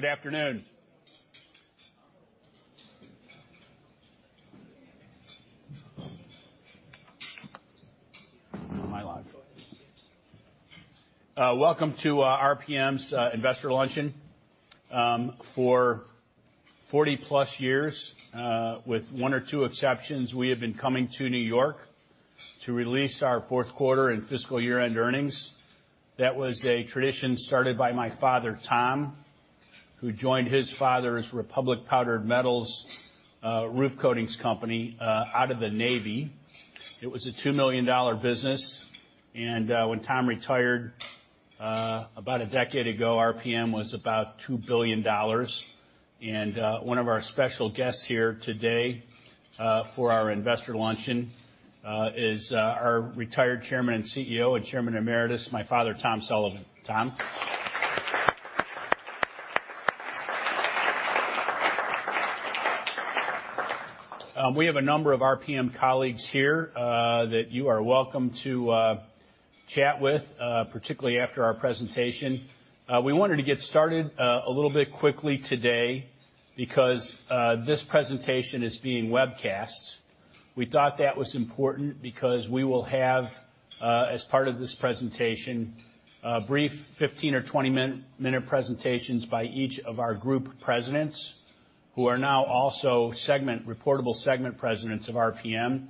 Good afternoon. Am I live? Welcome to RPM's Investor Luncheon. For 40-plus years, with one or two exceptions, we have been coming to New York to release our fourth quarter and fiscal year-end earnings. That was a tradition started by my father, Tom, who joined his father's Republic Powdered Metals Roof Coatings company out of the Navy. It was a $2 million business, and when Tom retired about a decade ago, RPM was about $2 billion. One of our special guests here today for our Investor Luncheon is our retired Chairman and CEO and Chairman Emeritus, my father, Tom Sullivan. Tom. We have a number of RPM colleagues here that you are welcome to chat with, particularly after our presentation. We wanted to get started a little bit quickly today because this presentation is being webcast. We thought that was important because we will have, as part of this presentation, brief 15 or 20-minute presentations by each of our group presidents, who are now also reportable segment presidents of RPM.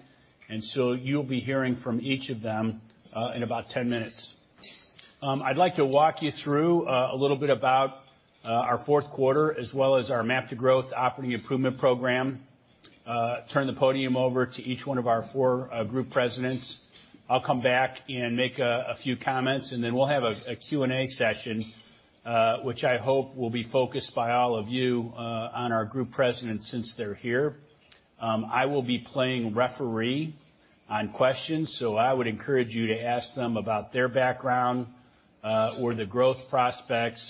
You'll be hearing from each of them in about 10 minutes. I'd like to walk you through a little bit about our fourth quarter, as well as our MAP to Growth operating improvement program, turn the podium over to each one of our four group presidents. I'll come back and make a few comments, we'll have a Q&A session, which I hope will be focused by all of you on our group presidents since they're here. I will be playing referee on questions, I would encourage you to ask them about their background or the growth prospects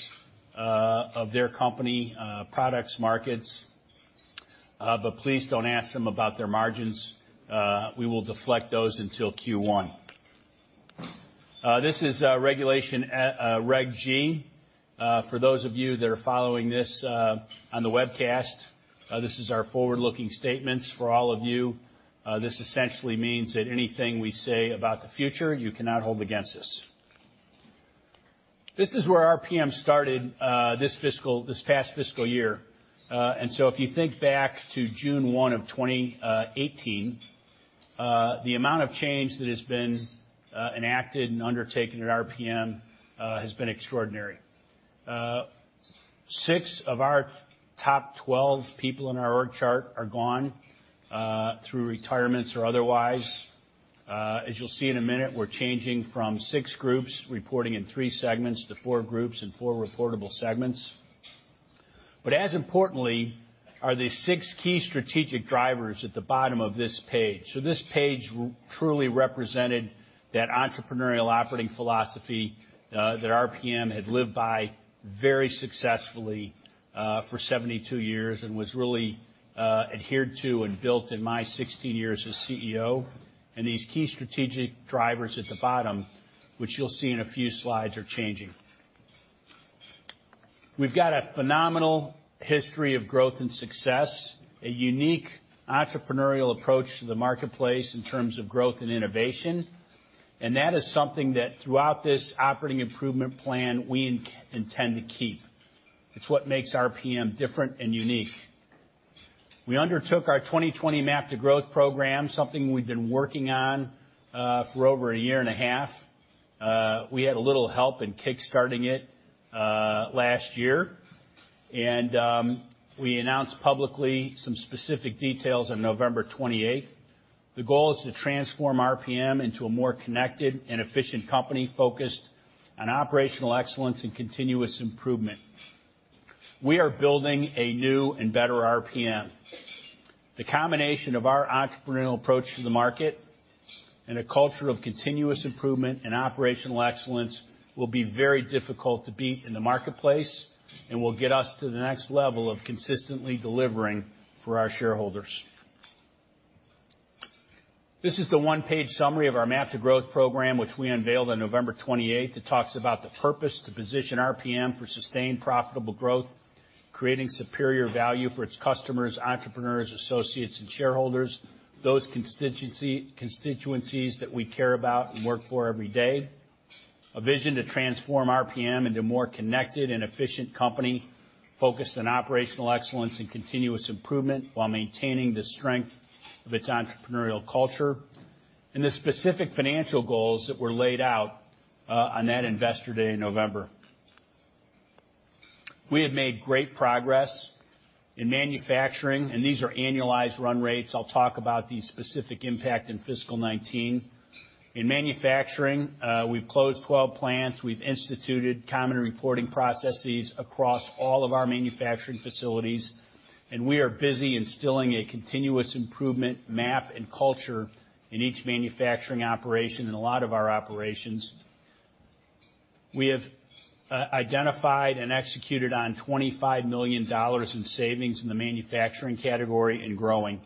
of their company products markets. Please don't ask them about their margins. We will deflect those until Q1. This is Regulation G. For those of you that are following this on the webcast, this is our forward-looking statements for all of you. This essentially means that anything we say about the future, you cannot hold against us. This is where RPM started this past fiscal year. So if you think back to June 1 of 2018, the amount of change that has been enacted and undertaken at RPM has been extraordinary. Six of our top 12 people in our org chart are gone through retirements or otherwise. As you'll see in a minute, we're changing from six groups reporting in three segments to four groups and four reportable segments. As importantly are the six key strategic drivers at the bottom of this page. This page truly represented that entrepreneurial operating philosophy that RPM had lived by very successfully for 72 years and was really adhered to and built in my 16 years as CEO. These key strategic drivers at the bottom, which you'll see in a few slides, are changing. We've got a phenomenal history of growth and success, a unique entrepreneurial approach to the marketplace in terms of growth and innovation, and that is something that throughout this operating improvement plan, we intend to keep. It's what makes RPM different and unique. We undertook our 2020 MAP to Growth program, something we've been working on for over a year and a half. We had a little help in kickstarting it last year. We announced publicly some specific details on November 28th. The goal is to transform RPM into a more connected and efficient company focused on operational excellence and continuous improvement. We are building a new and better RPM. The combination of our entrepreneurial approach to the market and a culture of continuous improvement and operational excellence will be very difficult to beat in the marketplace and will get us to the next level of consistently delivering for our shareholders. This is the one-page summary of our MAP to Growth program, which we unveiled on November 28th. It talks about the purpose: to position RPM for sustained profitable growth, creating superior value for its customers, entrepreneurs, associates, and shareholders, those constituencies that we care about and work for every day. A vision to transform RPM into a more connected and efficient company focused on operational excellence and continuous improvement while maintaining the strength of its entrepreneurial culture. The specific financial goals that were laid out on that Investor Day in November. We have made great progress in manufacturing, and these are annualized run rates. I'll talk about the specific impact in fiscal 2019. In manufacturing, we've closed 12 plants. We've instituted common reporting processes across all of our manufacturing facilities, and we are busy instilling a continuous improvement MAP and culture in each manufacturing operation in a lot of our operations. We have identified and executed on $25 million in savings in the manufacturing category and growing.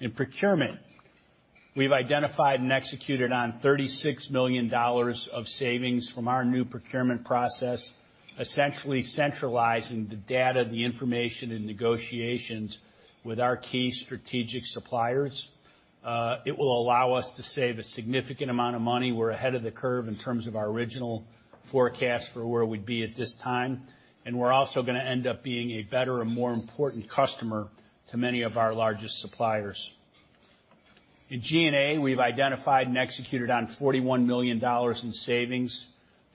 In procurement, we've identified and executed on $36 million of savings from our new procurement process, essentially centralizing the data, the information, and negotiations with our key strategic suppliers. It will allow us to save a significant amount of money. We're ahead of the curve in terms of our original forecast for where we'd be at this time. We're also going to end up being a better and more important customer to many of our largest suppliers. In G&A, we've identified and executed on $41 million in savings.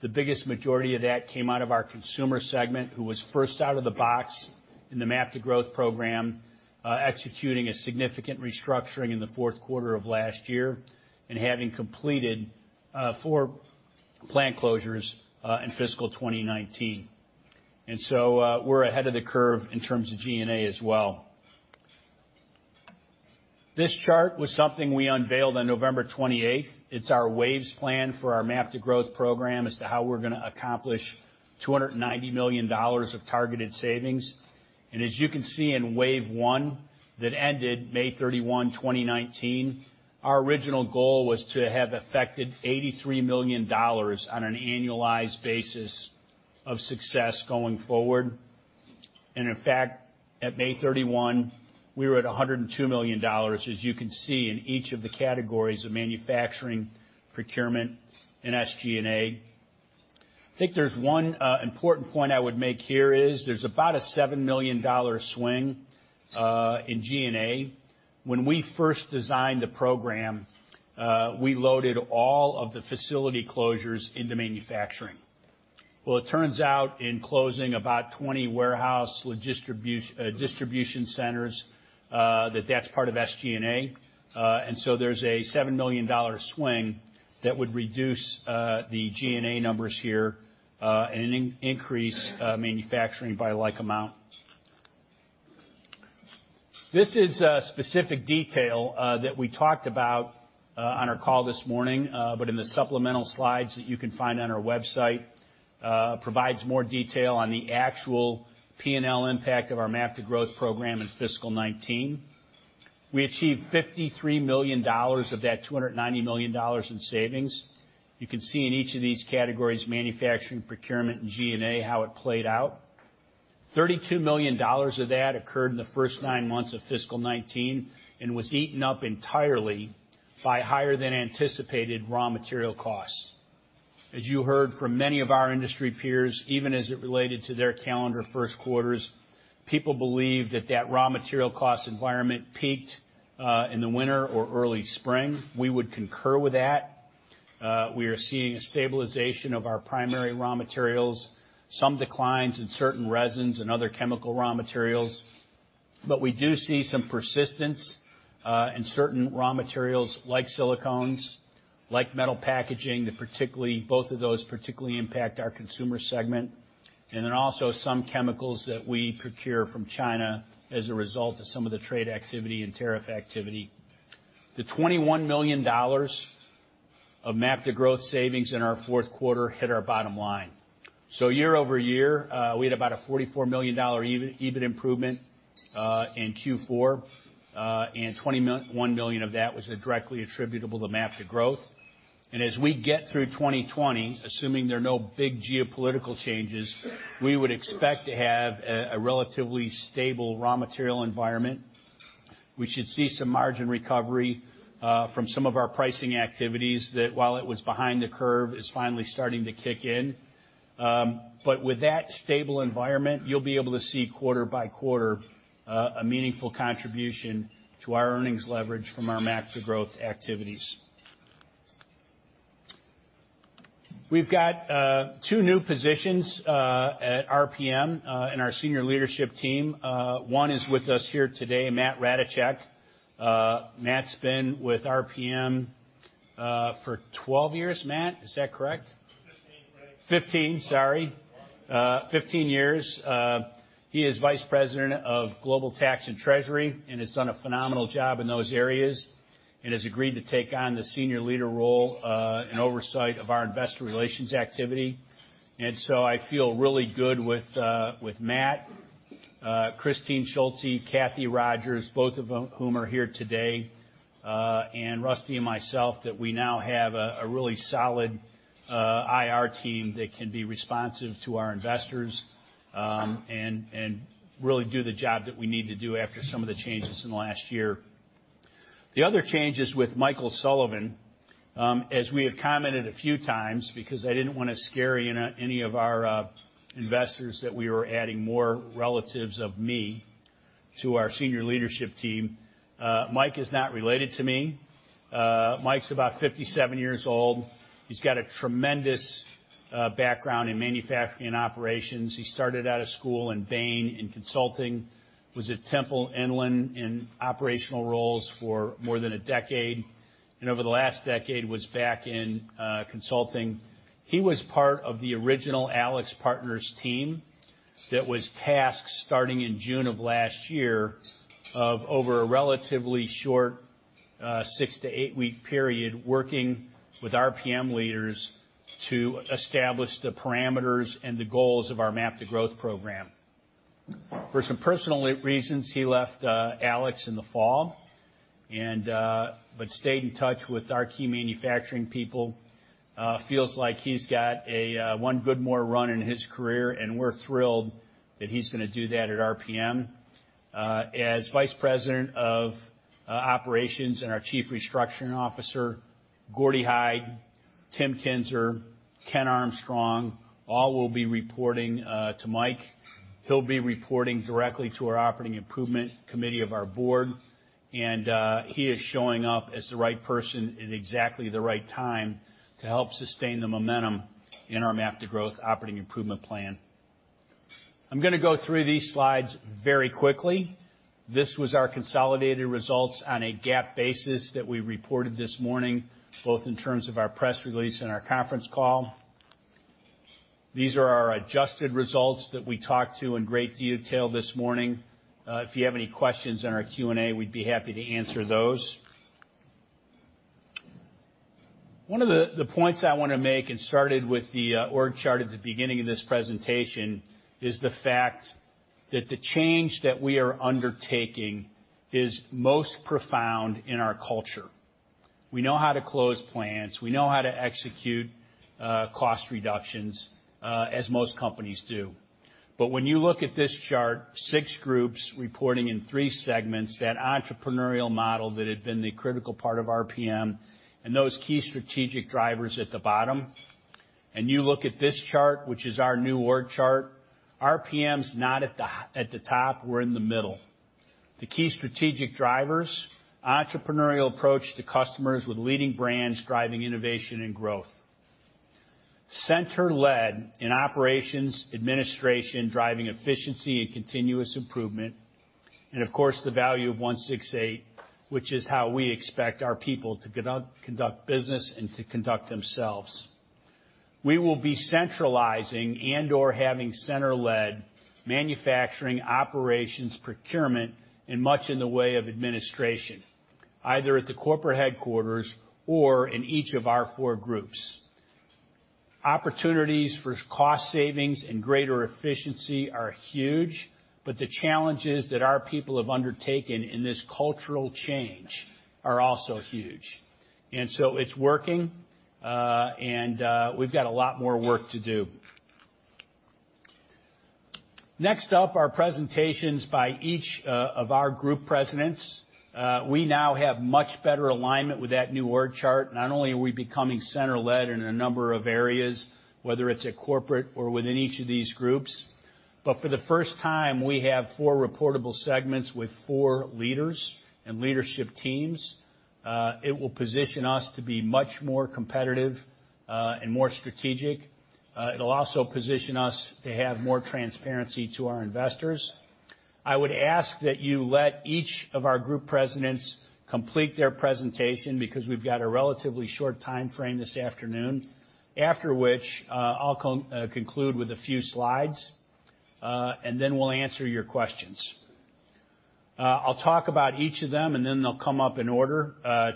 The biggest majority of that came out of our Consumer Group, who was first out of the box in the MAP to Growth program, executing a significant restructuring in the fourth quarter of last year, having completed four plant closures in fiscal 2019. We're ahead of the curve in terms of G&A as well. This chart was something we unveiled on November 28th. It's our waves plan for our MAP to Growth program as to how we're going to accomplish $290 million of targeted savings. As you can see in wave one, that ended May 31, 2019, our original goal was to have affected $83 million on an annualized basis of success going forward. In fact, at May 31, we were at $102 million, as you can see, in each of the categories of manufacturing, procurement, and SG&A. I think there's one important point I would make here is there's about a $7 million swing in G&A. When we first designed the program, we loaded all of the facility closures into manufacturing. Well, it turns out, in closing about 20 warehouse distribution centers, that that's part of SG&A. So there's a $7 million swing that would reduce the G&A numbers here and increase manufacturing by a like amount. This is a specific detail that we talked about on our call this morning, but in the supplemental slides that you can find on our website, provides more detail on the actual P&L impact of our MAP to Growth program in fiscal 2019. We achieved $53 million of that $290 million in savings. You can see in each of these categories, manufacturing, procurement, and G&A, how it played out. $32 million of that occurred in the first nine months of fiscal 2019 and was eaten up entirely by higher than anticipated raw material costs. As you heard from many of our industry peers, even as it related to their calendar first quarters, people believe that that raw material cost environment peaked in the winter or early spring. We would concur with that. We are seeing a stabilization of our primary raw materials, some declines in certain resins and other chemical raw materials. We do see some persistence in certain raw materials like silicones, like metal packaging, both of those particularly impact our consumer segment, and also some chemicals that we procure from China as a result of some of the trade activity and tariff activity. The $21 million of MAP to Growth savings in our fourth quarter hit our bottom line. Year-over-year, we had about a $44 million EBIT improvement in Q4, and $21 million of that was directly attributable to MAP to Growth. As we get through 2020, assuming there are no big geopolitical changes, we would expect to have a relatively stable raw material environment. We should see some margin recovery from some of our pricing activities that while it was behind the curve, is finally starting to kick in. With that stable environment, you'll be able to see quarter by quarter, a meaningful contribution to our earnings leverage from our MAP to Growth activities. We've got two new positions at RPM in our senior leadership team. One is with us here today, Matt Ratajczak. Matt's been with RPM for 12 years. Matt, is that correct? 15 years. He is Vice President of Global Tax and Treasurer and has done a phenomenal job in those areas and has agreed to take on the senior leader role in oversight of our investor relations activity. I feel really good with Matt, Christine Schulte, Kathy Rogers, both of whom are here today, and Rusty and myself, that we now have a really solid IR team that can be responsive to our investors and really do the job that we need to do after some of the changes in the last year. The other change is with Michael Sullivan. As we have commented a few times, because I didn't want to scare any of our investors that we were adding more relatives of me to our senior leadership team, Mike is not related to me. Mike's about 57 years old. He's got a tremendous background in manufacturing and operations. He started out of school in Bain, in consulting, was at Temple-Inland in operational roles for more than a decade. Over the last decade, was back in consulting. He was part of the original AlixPartners team that was tasked, starting in June of last year, of over a relatively short six to eight-week period working with RPM leaders to establish the parameters and the goals of our MAP to Growth program. For some personal reasons, he left Alix in the fall but stayed in touch with our key manufacturing people. Feels like he's got one good more run in his career, and we're thrilled that he's going to do that at RPM as Vice President of Operations and our Chief Restructuring Officer. Gordie Hyde, Tim Kinser, Ken Armstrong, all will be reporting to Mike. He'll be reporting directly to our Operating Improvement Committee of our board, and he is showing up as the right person at exactly the right time to help sustain the momentum in our MAP to Growth operating improvement plan. I'm going to go through these slides very quickly. This was our consolidated results on a GAAP basis that we reported this morning, both in terms of our press release and our conference call. These are our adjusted results that we talked to in great detail this morning. If you have any questions in our Q&A, we'd be happy to answer those. One of the points I want to make, and started with the org chart at the beginning of this presentation, is the fact that the change that we are undertaking is most profound in our culture. We know how to close plants. We know how to execute cost reductions, as most companies do. When you look at this chart, six groups reporting in three segments, that entrepreneurial model that had been the critical part of RPM and those key strategic drivers at the bottom, and you look at this chart, which is our new org chart, RPM's not at the top. We're in the middle. The key strategic drivers, entrepreneurial approach to customers with leading brands driving innovation and growth. Center-led in operations, administration, driving efficiency and continuous improvement. Of course, the value of 168, which is how we expect our people to conduct business and to conduct themselves. We will be centralizing and/or having center-led manufacturing operations procurement in much in the way of administration, either at the corporate headquarters or in each of our four groups. Opportunities for cost savings and greater efficiency are huge, but the challenges that our people have undertaken in this cultural change are also huge. It's working, and we've got a lot more work to do. Next up, our presentations by each of our Group Presidents. We now have much better alignment with that new org chart. Not only are we becoming center-led in a number of areas, whether it's at corporate or within each of these Groups, but for the first time, we have four reportable segments with four leaders and leadership teams. It will position us to be much more competitive and more strategic. It'll also position us to have more transparency to our investors. I would ask that you let each of our Group Presidents complete their presentation because we've got a relatively short timeframe this afternoon. After which, I'll conclude with a few slides, and then we'll answer your questions. I'll talk about each of them, and then they'll come up in order.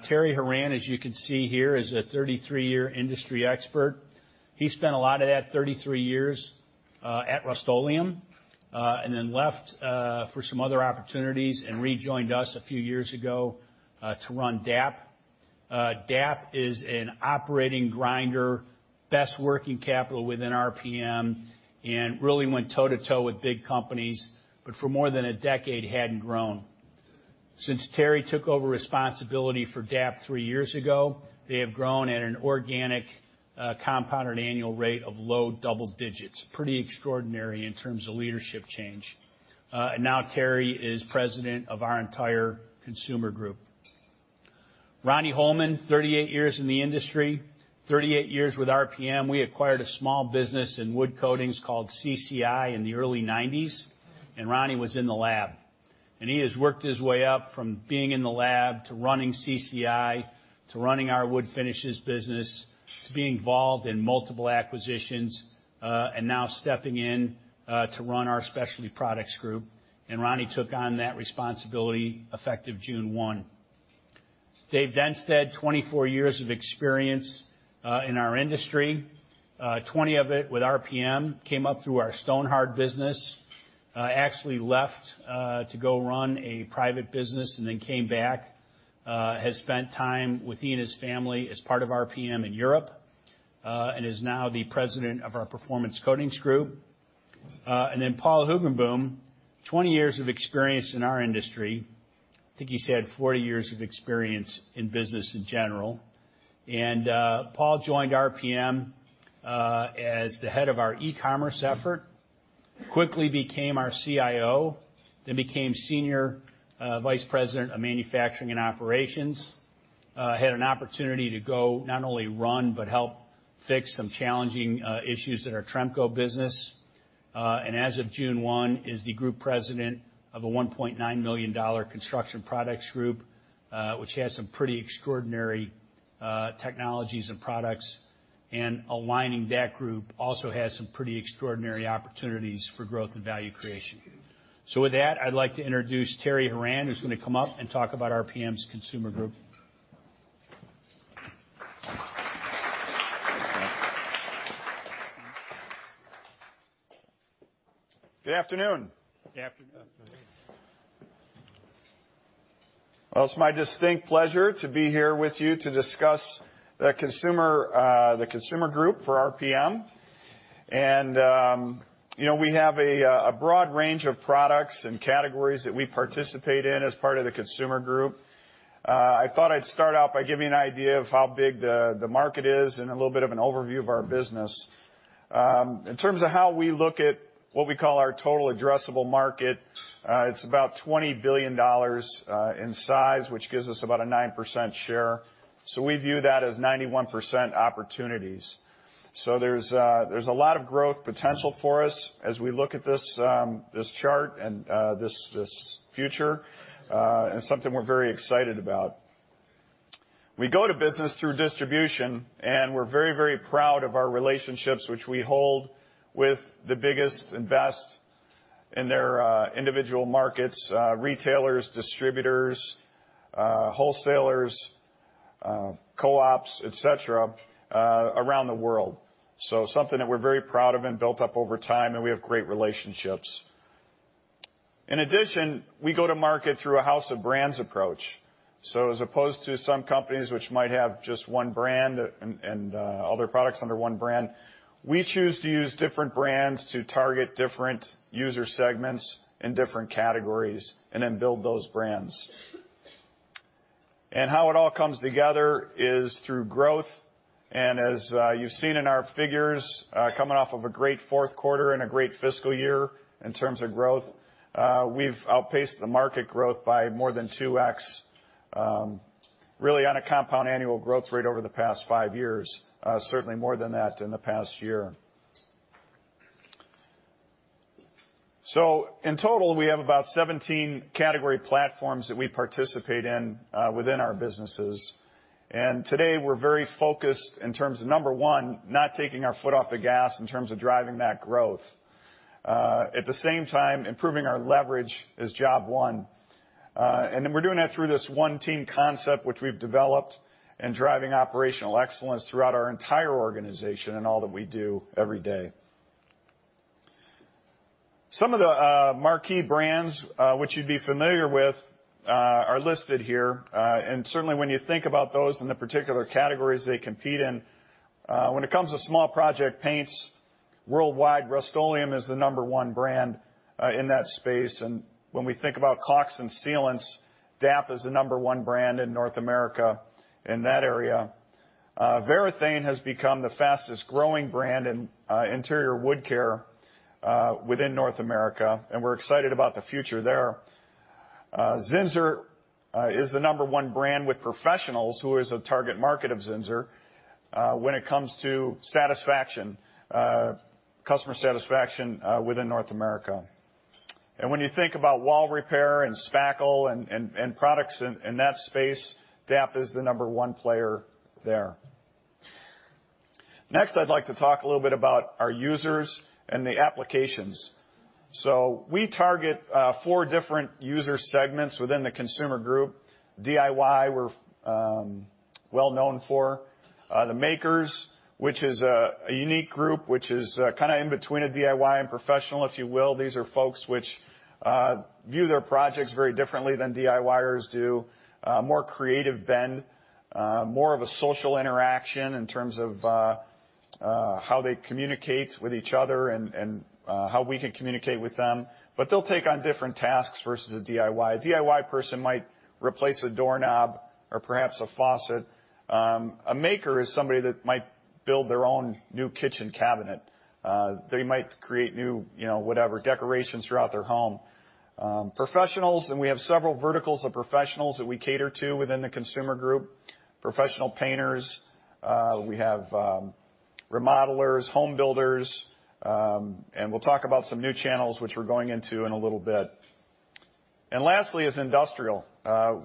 Terry Horan, as you can see here, is a 33-year industry expert. He spent a lot of that 33 years at Rust-Oleum, and then left for some other opportunities and rejoined us a few years ago to run DAP. DAP is an operating grinder, best working capital within RPM, and really went toe to toe with big companies, but for more than a decade, hadn't grown. Since Terry took over responsibility for DAP three years ago, they have grown at an organic compounded annual rate of low double digits. Pretty extraordinary in terms of leadership change. Now Terry is president of our entire Consumer Group. Ronnie Holman, 38 years in the industry, 38 years with RPM. We acquired a small business in wood coatings called CCI in the early '90s. Ronnie was in the lab. He has worked his way up from being in the lab to running CCI, to running our Wood Finishes Group, to being involved in multiple acquisitions, and now stepping in to run our Specialty Products Group. Ronnie took on that responsibility effective June 1. Dave Dennsteadt, 24 years of experience in our industry, 20 of it with RPM. Came up through our Stonhard business. Actually left to go run a private business and then came back. Has spent time with he and his family as part of RPM in Europe, and is now the president of our Performance Coatings Group. Paul Hoogenboom, 20 years of experience in our industry. I think he said 40 years of experience in business in general. Paul joined RPM as the head of our e-commerce effort. Quickly became our CIO, then became Senior Vice President of Manufacturing and Operations. Had an opportunity to go not only run but help fix some challenging issues in our Tremco business. As of June 1, is the Group President of a $1.9 million Construction Products Group, which has some pretty extraordinary technologies and products, and aligning that group also has some pretty extraordinary opportunities for growth and value creation. With that, I'd like to introduce Terry Horan, who's going to come up and talk about RPM's Consumer Group. Good afternoon. Good afternoon. Well, it's my distinct pleasure to be here with you to discuss the Consumer Group for RPM. We have a broad range of products and categories that we participate in as part of the Consumer Group. I thought I'd start out by giving you an idea of how big the market is and a little bit of an overview of our business. In terms of how we look at what we call our total addressable market, it's about $20 billion in size, which gives us about a 9% share. We view that as 91% opportunities. There's a lot of growth potential for us as we look at this chart and this future, and something we're very excited about. We go to business through distribution, and we're very, very proud of our relationships, which we hold with the biggest and best in their individual markets, retailers, distributors, wholesalers, co-ops, et cetera, around the world. Something that we're very proud of and built up over time, and we have great relationships. In addition, we go to market through a house of brands approach. As opposed to some companies which might have just one brand and all their products under one brand, we choose to use different brands to target different user segments in different categories and then build those brands. How it all comes together is through growth. As you've seen in our figures, coming off of a great fourth quarter and a great fiscal year in terms of growth, we've outpaced the market growth by more than 2x, really on a compound annual growth rate over the past 5 years. Certainly more than that in the past year. In total, we have about 17 category platforms that we participate in within our businesses. Today, we're very focused in terms of, number one, not taking our foot off the gas in terms of driving that growth. At the same time, improving our leverage is job one. Then we're doing that through this one team concept, which we've developed, and driving operational excellence throughout our entire organization and all that we do every day. Some of the marquee brands, which you'd be familiar with, are listed here. Certainly, when you think about those and the particular categories they compete in, when it comes to small project paints worldwide, Rust-Oleum is the number one brand in that space. When we think about caulks and sealants, DAP is the number one brand in North America in that area. Varathane has become the fastest-growing brand in interior wood care within North America, and we're excited about the future there. Zinsser is the number one brand with professionals, who is a target market of Zinsser, when it comes to customer satisfaction within North America. When you think about wall repair and spackle and products in that space, DAP is the number one player there. Next, I'd like to talk a little bit about our users and the applications. We target 4 different user segments within the Consumer Group. DIY, we're well known for. The makers, which is a unique group, which is kind of in between a DIY and professional, if you will. These are folks which view their projects very differently than DIYers do. More creative bend, more of a social interaction in terms of how they communicate with each other and how we can communicate with them. They'll take on different tasks versus a DIY. A DIY person might replace a doorknob or perhaps a faucet. A maker is somebody that might build their own new kitchen cabinet. They might create new decorations throughout their home. Professionals, we have several verticals of professionals that we cater to within the Consumer Group. Professional painters, we have remodelers, home builders, we'll talk about some new channels which we're going into in a little bit. Lastly is industrial.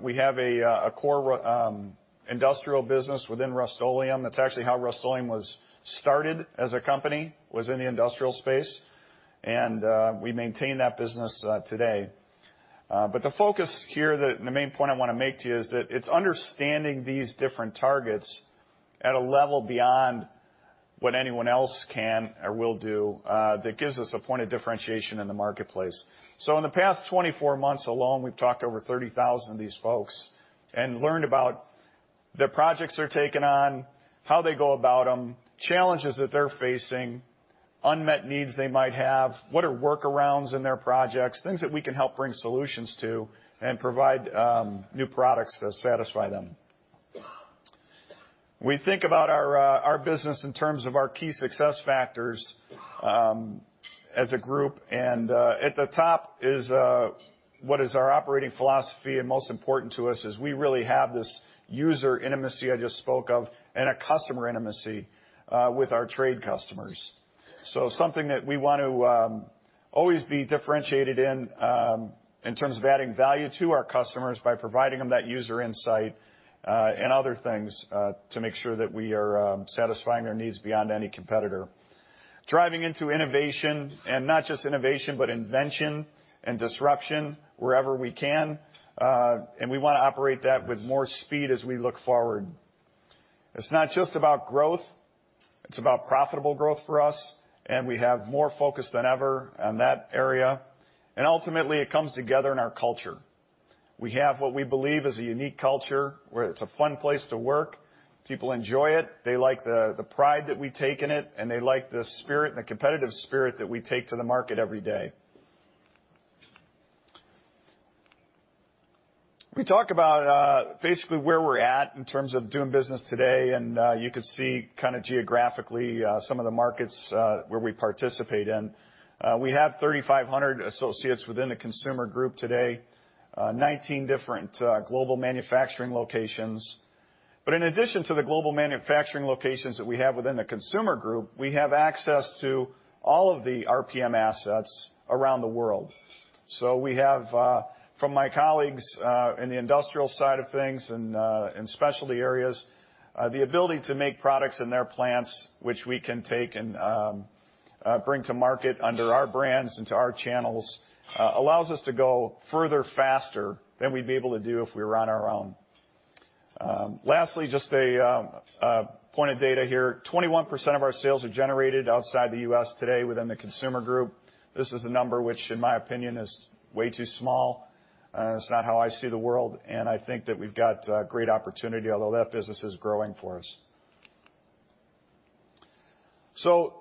We have a core industrial business within Rust-Oleum. That's actually how Rust-Oleum was started as a company, was in the industrial space, and we maintain that business today. The focus here, the main point I want to make to you is that it's understanding these different targets at a level beyond what anyone else can or will do that gives us a point of differentiation in the marketplace. In the past 24 months alone, we've talked to over 30,000 of these folks and learned about the projects they're taking on, how they go about them, challenges that they're facing, unmet needs they might have, what are workarounds in their projects, things that we can help bring solutions to and provide new products that satisfy them. We think about our business in terms of our key success factors as a group, and at the top is what is our operating philosophy, and most important to us is we really have this user intimacy I just spoke of and a customer intimacy with our trade customers. Something that we want to always be differentiated in terms of adding value to our customers by providing them that user insight, and other things, to make sure that we are satisfying their needs beyond any competitor. Driving into innovation, and not just innovation, but invention and disruption wherever we can. We want to operate that with more speed as we look forward. It's not just about growth, it's about profitable growth for us, and we have more focus than ever on that area. Ultimately, it comes together in our culture. We have what we believe is a unique culture, where it's a fun place to work. People enjoy it. They like the pride that we take in it, they like the spirit and the competitive spirit that we take to the market every day. We talk about basically where we're at in terms of doing business today, you can see geographically some of the markets where we participate in. We have 3,500 associates within the Consumer Group today, 19 different global manufacturing locations. In addition to the global manufacturing locations that we have within the Consumer Group, we have access to all of the RPM assets around the world. We have, from my colleagues in the industrial side of things and in specialty areas, the ability to make products in their plants, which we can take and bring to market under our brands into our channels, allows us to go further faster than we'd be able to do if we were on our own. Lastly, just a point of data here. 21% of our sales are generated outside the U.S. today within the Consumer Group. This is a number which, in my opinion, is way too small. It's not how I see the world, and I think that we've got great opportunity, although that business is growing for us.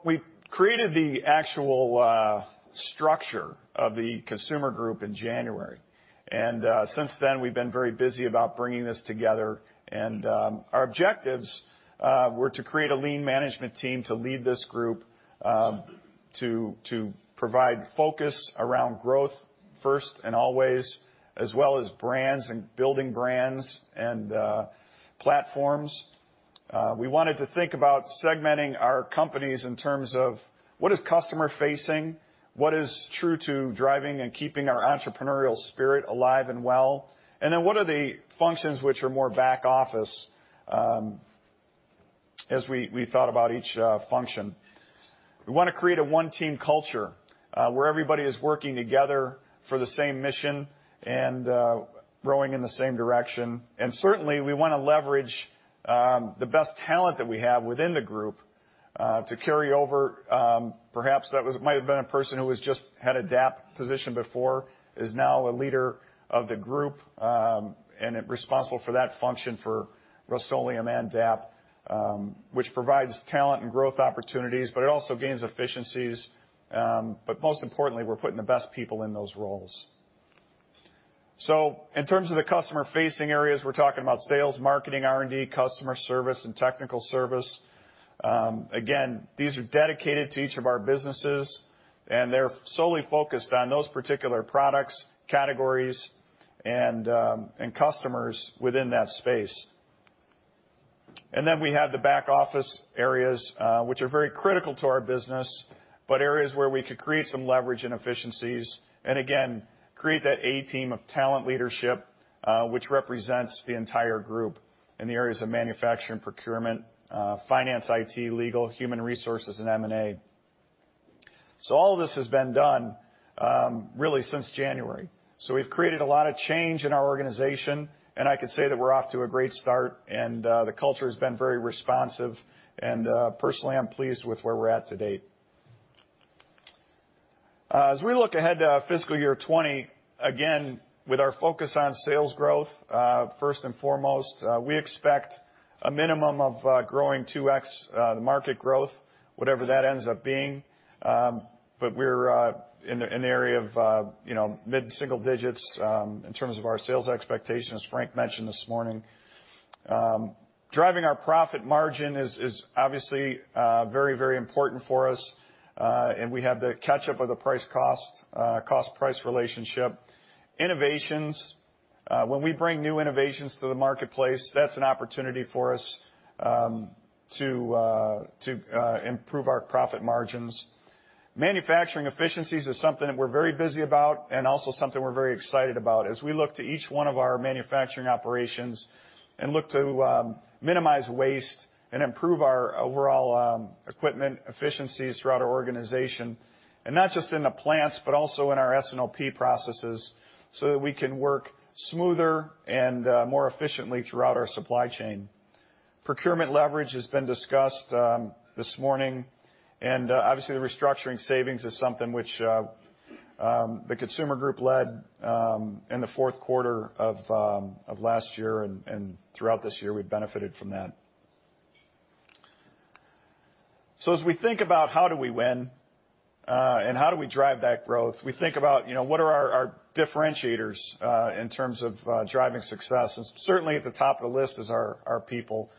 We created the actual structure of the Consumer Group in January, and since then we've been very busy about bringing this together, and our objectives were to create a lean management team to lead this group to provide focus around growth first and always as well as brands and building brands and platforms. We wanted to think about segmenting our companies in terms of what is customer facing, what is true to driving and keeping our entrepreneurial spirit alive and well, and then what are the functions which are more back office, as we thought about each function. We want to create a one-team culture, where everybody is working together for the same mission and rowing in the same direction. Certainly we want to leverage the best talent that we have within the group to carry over. Perhaps that might have been a person who has just had a DAP position before, is now a leader of the group and responsible for that function for Rust-Oleum and DAP, which provides talent and growth opportunities, but it also gains efficiencies. Most importantly, we're putting the best people in those roles. In terms of the customer facing areas, we're talking about sales, marketing, R&D, customer service, and technical service. Again, these are dedicated to each of our businesses, and they're solely focused on those particular products, categories, and customers within that space. Then we have the back office areas, which are very critical to our business, but areas where we could create some leverage and efficiencies, and again, create that A team of talent leadership, which represents the entire group in the areas of manufacturing, procurement, finance, IT, legal, human resources, and M&A. All of this has been done really since January. We've created a lot of change in our organization, and I could say that we're off to a great start and the culture has been very responsive, and personally, I'm pleased with where we're at to date. As we look ahead to FY 2020, again, with our focus on sales growth, first and foremost, we expect a minimum of growing 2x the market growth, whatever that ends up being. We're in the area of mid-single digits in terms of our sales expectations, as Frank mentioned this morning. Driving our profit margin is obviously very important for us, and we have to catch up with the price-cost, cost-price relationship. Innovations, when we bring new innovations to the marketplace, that's an opportunity for us to improve our profit margins. Manufacturing efficiencies is something that we're very busy about and also something we're very excited about as we look to each one of our manufacturing operations and look to minimize waste and improve our overall equipment efficiencies throughout our organization. Not just in the plants, but also in our S&OP processes, that we can work smoother and more efficiently throughout our supply chain. Procurement leverage has been discussed this morning, obviously the restructuring savings is something which the Consumer Group led in the fourth quarter of last year and throughout this year we've benefited from that. As we think about how do we win, how do we drive that growth, we think about what are our differentiators in terms of driving success. Certainly, at the top of the list is our people.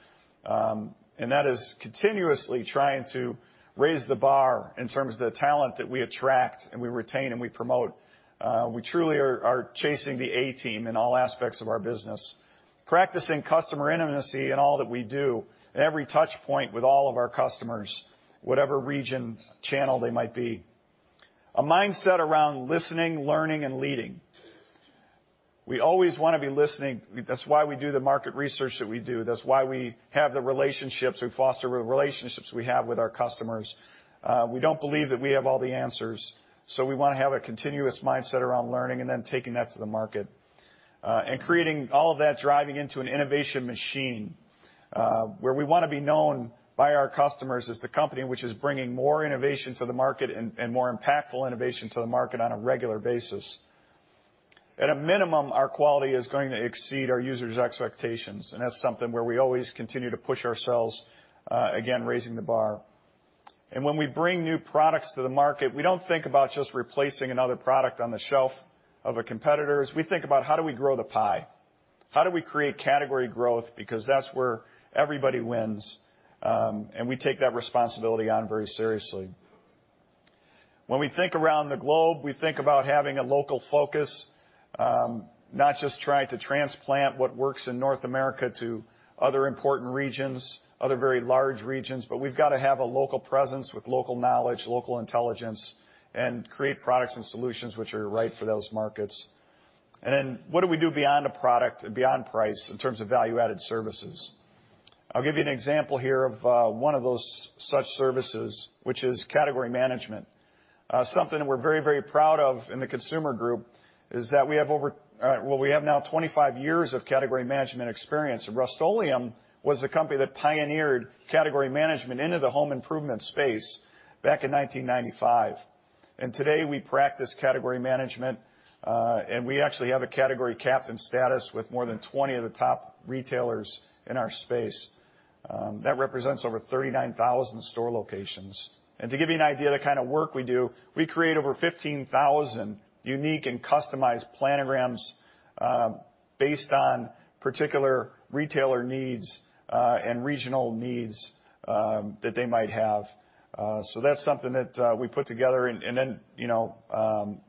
That is continuously trying to raise the bar in terms of the talent that we attract and we retain and we promote. We truly are chasing the A team in all aspects of our business. Practicing customer intimacy in all that we do at every touch point with all of our customers, whatever region, channel they might be. A mindset around listening, learning, and leading. We always want to be listening. That's why we do the market research that we do. That's why we foster relationships we have with our customers. We don't believe that we have all the answers, we want to have a continuous mindset around learning and then taking that to the market. Creating all of that, driving into an innovation machine, where we want to be known by our customers as the company which is bringing more innovation to the market and more impactful innovation to the market on a regular basis. At a minimum, our quality is going to exceed our users' expectations, and that's something where we always continue to push ourselves, again, raising the bar. When we bring new products to the market, we don't think about just replacing another product on the shelf of a competitor, as we think about how do we grow the pie. How do we create category growth, because that's where everybody wins, and we take that responsibility on very seriously. When we think around the globe, we think about having a local focus, not just trying to transplant what works in North America to other important regions, other very large regions, but we've got to have a local presence with local knowledge, local intelligence, and create products and solutions which are right for those markets. Then what do we do beyond a product and beyond price in terms of value-added services? I'll give you an example here of one of those such services, which is category management. Something that we're very, very proud of in the Consumer Group is that we have now 25 years of category management experience. Rust-Oleum was the company that pioneered category management into the home improvement space back in 1995. Today, we practice category management, and we actually have a category captain status with more than 20 of the top retailers in our space. That represents over 39,000 store locations. To give you an idea of the kind of work we do, we create over 15,000 unique and customized planograms based on particular retailer needs, and regional needs that they might have. That's something that we put together and then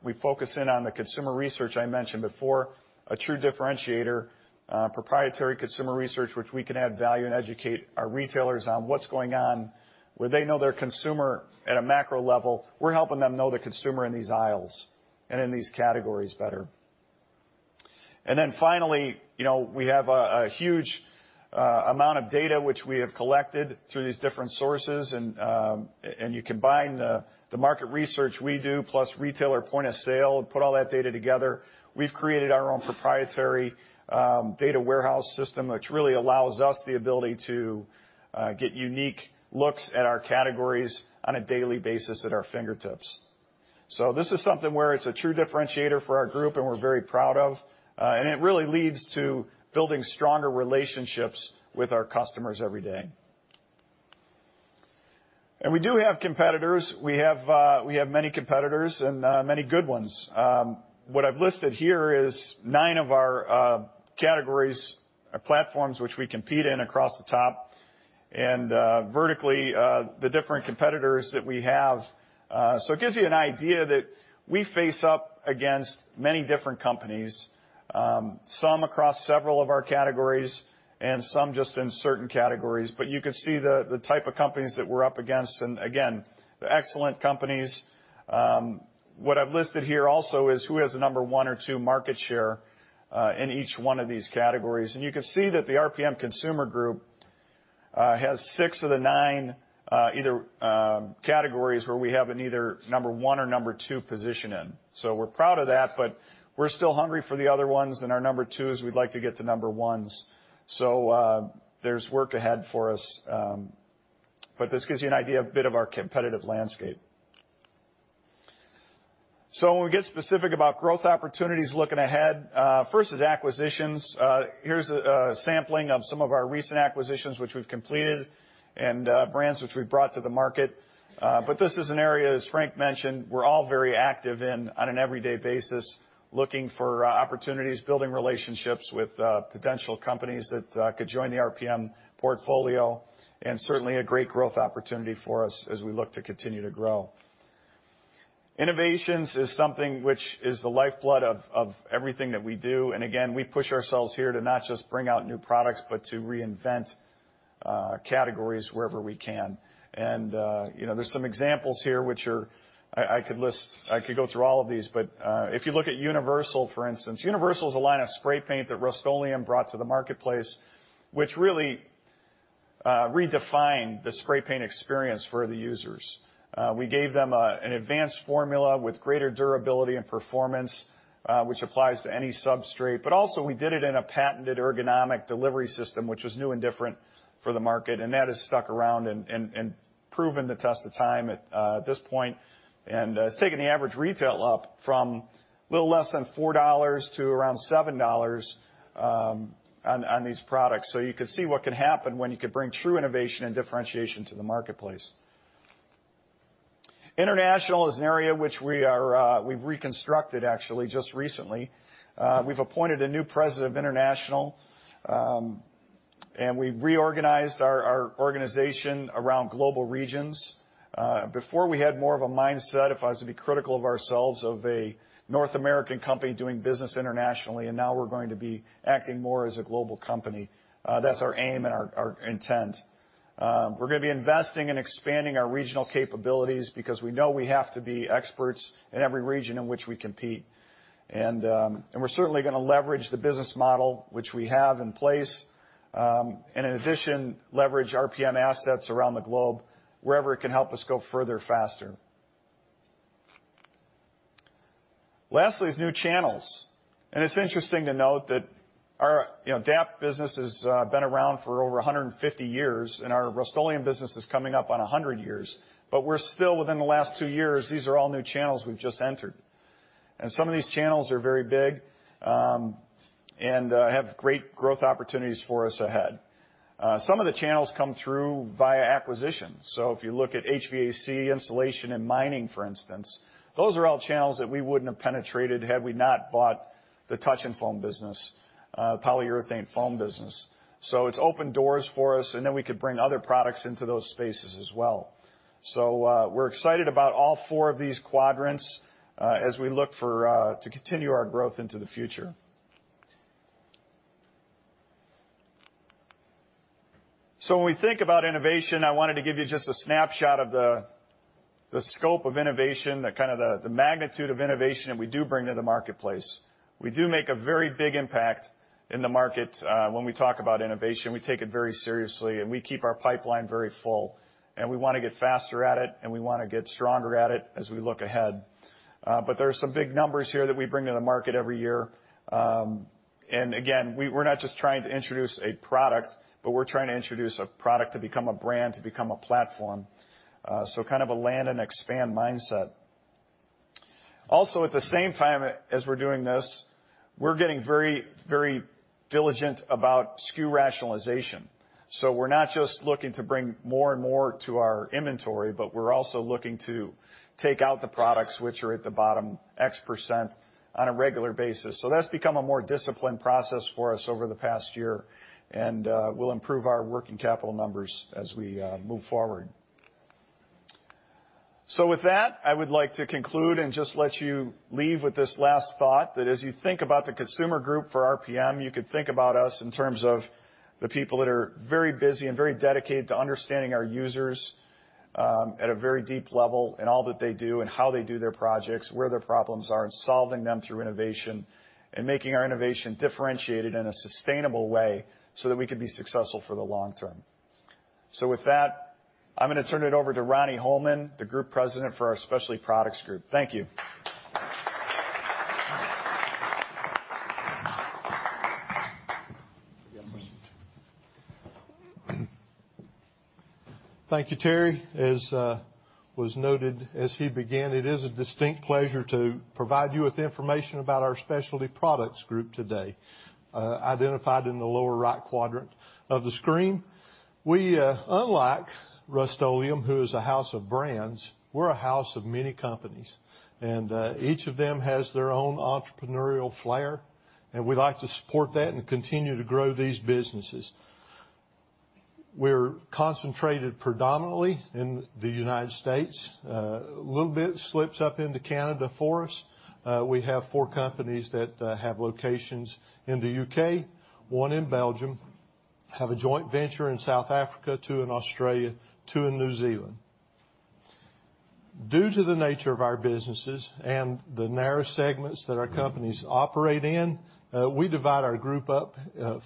we focus in on the consumer research I mentioned before, a true differentiator, proprietary consumer research, which we can add value and educate our retailers on what's going on. Where they know their consumer at a macro level, we're helping them know the consumer in these aisles and in these categories better. Finally, we have a huge amount of data which we have collected through these different sources, and you combine the market research we do plus retailer point of sale and put all that data together. We've created our own proprietary data warehouse system, which really allows us the ability to get unique looks at our categories on a daily basis at our fingertips. This is something where it's a true differentiator for our group and we're very proud of. It really leads to building stronger relationships with our customers every day. We do have competitors. We have many competitors and many good ones. What I've listed here is nine of our categories or platforms which we compete in across the top, and vertically, the different competitors that we have. It gives you an idea that we face up against many different companies, some across several of our categories and some just in certain categories. You can see the type of companies that we're up against, and again, they're excellent companies. What I've listed here also is who has the number 1 or 2 market share in each 1 of these categories. You can see that the RPM Consumer Group has 6 of the 9 categories where we have an either number 1 or number 2 position in. We're proud of that, but we're still hungry for the other ones, and our number 2s, we'd like to get to number 1s. There's work ahead for us, but this gives you an idea, a bit of our competitive landscape. When we get specific about growth opportunities looking ahead, first is acquisitions. Here's a sampling of some of our recent acquisitions which we've completed and brands which we've brought to the market. This is an area, as Frank mentioned, we're all very active in on an everyday basis, looking for opportunities, building relationships with potential companies that could join the RPM portfolio, and certainly a great growth opportunity for us as we look to continue to grow. Innovations is something which is the lifeblood of everything that we do. Again, we push ourselves here to not just bring out new products, but to reinvent categories wherever we can. There's some examples here. I could go through all of these, but if you look at Universal, for instance. Universal is a line of spray paint that Rust-Oleum brought to the marketplace, which really redefined the spray paint experience for the users. We gave them an advanced formula with greater durability and performance, which applies to any substrate. We did it in a patented ergonomic delivery system, which was new and different for the market, and that has stuck around and proven the test of time at this point. It's taken the average retail up from a little less than $4 to around $7 on these products. You can see what can happen when you can bring true innovation and differentiation to the marketplace. International is an area which we've reconstructed actually just recently. We've appointed a new president of International, and we reorganized our organization around global regions. Before, we had more of a mindset, if I was to be critical of ourselves, of a North American company doing business internationally, and now we're going to be acting more as a global company. That's our aim and our intent. We're going to be investing in expanding our regional capabilities because we know we have to be experts in every region in which we compete. We're certainly going to leverage the business model, which we have in place. In addition, leverage RPM assets around the globe wherever it can help us go further faster. Lastly is new channels. It's interesting to note that our DAP business has been around for over 150 years. Our Rust-Oleum business is coming up on 100 years. We're still within the last two years, these are all new channels we've just entered. Some of these channels are very big, and have great growth opportunities for us ahead. Some of the channels come through via acquisition. If you look at HVAC, insulation, and mining, for instance, those are all channels that we wouldn't have penetrated had we not bought the Touch 'n Foam business, polyurethane foam business. It's opened doors for us, and then we could bring other products into those spaces as well. We're excited about all four of these quadrants, as we look to continue our growth into the future. When we think about innovation, I wanted to give you just a snapshot of the scope of innovation, the kind of the magnitude of innovation that we do bring to the marketplace. We do make a very big impact in the market. When we talk about innovation, we take it very seriously, and we keep our pipeline very full. We want to get faster at it, and we want to get stronger at it as we look ahead. There are some big numbers here that we bring to the market every year. Again, we're not just trying to introduce a product, but we're trying to introduce a product to become a brand, to become a platform. Kind of a land and expand mindset. Also, at the same time as we're doing this, we're getting very diligent about SKU rationalization. We're not just looking to bring more and more to our inventory, but we're also looking to take out the products which are at the bottom X% on a regular basis. That's become a more disciplined process for us over the past year, and will improve our working capital numbers as we move forward. With that, I would like to conclude and just let you leave with this last thought, that as you think about the Consumer Group for RPM, you could think about us in terms of the people that are very busy and very dedicated to understanding our users at a very deep level in all that they do and how they do their projects, where their problems are, and solving them through innovation and making our innovation differentiated in a sustainable way so that we can be successful for the long term. With that, I am going to turn it over to Ronnie Holman, the Group President for our Specialty Products Group. Thank you. Thank you, Terry. As was noted as he began, it is a distinct pleasure to provide you with information about our Specialty Products Group today, identified in the lower right quadrant of the screen. We, unlike Rust-Oleum, who is a house of brands, we're a house of many companies, and each of them has their own entrepreneurial flair, and we like to support that and continue to grow these businesses. We're concentrated predominantly in the United States. A little bit slips up into Canada for us. We have four companies that have locations in the U.K., one in Belgium, have a joint venture in South Africa, two in Australia, two in New Zealand. Due to the nature of our businesses and the narrow segments that our companies operate in, we divide our group up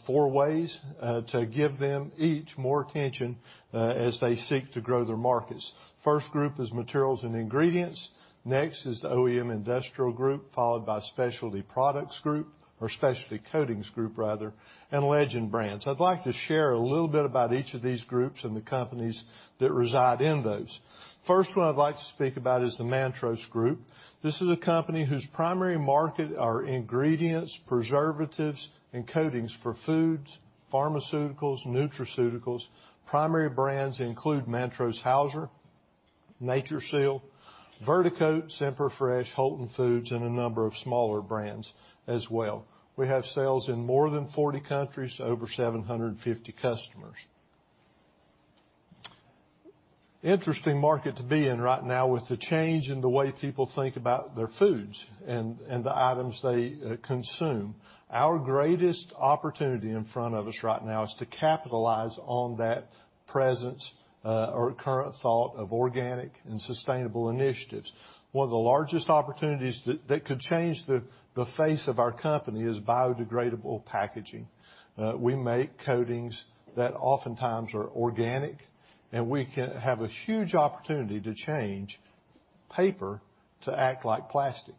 four ways to give them each more attention as they seek to grow their markets. First group is materials and ingredients. Next is the OEM Industrial Group, followed by Specialty Products Group, or Specialty Coatings Group rather, and Legend Brands. I'd like to share a little bit about each of these groups and the companies that reside in those. First one I'd like to speak about is the Mantrose Group. This is a company whose primary market are ingredients, preservatives, and coatings for foods, pharmaceuticals, nutraceuticals. Primary brands include Mantrose-Haeuser, NatureSeal, VerdeCoat, Semperfresh, Holton Food Products, and a number of smaller brands as well. We have sales in more than 40 countries, over 750 customers. Interesting market to be in right now with the change in the way people think about their foods and the items they consume. Our greatest opportunity in front of us right now is to capitalize on that presence, or current thought of organic and sustainable initiatives. One of the largest opportunities that could change the face of our company is biodegradable packaging. We make coatings that oftentimes are organic, and we have a huge opportunity to change paper to act like plastic.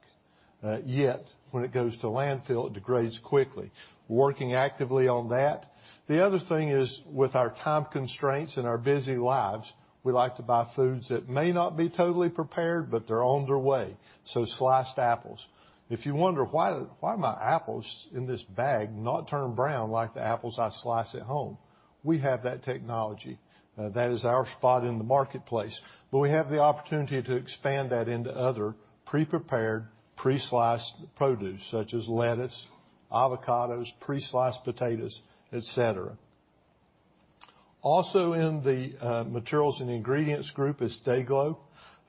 When it goes to landfill, it degrades quickly. We're working actively on that. The other thing is, with our time constraints and our busy lives, we like to buy foods that may not be totally prepared, but they're on their way. Sliced apples. If you wonder why my apples in this bag not turn brown like the apples I slice at home, we have that technology. That is our spot in the marketplace. We have the opportunity to expand that into other pre-prepared, pre-sliced produce, such as lettuce, avocados, pre-sliced potatoes, et cetera. Also in the materials and ingredients group is DayGlo.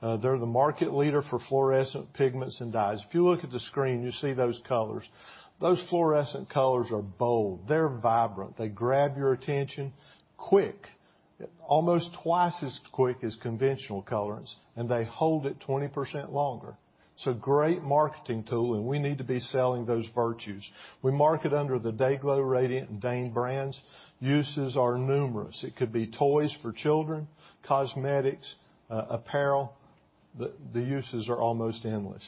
They're the market leader for fluorescent pigments and dyes. If you look at the screen, you see those colors. Those fluorescent colors are bold. They're vibrant. They grab your attention quick. Almost twice as quick as conventional colorants, and they hold it 20% longer. Great marketing tool. We need to be selling those virtues. We market under the DayGlo, Radiant, and Dane brands. Uses are numerous. It could be toys for children, cosmetics, apparel. The uses are almost endless.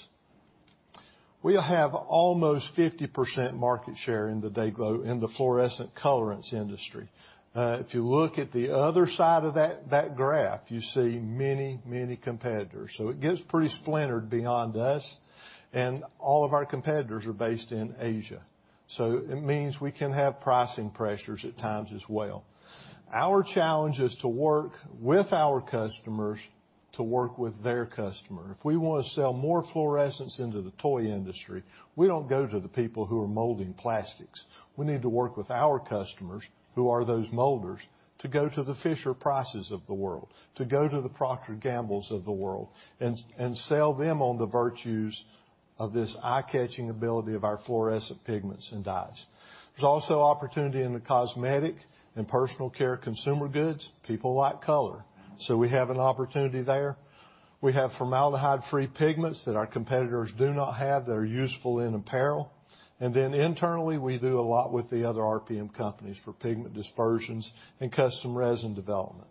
We have almost 50% market share in the DayGlo, in the fluorescent colorants industry. If you look at the other side of that graph, you see many, many competitors. It gets pretty splintered beyond us. All of our competitors are based in Asia. It means we can have pricing pressures at times as well. Our challenge is to work with our customers to work with their customer. If we want to sell more fluorescents into the toy industry, we don't go to the people who are molding plastics. We need to work with our customers, who are those molders, to go to the Fisher-Price of the world, to go to the Procter & Gamble of the world, and sell them on the virtues of this eye-catching ability of our fluorescent pigments and dyes. There's also opportunity in the cosmetic and personal care consumer goods. People like color. We have an opportunity there. We have formaldehyde-free pigments that our competitors do not have, that are useful in apparel. Internally, we do a lot with the other RPM companies for pigment dispersions and custom resin development.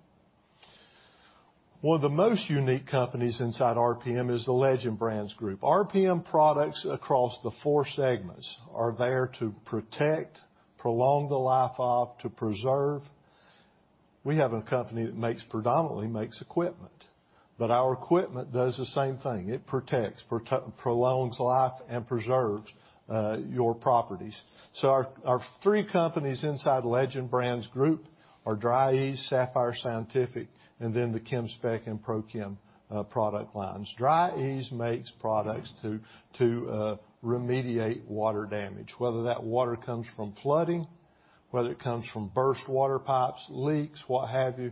One of the most unique companies inside RPM is the Legend Brands Group. RPM products across the four segments are there to protect, prolong the life of, to preserve. We have a company that predominantly makes equipment, but our equipment does the same thing. It protects, prolongs life, and preserves your properties. Our three companies inside Legend Brands Group are Dri-Eaz, Sapphire Scientific, and the Chemspec and Prochem product lines. Dri-Eaz makes products to remediate water damage, whether that water comes from flooding, whether it comes from burst water pipes, leaks, what have you,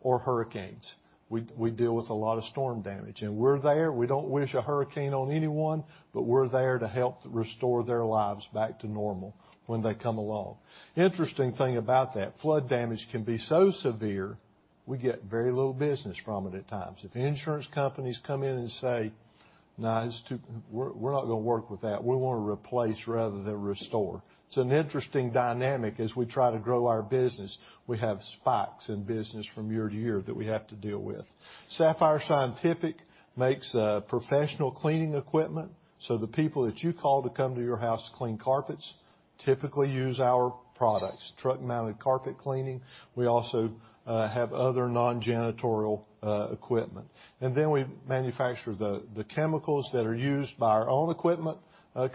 or hurricanes. We deal with a lot of storm damage. We're there, we don't wish a hurricane on anyone, but we're there to help restore their lives back to normal when they come along. Interesting thing about that, flood damage can be so severe, we get very little business from it at times. If insurance companies come in and say, "Nah, we're not going to work with that. We want to replace rather than restore. It's an interesting dynamic as we try to grow our business. We have spikes in business from year-to-year that we have to deal with. Sapphire Scientific makes professional cleaning equipment. The people that you call to come to your house to clean carpets typically use our products, truck-mounted carpet cleaning. We also have other non-janitorial equipment. We manufacture the chemicals that are used by our own equipment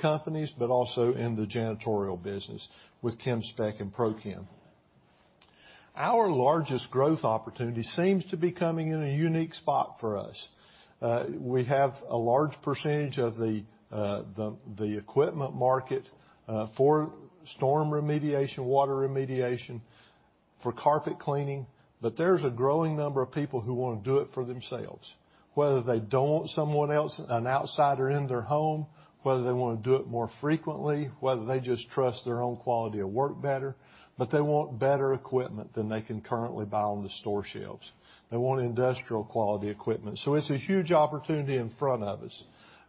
companies, but also in the janitorial business with Chemspec and Prochem. Our largest growth opportunity seems to be coming in a unique spot for us. We have a large percentage of the equipment market for storm remediation, water remediation, for carpet cleaning. There's a growing number of people who want to do it for themselves, whether they don't want someone else, an outsider in their home, whether they want to do it more frequently, whether they just trust their own quality of work better, but they want better equipment than they can currently buy on the store shelves. They want industrial-quality equipment. It's a huge opportunity in front of us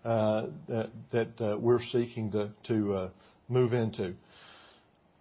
that we're seeking to move into.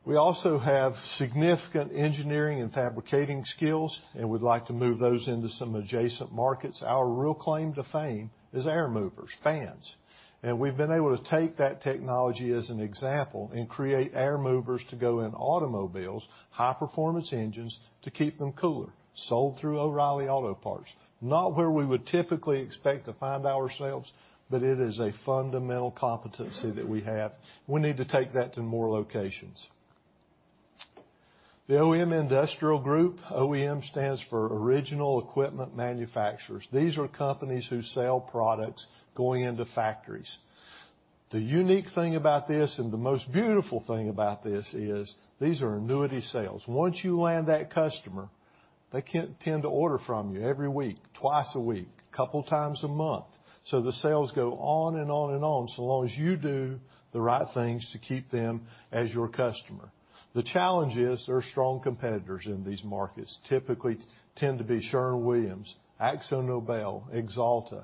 We also have significant engineering and fabricating skills, and we'd like to move those into some adjacent markets. Our real claim to fame is air movers, fans. We've been able to take that technology as an example and create air movers to go in automobiles, high-performance engines, to keep them cooler, sold through O'Reilly Auto Parts. Not where we would typically expect to find ourselves, but it is a fundamental competency that we have. We need to take that to more locations. The OEM Industrial Group, OEM stands for Original Equipment Manufacturers. These are companies who sell products going into factories. The unique thing about this, and the most beautiful thing about this is these are annuity sales. Once you land that customer, they can tend to order from you every week, twice a week, couple times a month. The sales go on and on and on, so long as you do the right things to keep them as your customer. The challenge is, there are strong competitors in these markets. Typically tend to be Sherwin-Williams, AkzoNobel, Axalta,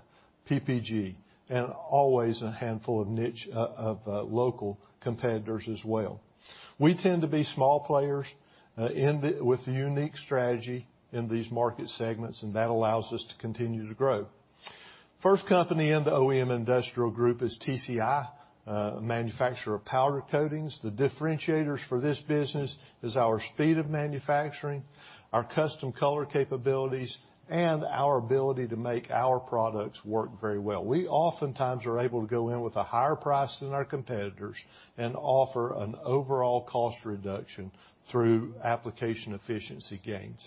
PPG, and always a handful of niche, local competitors as well. We tend to be small players with a unique strategy in these market segments, and that allows us to continue to grow. First company in the OEM Industrial Group is TCI, a manufacturer of powder coatings. The differentiators for this business is our speed of manufacturing, our custom color capabilities, and our ability to make our products work very well. We oftentimes are able to go in with a higher price than our competitors and offer an overall cost reduction through application efficiency gains.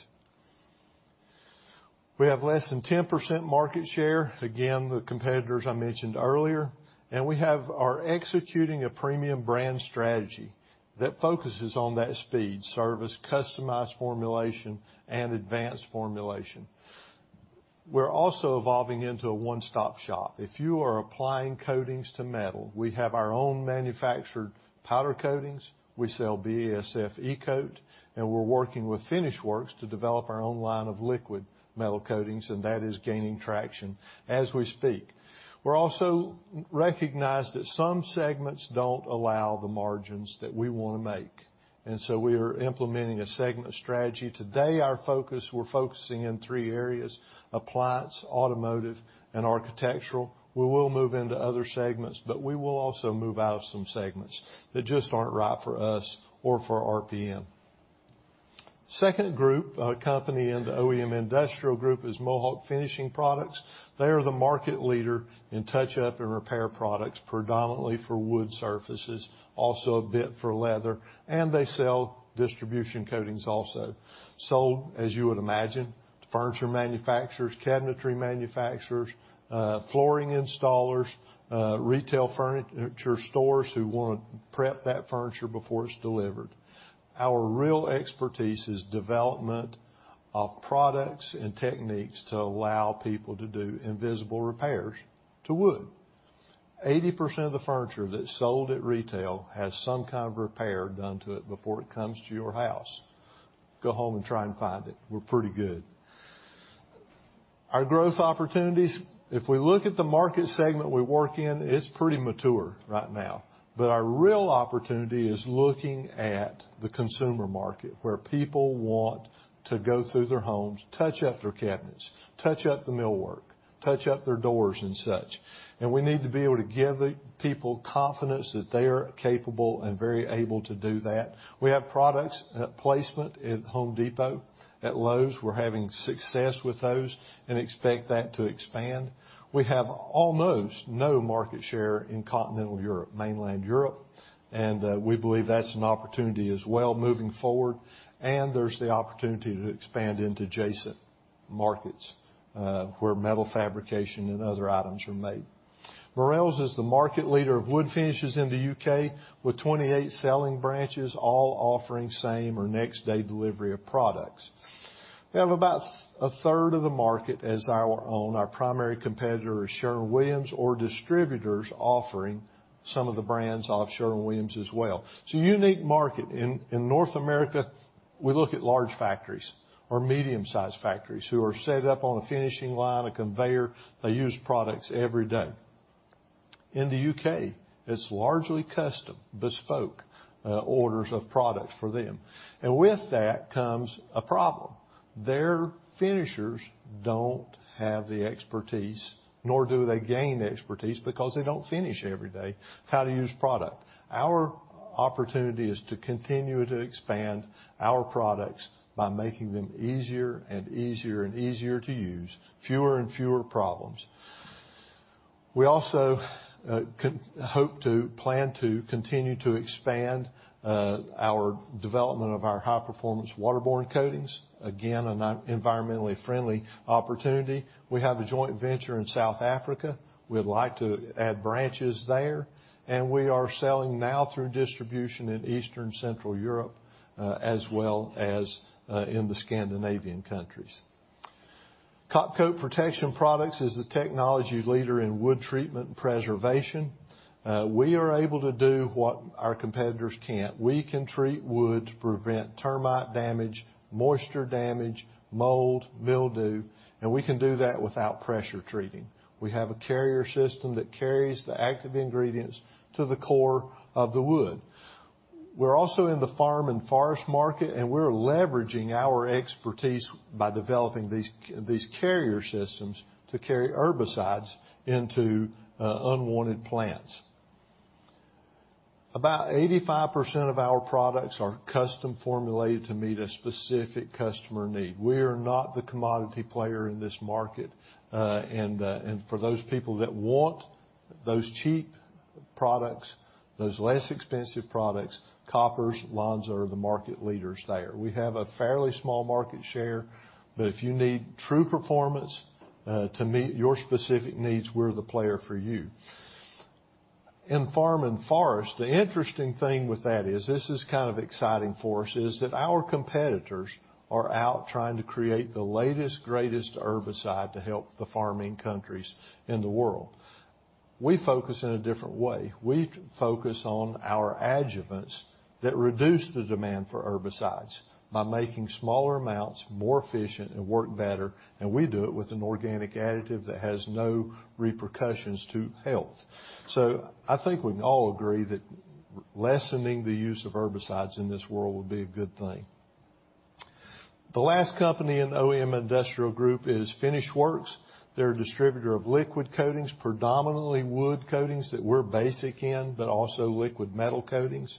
We have less than 10% market share. Again, the competitors I mentioned earlier. We have our executing a premium brand strategy that focuses on that speed, service, customized formulation, and advanced formulation. We're also evolving into a one-stop shop. If you are applying coatings to metal, we have our own manufactured powder coatings, we sell BASF E-Coat, and we're working with FinishWorks to develop our own line of liquid metal coatings, and that is gaining traction as we speak. We also recognize that some segments don't allow the margins that we want to make, and so we are implementing a segment strategy. Today, we're focusing in three areas, appliance, automotive, and architectural. We will move into other segments, but we will also move out of some segments that just aren't right for us or for RPM. Second group, company in the OEM Industrial Group is Mohawk Finishing Products. They are the market leader in touch-up and repair products, predominantly for wood surfaces, also a bit for leather, and they sell distribution coatings also. Sold, as you would imagine, to furniture manufacturers, cabinetry manufacturers, flooring installers, retail furniture stores who want to prep that furniture before it's delivered. Our real expertise is development of products and techniques to allow people to do invisible repairs to wood. 80% of the furniture that's sold at retail has some kind of repair done to it before it comes to your house. Go home and try and find it. We're pretty good. Our growth opportunities, if we look at the market segment we work in, it's pretty mature right now. Our real opportunity is looking at the consumer market, where people want to go through their homes, touch up their cabinets, touch up the millwork, touch up their doors and such. We need to be able to give people confidence that they are capable and very able to do that. We have products placement at Home Depot, at Lowe's. We're having success with those and expect that to expand. We have almost no market share in continental Europe, mainland Europe, and we believe that's an opportunity as well moving forward, and there's the opportunity to expand into adjacent markets, where metal fabrication and other items are made. Morrells is the market leader of wood finishes in the U.K., with 28 selling branches, all offering same or next-day delivery of products. We have about a third of the market as our own. Our primary competitor is Sherwin-Williams or distributors offering some of the brands of Sherwin-Williams as well. It's a unique market. In North America, we look at large factories or medium-sized factories who are set up on a finishing line, a conveyor. They use products every day. In the U.K., it's largely custom, bespoke orders of product for them. With that comes a problem. Their finishers don't have the expertise, nor do they gain the expertise because they don't finish every day how to use product. Our opportunity is to continue to expand our products by making them easier and easier and easier to use, fewer and fewer problems. We also hope to plan to continue to expand our development of our high-performance waterborne coatings. Again, an environmentally friendly opportunity. We have a joint venture in South Africa. We'd like to add branches there, and we are selling now through distribution in Eastern Central Europe, as well as in the Scandinavian countries. Kop-Coat Protection Products is the technology leader in wood treatment preservation. We are able to do what our competitors can't. We can treat wood to prevent termite damage, moisture damage, mold, mildew, and we can do that without pressure treating. We have a carrier system that carries the active ingredients to the core of the wood. We're also in the farm and forest market, and we're leveraging our expertise by developing these carrier systems to carry herbicides into unwanted plants. About 85% of our products are custom formulated to meet a specific customer need. We are not the commodity player in this market. For those people that want those cheap products, those less expensive products, Koppers, Lonza are the market leaders there. We have a fairly small market share, but if you need true performance to meet your specific needs, we're the player for you. In farm and forest, the interesting thing with that is, this is kind of exciting for us, is that our competitors are out trying to create the latest, greatest herbicide to help the farming countries in the world. We focus in a different way. We focus on our adjuvants that reduce the demand for herbicides by making smaller amounts more efficient and work better. We do it with an organic additive that has no repercussions to health. I think we can all agree that lessening the use of herbicides in this world would be a good thing. The last company in OEM Industrial Group is Finishworks. They're a distributor of liquid coatings, predominantly wood coatings that we're basic in, also liquid metal coatings.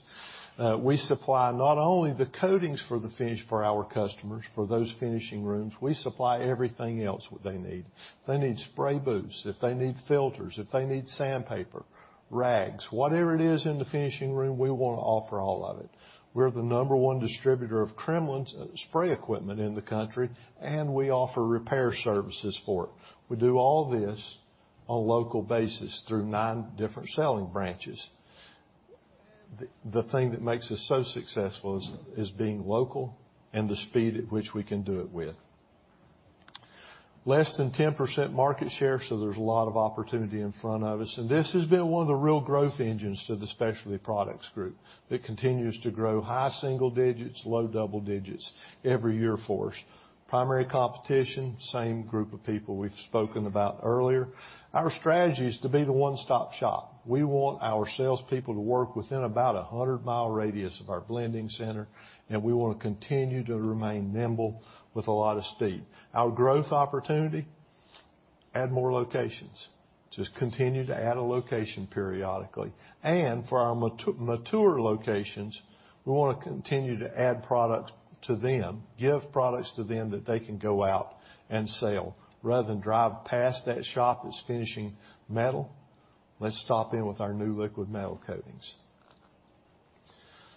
We supply not only the coatings for the finish for our customers, for those finishing rooms, we supply everything else that they need. If they need spray booths, if they need filters, if they need sandpaper, rags, whatever it is in the finishing room, we want to offer all of it. We're the number one distributor of Kremlin spray equipment in the country, and we offer repair services for it. We do all this on local basis through nine different selling branches. The thing that makes us so successful is being local, and the speed at which we can do it with. Less than 10% market share, so there's a lot of opportunity in front of us. This has been one of the real growth engines to the Specialty Products Group, that continues to grow high single digits, low double digits every year for us. Primary competition, same group of people we've spoken about earlier. Our strategy is to be the one-stop shop. We want our salespeople to work within about a 100-mile radius of our blending center, and we want to continue to remain nimble with a lot of speed. Our growth opportunity, add more locations. Continue to add a location periodically. For our mature locations, we want to continue to add product to them, give products to them that they can go out and sell. Rather than drive past that shop that's finishing metal, let's stop in with our new liquid metal coatings.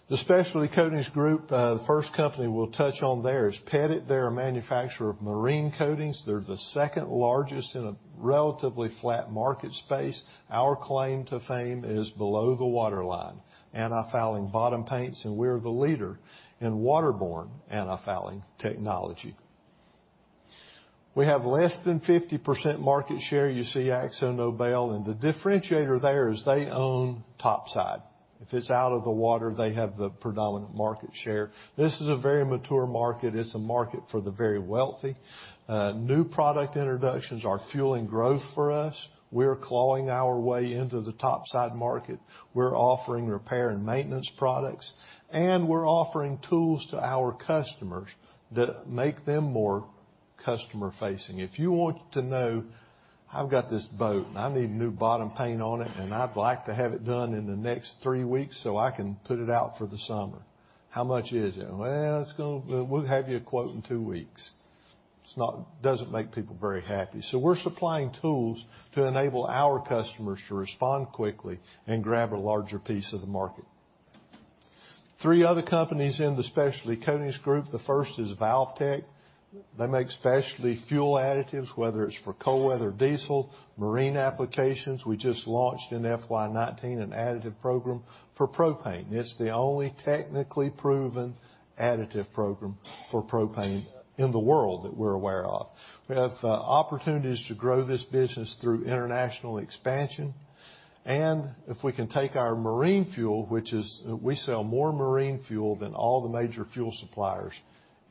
The Specialty Coatings Group, the first company we'll touch on there is Pettit. They're a manufacturer of marine coatings. They're the second-largest in a relatively flat market space. Our claim to fame is below the waterline, antifouling bottom paints, and we're the leader in waterborne antifouling technology. We have less than 50% market share. You see AkzoNobel, the differentiator there is they own top side. If it's out of the water, they have the predominant market share. This is a very mature market. It's a market for the very wealthy. New product introductions are fueling growth for us. We're clawing our way into the top side market. We're offering repair and maintenance products. We're offering tools to our customers that make them more customer-facing. If you want to know, "I've got this boat, and I need new bottom paint on it, and I'd like to have it done in the next three weeks so I can put it out for the summer. How much is it?" "Well, we'll have you a quote in two weeks." It doesn't make people very happy. We're supplying tools to enable our customers to respond quickly and grab a larger piece of the market. Three other companies in the Specialty Products Group. The first is ValvTect. They make specialty fuel additives, whether it's for cold weather diesel, marine applications. We just launched in FY 2019 an additive program for propane. It's the only technically proven additive program for propane in the world that we're aware of. We have opportunities to grow this business through international expansion. If we can take our marine fuel, which is we sell more marine fuel than all the major fuel suppliers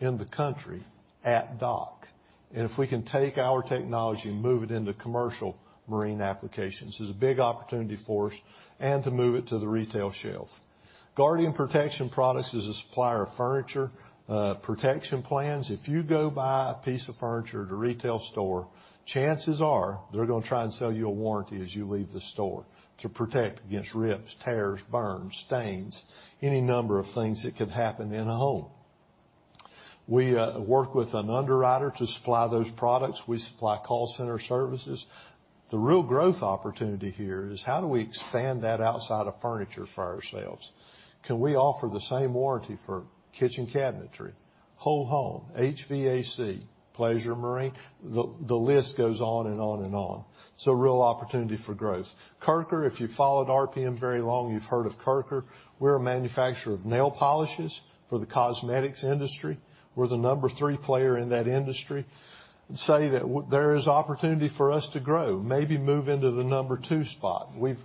in the country at dock. If we can take our technology and move it into commercial marine applications, there's a big opportunity for us, and to move it to the retail shelf. Guardian Protection Products is a supplier of furniture protection plans. If you go buy a piece of furniture at a retail store, chances are they're going to try and sell you a warranty as you leave the store to protect against rips, tears, burns, stains, any number of things that could happen in a home. We work with an underwriter to supply those products. We supply call center services. The real growth opportunity here is how do we expand that outside of furniture for ourselves? Can we offer the same warranty for kitchen cabinetry, whole home, HVAC, pleasure marine? The list goes on and on and on. Real opportunity for growth. Kirker, if you followed RPM very long, you've heard of Kirker. We're a manufacturer of nail polishes for the cosmetics industry. We're the number three player in that industry. I'd say that there is opportunity for us to grow, maybe move into the number two spot. We've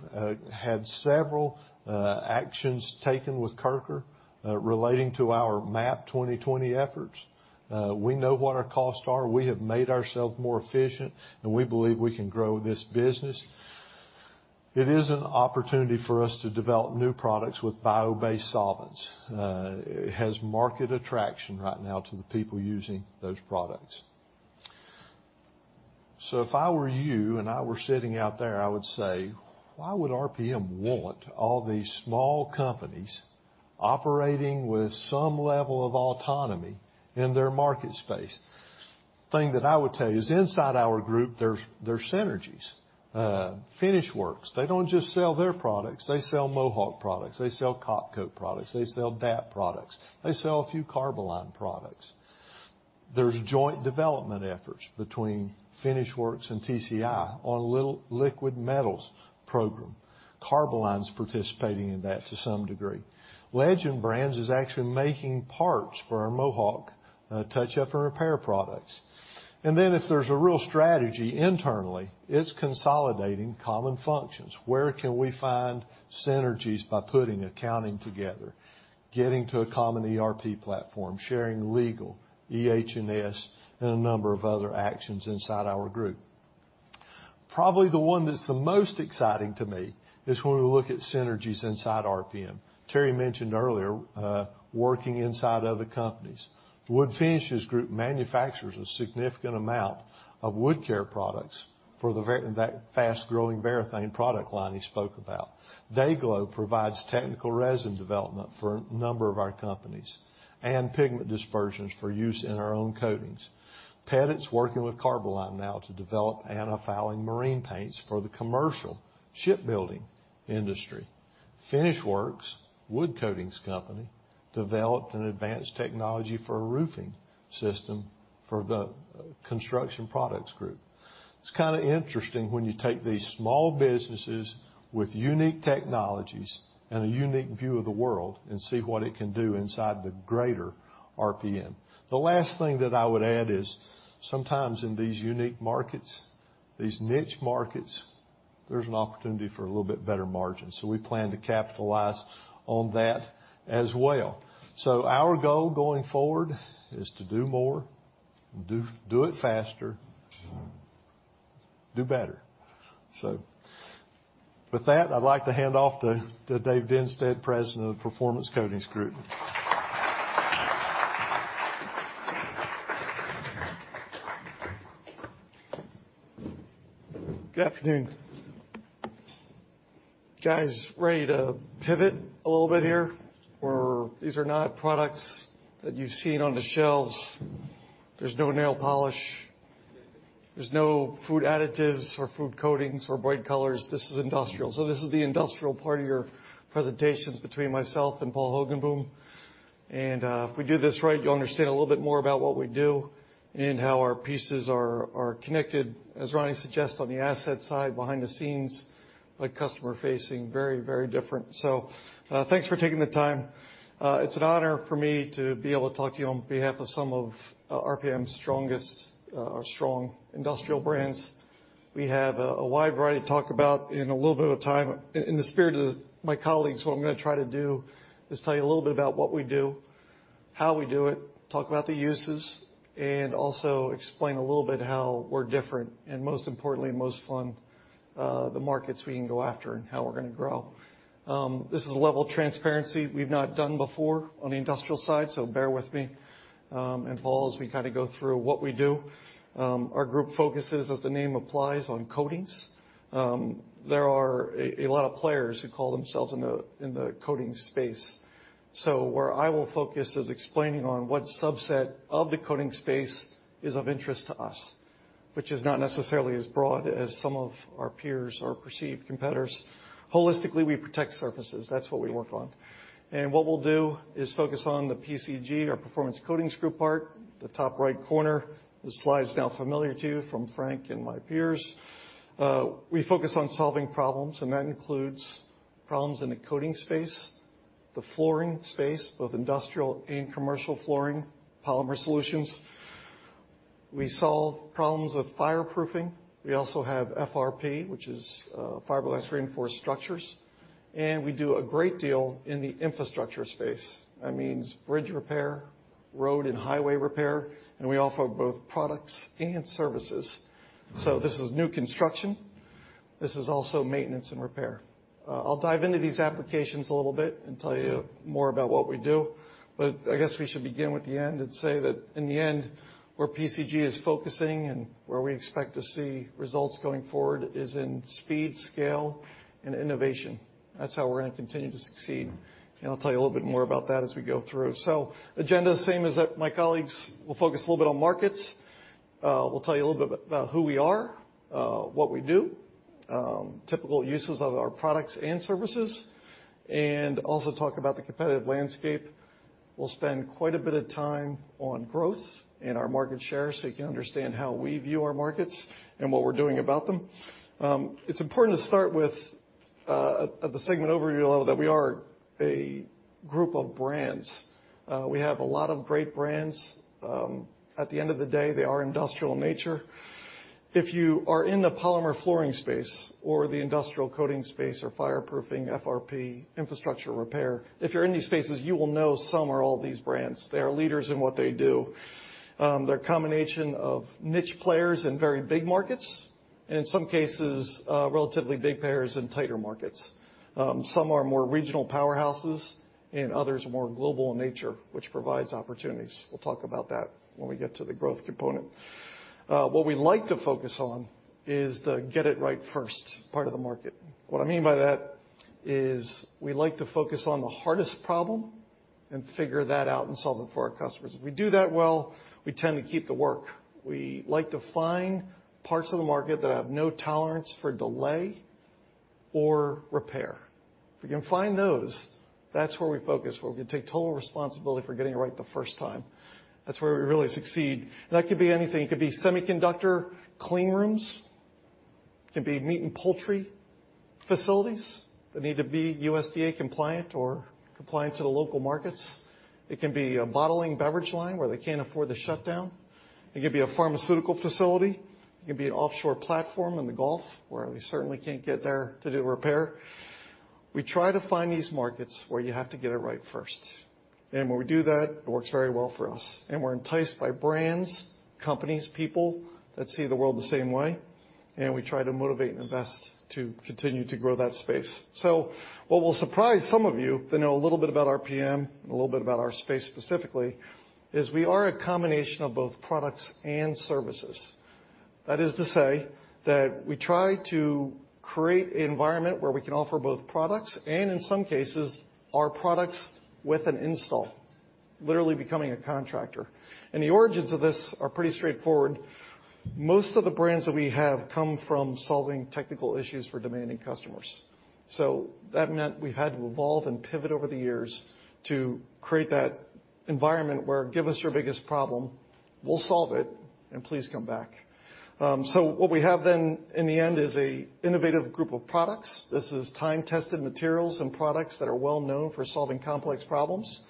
had several actions taken with Kirker relating to our MAP 2020 efforts. We know what our costs are. We have made ourselves more efficient, and we believe we can grow this business. It is an opportunity for us to develop new products with bio-based solvents. It has market attraction right now to the people using those products. If I were you and I were sitting out there, I would say, "Why would RPM want all these small companies operating with some level of autonomy in their market space?" Thing that I would tell you is inside our group, there's synergies. FinishWorks, they don't just sell their products. They sell Mohawk products. They sell Kop-Coat products. They sell DAP products. They sell a few Carboline products. There's joint development efforts between FinishWorks and TCI on liquid metals program. Carboline's participating in that to some degree. Legend Brands is actually making parts for our Mohawk touchup and repair products. If there's a real strategy internally, it's consolidating common functions. Where can we find synergies by putting accounting together, getting to a common ERP platform, sharing legal, EH&S, and a number of other actions inside our group. Probably the one that's the most exciting to me is when we look at synergies inside RPM. Terry mentioned earlier, working inside other companies. Wood Finishes Group manufactures a significant amount of wood care products for the fast-growing Varathane product line he spoke about. DayGlo provides technical resin development for a number of our companies, and pigment dispersions for use in our own coatings. Pettit's working with Carboline now to develop antifouling marine paints for the commercial shipbuilding industry. Finishworks, wood coatings company, developed an advanced technology for a roofing system for the Construction Products Group. It's kind of interesting when you take these small businesses with unique technologies and a unique view of the world and see what it can do inside the greater RPM. The last thing that I would add is sometimes in these unique markets, these niche markets, there's an opportunity for a little bit better margin. We plan to capitalize on that as well. Our goal going forward is to do more, and do it faster, do better. With that, I'd like to hand off to Dave Dennsteadt, President of the Performance Coatings Group. Good afternoon. You guys ready to pivot a little bit here? These are not products that you've seen on the shelves. There's no nail polish. There's no food additives or food coatings or bright colors. This is industrial. This is the industrial part of your presentations between myself and Paul Hoogenboom. If we do this right, you'll understand a little bit more about what we do and how our pieces are connected, as Ronnie suggests, on the asset side behind the scenes, but customer-facing, very different. Thanks for taking the time. It's an honor for me to be able to talk to you on behalf of some of RPM's strongest or strong industrial brands. We have a wide variety to talk about in a little bit of time. In the spirit of my colleagues, what I'm going to try to do is tell you a little bit about what we do, how we do it, talk about the uses, and also explain a little bit how we're different, and most importantly and most fun, the markets we can go after and how we're going to grow. Bear with me, and Paul, as we kind of go through what we do. Our group focuses, as the name applies, on coatings. There are a lot of players who call themselves in the coatings space. Where I will focus is explaining on what subset of the coating space is of interest to us, which is not necessarily as broad as some of our peers or perceived competitors. Holistically, we protect surfaces. What we'll do is focus on the PCG, our Performance Coatings Group part, the top right corner. The slide's now familiar to you from Frank and my peers. We focus on solving problems, and that includes problems in the coating space, the flooring space, both industrial and commercial flooring, polymer solutions. We solve problems with fireproofing. We also have FRP, which is fiberglass reinforced structures. We do a great deal in the infrastructure space. That means bridge repair, road and highway repair, and we offer both products and services. This is new construction. This is also maintenance and repair. I'll dive into these applications a little bit and tell you more about what we do. I guess we should begin with the end and say that in the end, where PCG is focusing and where we expect to see results going forward is in speed, scale, and innovation. That's how we're going to continue to succeed. I'll tell you a little bit more about that as we go through. Agenda, same as my colleagues. We'll focus a little bit on markets. We'll tell you a little bit about who we are, what we do, typical uses of our products and services, and also talk about the competitive landscape. We'll spend quite a bit of time on growth and our market share so you can understand how we view our markets and what we're doing about them. It's important to start with at the segment overview level, that we are a group of brands. We have a lot of great brands. At the end of the day, they are industrial in nature. If you are in the polymer flooring space or the industrial coating space or fireproofing, FRP, infrastructure repair, if you're in these spaces, you will know some or all of these brands. They are leaders in what they do. They're a combination of niche players in very big markets, and in some cases, relatively big players in tighter markets. Others are more global in nature, which provides opportunities. We'll talk about that when we get to the growth component. What we like to focus on is the get it right first part of the market. What I mean by that is we like to focus on the hardest problem and figure that out and solve it for our customers. If we do that well, we tend to keep the work. We like to find parts of the market that have no tolerance for delay or repair. If we can find those, that's where we focus, where we can take total responsibility for getting it right the first time. That's where we really succeed. That could be anything. It could be semiconductor clean rooms. It could be meat and poultry facilities that need to be USDA compliant or compliant to the local markets. It can be a bottling beverage line where they can't afford the shutdown. It could be a pharmaceutical facility. It could be an offshore platform in the Gulf, where they certainly can't get there to do repair. We try to find these markets where you have to get it right first. When we do that, it works very well for us. We're enticed by brands, companies, people that see the world the same way, and we try to motivate and invest to continue to grow that space. What will surprise some of you that know a little bit about RPM, a little bit about our space specifically, is we are a combination of both products and services. That is to say that we try to create an environment where we can offer both products and in some cases, our products with an install, literally becoming a contractor. The origins of this are pretty straightforward. Most of the brands that we have come from solving technical issues for demanding customers. That meant we've had to evolve and pivot over the years to create that environment where give us your biggest problem, we'll solve it, and please come back. What we have then in the end is an innovative group of products. This is time-tested materials and products that are well-known for solving complex problems,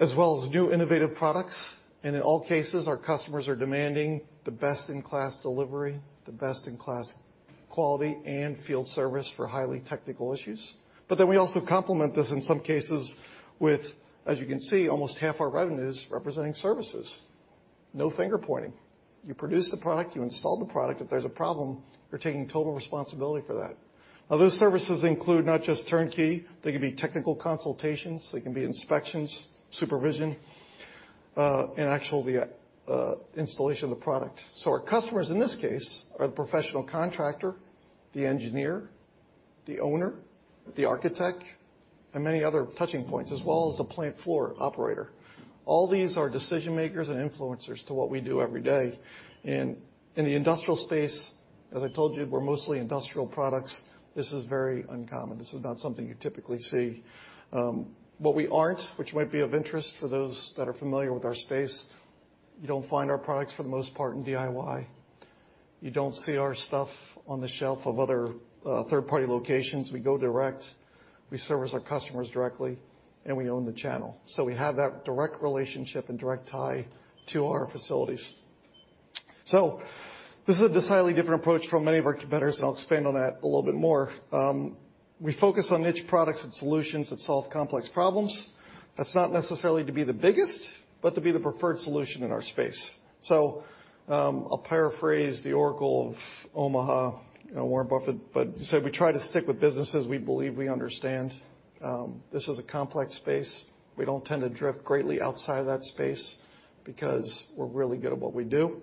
as well as new innovative products. In all cases, our customers are demanding the best-in-class delivery, the best-in-class quality, and field service for highly technical issues. We also complement this in some cases with, as you can see, almost half our revenue is representing services. No finger-pointing. You produce the product, you install the product. If there's a problem, you're taking total responsibility for that. Those services include not just turnkey, they can be technical consultations, they can be inspections, supervision, and actual the installation of the product. Our customers in this case are the professional contractor, the engineer, the owner, the architect, and many other touching points, as well as the plant floor operator. All these are decision-makers and influencers to what we do every day. In the industrial space, as I told you, we're mostly industrial products. This is very uncommon. This is not something you typically see. What we aren't, which might be of interest for those that are familiar with our space, you don't find our products for the most part in DIY. You don't see our stuff on the shelf of other third-party locations. We go direct. We service our customers directly, we own the channel. We have that direct relationship and direct tie to our facilities. This is a slightly different approach from many of our competitors, I'll expand on that a little bit more. We focus on niche products and solutions that solve complex problems. That's not necessarily to be the biggest, but to be the preferred solution in our space. I'll paraphrase the Oracle of Omaha, Warren Buffett. He said, we try to stick with businesses we believe we understand. This is a complex space. We don't tend to drift greatly outside of that space because we're really good at what we do.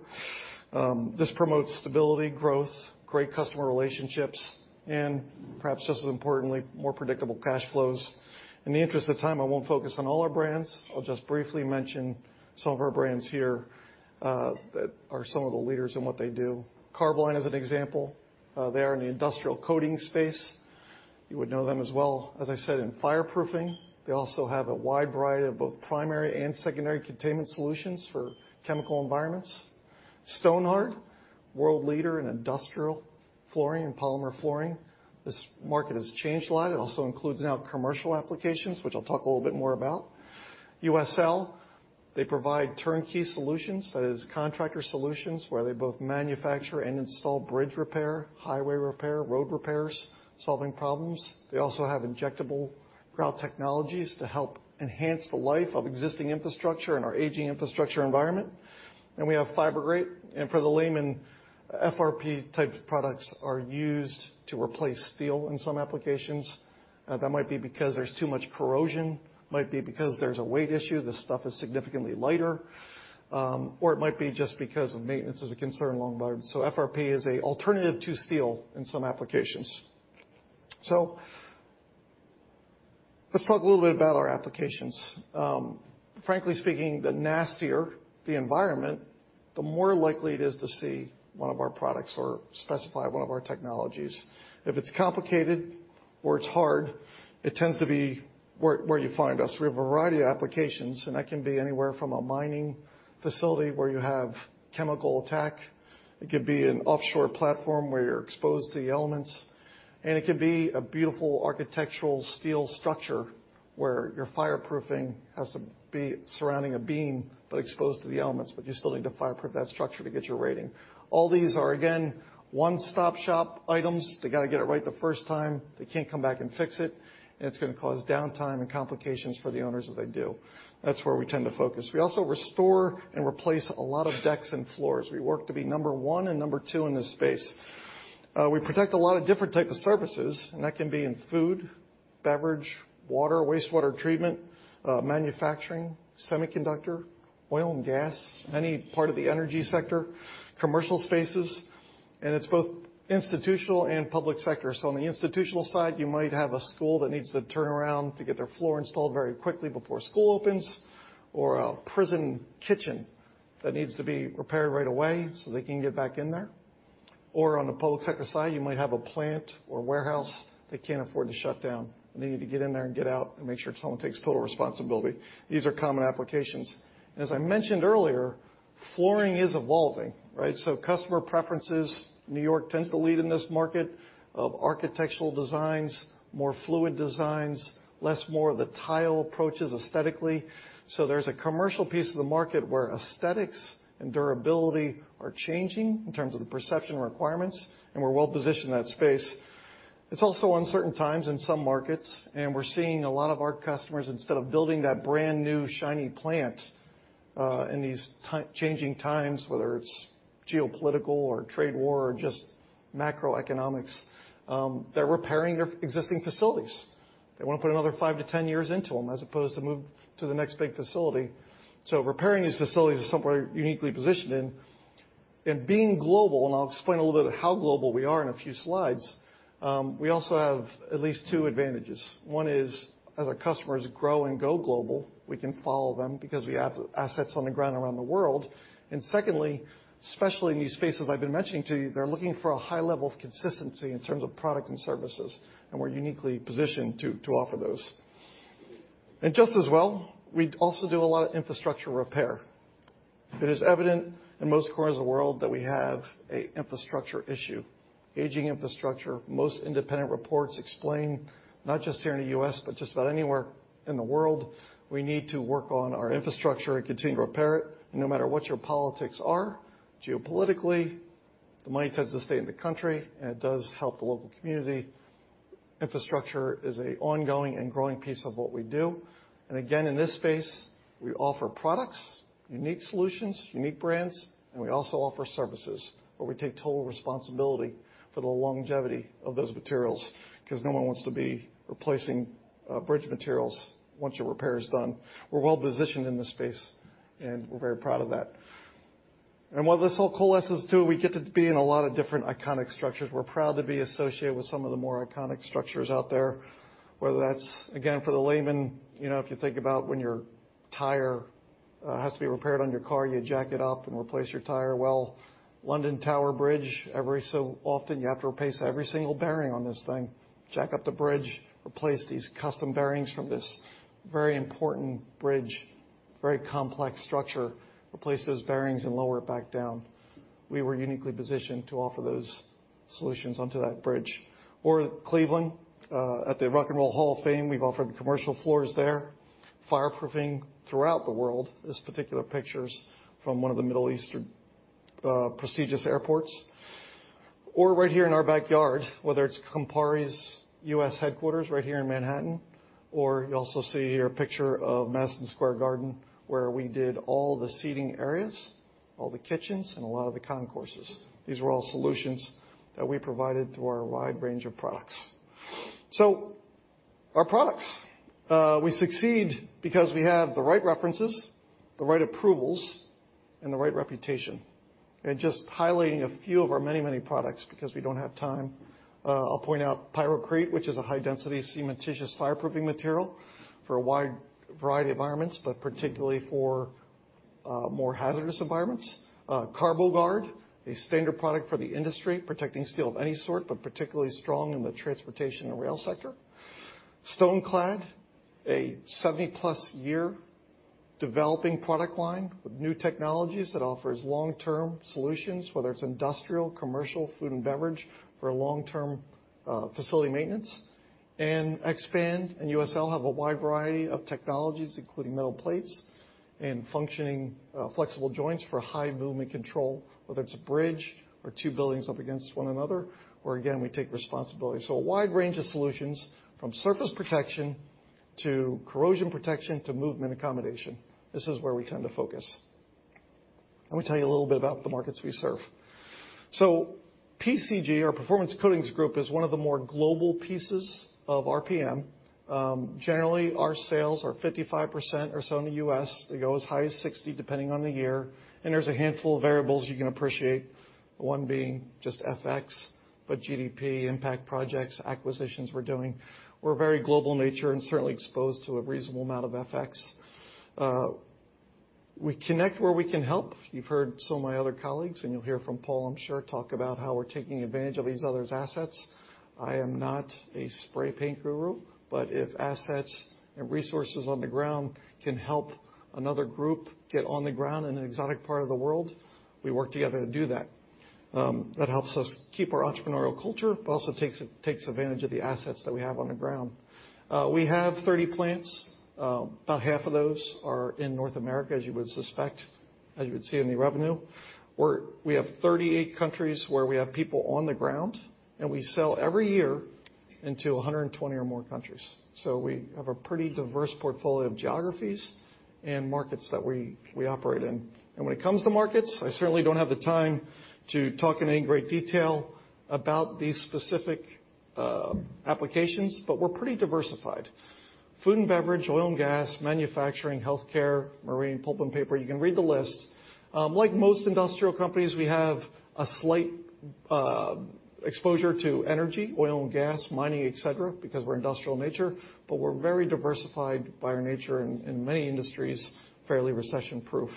This promotes stability, growth, great customer relationships, and perhaps just as importantly, more predictable cash flows. In the interest of time, I won't focus on all our brands. I'll just briefly mention some of our brands here that are some of the leaders in what they do. Carboline is an example. They are in the industrial coating space. You would know them as well, as I said, in fireproofing. They also have a wide variety of both primary and secondary containment solutions for chemical environments. Stonhard, world leader in industrial flooring and polymer flooring. This market has changed a lot. It also includes now commercial applications, which I'll talk a little bit more about. USL, they provide turnkey solutions, that is contractor solutions, where they both manufacture and install bridge repair, highway repair, road repairs, solving problems. They also have injectable grout technologies to help enhance the life of existing infrastructure in our aging infrastructure environment. We have Fibergrate, and for the layman, FRP-type products are used to replace steel in some applications. That might be because there's too much corrosion, might be because there's a weight issue. This stuff is significantly lighter. It might be just because of maintenance as a concern long load. FRP is a alternative to steel in some applications. Let's talk a little bit about our applications. Frankly speaking, the nastier the environment, the more likely it is to see one of our products or specify one of our technologies. If it's complicated or it's hard, it tends to be where you find us. We have a variety of applications. That can be anywhere from a mining facility where you have chemical attack. It could be an offshore platform where you're exposed to the elements, and it can be a beautiful architectural steel structure where your fireproofing has to be surrounding a beam, but exposed to the elements, but you still need to fireproof that structure to get your rating. All these are, again, one-stop shop items. They got to get it right the first time. They can't come back and fix it. It's going to cause downtime and complications for the owners if they do. That's where we tend to focus. We also restore and replace a lot of decks and floors. We work to be number one and number two in this space. We protect a lot of different type of surfaces, and that can be in food, beverage, water, wastewater treatment, manufacturing, semiconductor, oil and gas, any part of the energy sector, commercial spaces, and it's both institutional and public sector. On the institutional side, you might have a school that needs to turn around to get their floor installed very quickly before school opens, or a prison kitchen that needs to be repaired right away so they can get back in there. On the public sector side, you might have a plant or warehouse they can't afford to shut down. They need to get in there and get out and make sure someone takes total responsibility. These are common applications. As I mentioned earlier, flooring is evolving, right? Customer preferences, New York tends to lead in this market of architectural designs, more fluid designs, less more of the tile approaches aesthetically. There's a commercial piece of the market where aesthetics and durability are changing in terms of the perception requirements, and we're well positioned in that space. It's also uncertain times in some markets, and we're seeing a lot of our customers, instead of building that brand-new shiny plant, in these changing times, whether it's geopolitical or trade war or just macroeconomics, they're repairing their existing facilities. They want to put another 5-10 years into them as opposed to move to the next big facility. Repairing these facilities is somewhere uniquely positioned in. Being global, and I'll explain a little bit of how global we are in a few slides, we also have at least two advantages. One is as our customers grow and go global, we can follow them because we have assets on the ground around the world. Secondly, especially in these spaces I've been mentioning to you, they're looking for a high level of consistency in terms of product and services, and we're uniquely positioned to offer those. Just as well, we also do a lot of infrastructure repair. It is evident in most corners of the world that we have an infrastructure issue. Aging infrastructure. Most independent reports explain, not just here in the U.S., but just about anywhere in the world, we need to work on our infrastructure and continue to repair it. No matter what your politics are, geopolitically, the money tends to stay in the country, and it does help the local community. Infrastructure is an ongoing and growing piece of what we do. Again, in this space, we offer products, unique solutions, unique brands, and we also offer services where we take total responsibility for the longevity of those materials, because no one wants to be replacing bridge materials once your repair is done. We're well-positioned in this space, and we're very proud of that. What this all coalesces to, we get to be in a lot of different iconic structures. We're proud to be associated with some of the more iconic structures out there, whether that's, again, for the layman, if you think about when your tire has to be repaired on your car, you jack it up and replace your tire. London Tower Bridge, every so often, you have to replace every single bearing on this thing. Jack up the bridge, replace these custom bearings from this very important bridge, very complex structure, replace those bearings and lower it back down. We were uniquely positioned to offer those solutions onto that bridge. Cleveland, at the Rock & Roll Hall of Fame, we've offered the commercial floors there. Fireproofing throughout the world. This particular picture is from one of the Middle Eastern prestigious airports. Right here in our backyard, whether it's Campari's U.S. headquarters right here in Manhattan, or you also see here a picture of Madison Square Garden, where we did all the seating areas, all the kitchens, and a lot of the concourses. These were all solutions that we provided through our wide range of products. Our products. We succeed because we have the right references, the right approvals, and the right reputation. Just highlighting a few of our many products because we don't have time. I'll point out Pyrocrete, which is a high-density cementitious fireproofing material for a wide variety of environments, but particularly for more hazardous environments. Carboguard, a standard product for the industry, protecting steel of any sort, but particularly strong in the transportation and rail sector. Stonclad, a 70-plus year developing product line with new technologies that offers long-term solutions, whether it's industrial, commercial, food and beverage, for long-term facility maintenance. Ekspan and USL have a wide variety of technologies, including metal plates and functioning flexible joints for high movement control, whether it's a bridge or two buildings up against one another, where again, we take responsibility. A wide range of solutions from surface protection to corrosion protection to movement accommodation. This is where we tend to focus. Let me tell you a little bit about the markets we serve. PCG, or Performance Coatings Group, is one of the more global pieces of RPM. Generally, our sales are 55% or so in the U.S. They go as high as 60 depending on the year. There's a handful of variables you can appreciate, one being just FX, but GDP, impact projects, acquisitions we're doing. We're very global nature and certainly exposed to a reasonable amount of FX. We connect where we can help. You've heard some of my other colleagues, you'll hear from Paul, I'm sure, talk about how we're taking advantage of these others' assets. I am not a spray paint guru, but if assets and resources on the ground can help another group get on the ground in an exotic part of the world, we work together to do that. That helps us keep our entrepreneurial culture, but also takes advantage of the assets that we have on the ground. We have 30 plants. About half of those are in North America, as you would suspect, as you would see in the revenue. We have 38 countries where we have people on the ground. We sell every year into 120 or more countries. We have a pretty diverse portfolio of geographies and markets that we operate in. When it comes to markets, I certainly don't have the time to talk in any great detail about these specific applications, but we're pretty diversified. Food and beverage, oil and gas, manufacturing, healthcare, marine, pulp and paper. You can read the list. Like most industrial companies, we have a slight exposure to energy, oil and gas, mining, et cetera, because we're industrial in nature, but we're very diversified by our nature and in many industries, fairly recession-proof.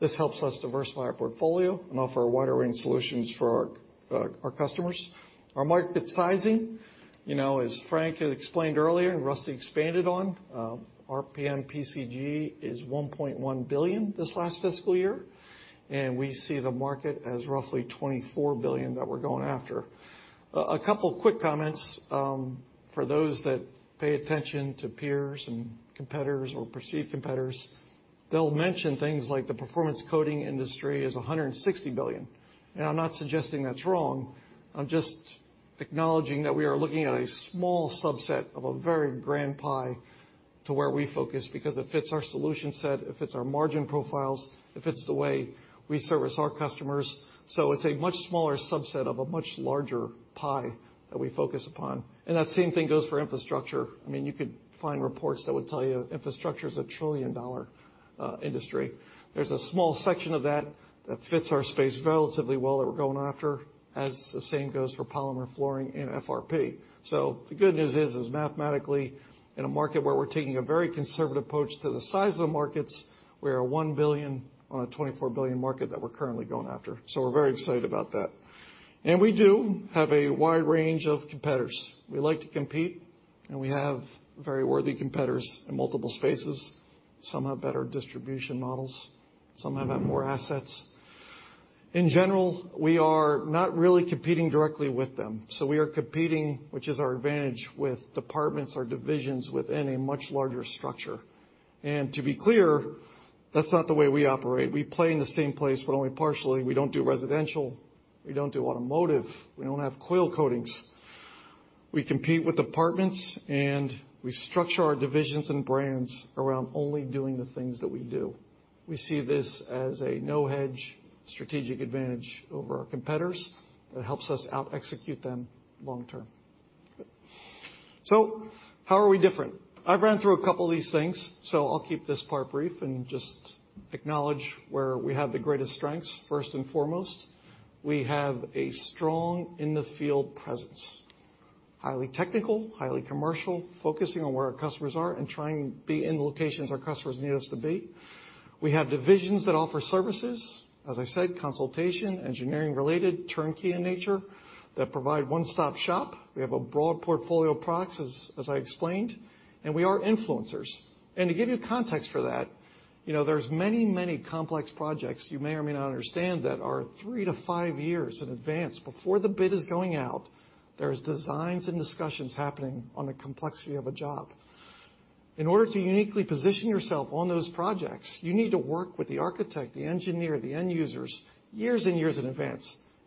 This helps us diversify our portfolio and offer a wider range of solutions for our customers. Our market sizing, as Frank had explained earlier and Rusty expanded on, RPM PCG is $1.1 billion this last fiscal year, and we see the market as roughly $24 billion that we're going after. A couple quick comments for those that pay attention to peers and competitors or perceived competitors. They'll mention things like the performance coating industry is $160 billion, and I'm not suggesting that's wrong. I'm just acknowledging that we are looking at a small subset of a very grand pie to where we focus because it fits our solution set, it fits our margin profiles, it fits the way we service our customers. It's a much smaller subset of a much larger pie that we focus upon. That same thing goes for infrastructure. You could find reports that would tell you infrastructure's a trillion-dollar industry. There's a small section of that that fits our space relatively well that we're going after, as the same goes for polymer flooring and FRP. The good news is, mathematically, in a market where we're taking a very conservative approach to the size of the markets, we are $1 billion on a $24 billion market that we're currently going after. We're very excited about that. We do have a wide range of competitors. We like to compete, and we have very worthy competitors in multiple spaces. Some have better distribution models, some have more assets. In general, we are not really competing directly with them. We are competing, which is our advantage, with departments or divisions within a much larger structure. To be clear, that's not the way we operate. We play in the same place, but only partially. We don't do residential. We don't do automotive. We don't have coil coatings. We compete with departments, and we structure our divisions and brands around only doing the things that we do. We see this as a no-hedge strategic advantage over our competitors that helps us out-execute them long term. How are we different? I've ran through a couple of these things, so I'll keep this part brief and just acknowledge where we have the greatest strengths. First and foremost, we have a strong in-the-field presence. Highly technical, highly commercial, focusing on where our customers are and trying to be in the locations our customers need us to be. We have divisions that offer services, as I said, consultation, engineering related, turnkey in nature, that provide one-stop-shop. We have a broad portfolio of products as I explained, and we are influencers. To give you context for that, there's many complex projects you may or may not understand that are three to five years in advance. Before the bid is going out, there's designs and discussions happening on the complexity of a job. In order to uniquely position yourself on those projects, you need to work with the architect, the engineer, the end users, years and years in advance.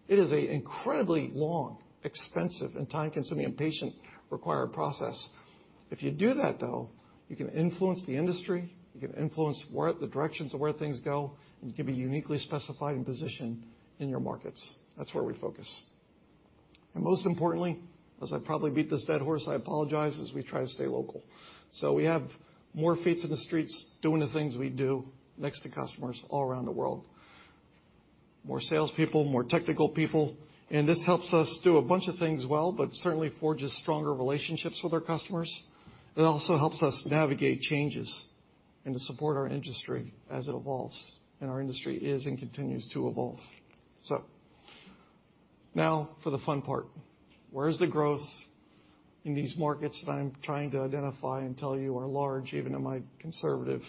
It is an incredibly long, expensive, and time-consuming and patient required process. If you do that, though, you can influence the industry, you can influence the directions of where things go, and you can be uniquely specified and positioned in your markets. That's where we focus. Most importantly, as I probably beat this dead horse, I apologize, is we try to stay local. We have more feet in the streets doing the things we do next to customers all around the world. More salespeople, more technical people. This helps us do a bunch of things well, but certainly forges stronger relationships with our customers. It also helps us navigate changes and to support our industry as it evolves, and our industry is and continues to evolve. Now for the fun part. Where is the growth in these markets that I'm trying to identify and tell you are large, even in my conservative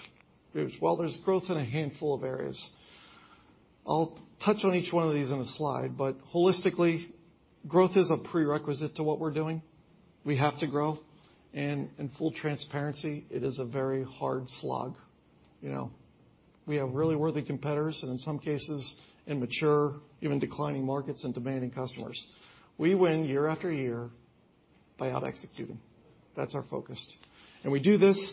views? Well, there's growth in a handful of areas. I'll touch on each one of these in a slide, holistically, growth is a prerequisite to what we're doing. We have to grow, in full transparency, it is a very hard slog. We have really worthy competitors, in some cases, in mature, even declining markets and demanding customers. We win year after year by out-executing. That's our focus. We do this,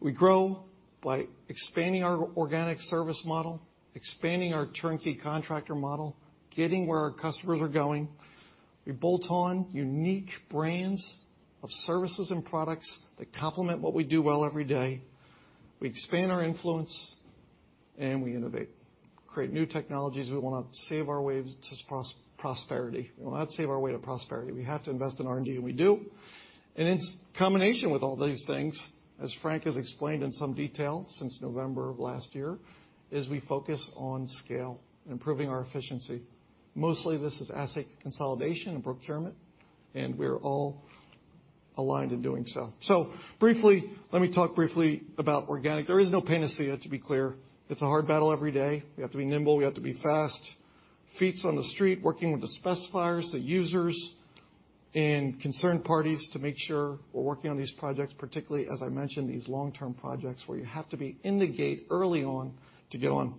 we grow by expanding our organic service model, expanding our turnkey contractor model, getting where our customers are going. We bolt on unique brands of services and products that complement what we do well every day. We expand our influence, we innovate. Create new technologies. We will not save our way to prosperity. We have to invest in R&D, we do. In combination with all these things, as Frank has explained in some detail since November of last year, we focus on scale, improving our efficiency. Mostly this is asset consolidation and procurement, and we're all aligned in doing so. Briefly, let me talk briefly about organic. There is no panacea, to be clear. It's a hard battle every day. We have to be nimble. We have to be fast. Feets on the street, working with the specifiers, the users, and concerned parties to make sure we're working on these projects, particularly, as I mentioned, these long-term projects where you have to be in the gate early on to go on.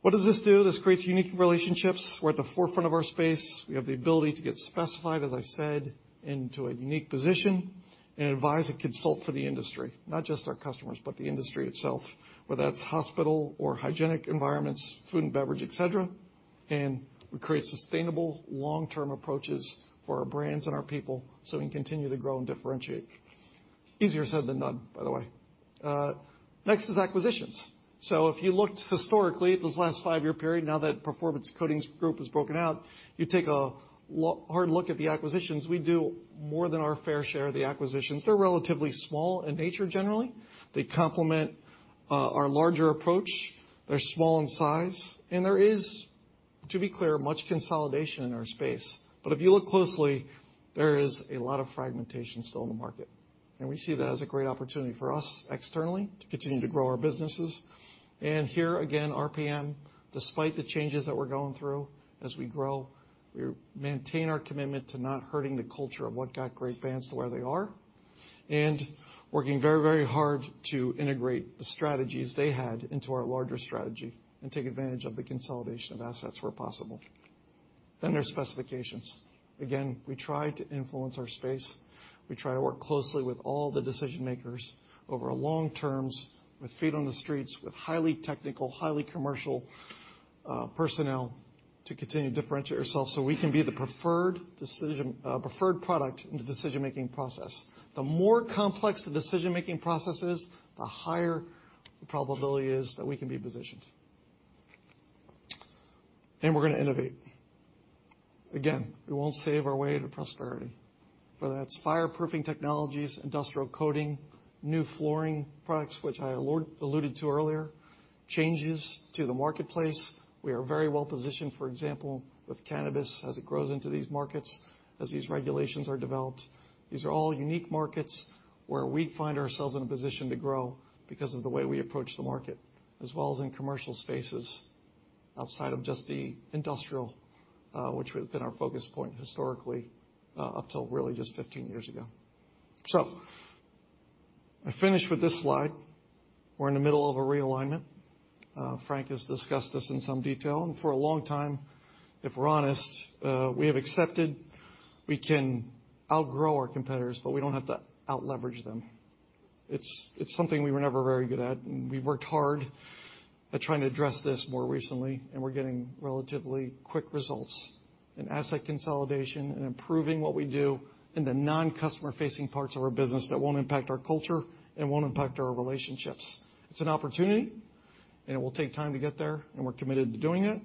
What does this do? This creates unique relationships. We're at the forefront of our space. We have the ability to get specified, as I said, into a unique position and advise and consult for the industry, not just our customers, but the industry itself, whether that's hospital or hygienic environments, food and beverage, et cetera. We create sustainable long-term approaches for our brands and our people so we can continue to grow and differentiate. Easier said than done, by the way. Next is acquisitions. If you looked historically at this last five-year period, now that Performance Coatings Group is broken out, you take a hard look at the acquisitions. We do more than our fair share of the acquisitions. They're relatively small in nature, generally. They complement our larger approach. They're small in size, and there is, to be clear, much consolidation in our space. If you look closely, there is a lot of fragmentation still in the market, and we see that as a great opportunity for us externally to continue to grow our businesses. Here again, RPM, despite the changes that we're going through as we grow, we maintain our commitment to not hurting the culture of what got great brands to where they are, and working very hard to integrate the strategies they had into our larger strategy and take advantage of the consolidation of assets where possible. There's specifications. We try to influence our space. We try to work closely with all the decision-makers over long terms with feet on the streets, with highly technical, highly commercial, personnel to continue to differentiate ourselves so we can be the preferred product in the decision-making process. The more complex the decision-making process is, the higher the probability is that we can be positioned. We're going to innovate. Again, we won't save our way to prosperity. Whether that's fireproofing technologies, industrial coating, new flooring products, which I alluded to earlier, changes to the marketplace. We are very well-positioned, for example, with cannabis as it grows into these markets, as these regulations are developed. These are all unique markets where we find ourselves in a position to grow because of the way we approach the market, as well as in commercial spaces outside of just the industrial, which would have been our focus point historically, up till really just 15 years ago. I finish with this slide. We're in the middle of a realignment. Frank has discussed this in some detail. For a long time, if we're honest, we have accepted we can outgrow our competitors, but we don't have to out-leverage them. It's something we were never very good at, and we worked hard at trying to address this more recently, and we're getting relatively quick results in asset consolidation and improving what we do in the non-customer-facing parts of our business that won't impact our culture and won't impact our relationships. It's an opportunity, and it will take time to get there, and we're committed to doing it.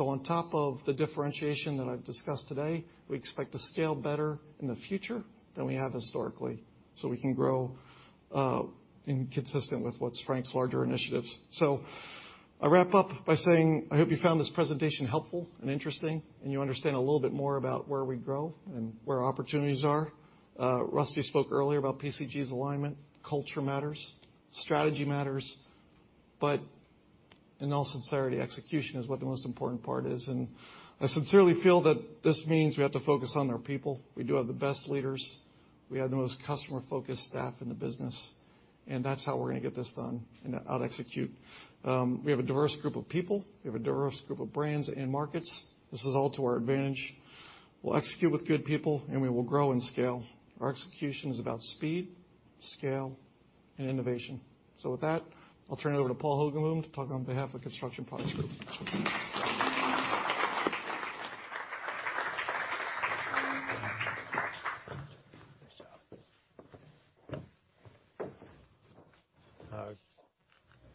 On top of the differentiation that I've discussed today, we expect to scale better in the future than we have historically, so we can grow, and consistent with what's Frank's larger initiatives. I'll wrap up by saying, I hope you found this presentation helpful and interesting and you understand a little bit more about where we grow and where opportunities are. Rusty spoke earlier about PCG's alignment, culture matters, strategy matters, but in all sincerity, execution is what the most important part is. I sincerely feel that this means we have to focus on our people. We do have the best leaders. We have the most customer-focused staff in the business, and that's how we're going to get this done and out-execute. We have a diverse group of people. We have a diverse group of brands and markets. This is all to our advantage. We'll execute with good people, and we will grow and scale. Our execution is about speed, scale, and innovation. With that, I'll turn it over to Paul Hoogenboom to talk on behalf of Construction Products Group. Nice job.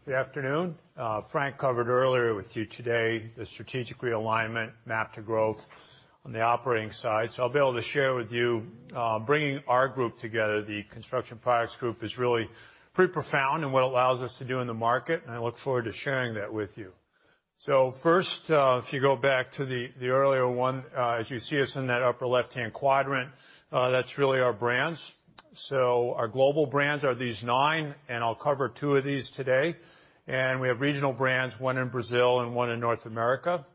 Good afternoon. Frank covered earlier with you today the strategic realignment MAP to Growth on the operating side. I'll be able to share with you, bringing our group together, the Construction Products Group, is really pretty profound in what allows us to do in the market, and I look forward to sharing that with you. First, if you go back to the earlier one, as you see us in that upper left-hand quadrant, that's really our brands. Our global brands are these nine, and I'll cover two of these today. We have regional brands, one in Brazil and one in North America.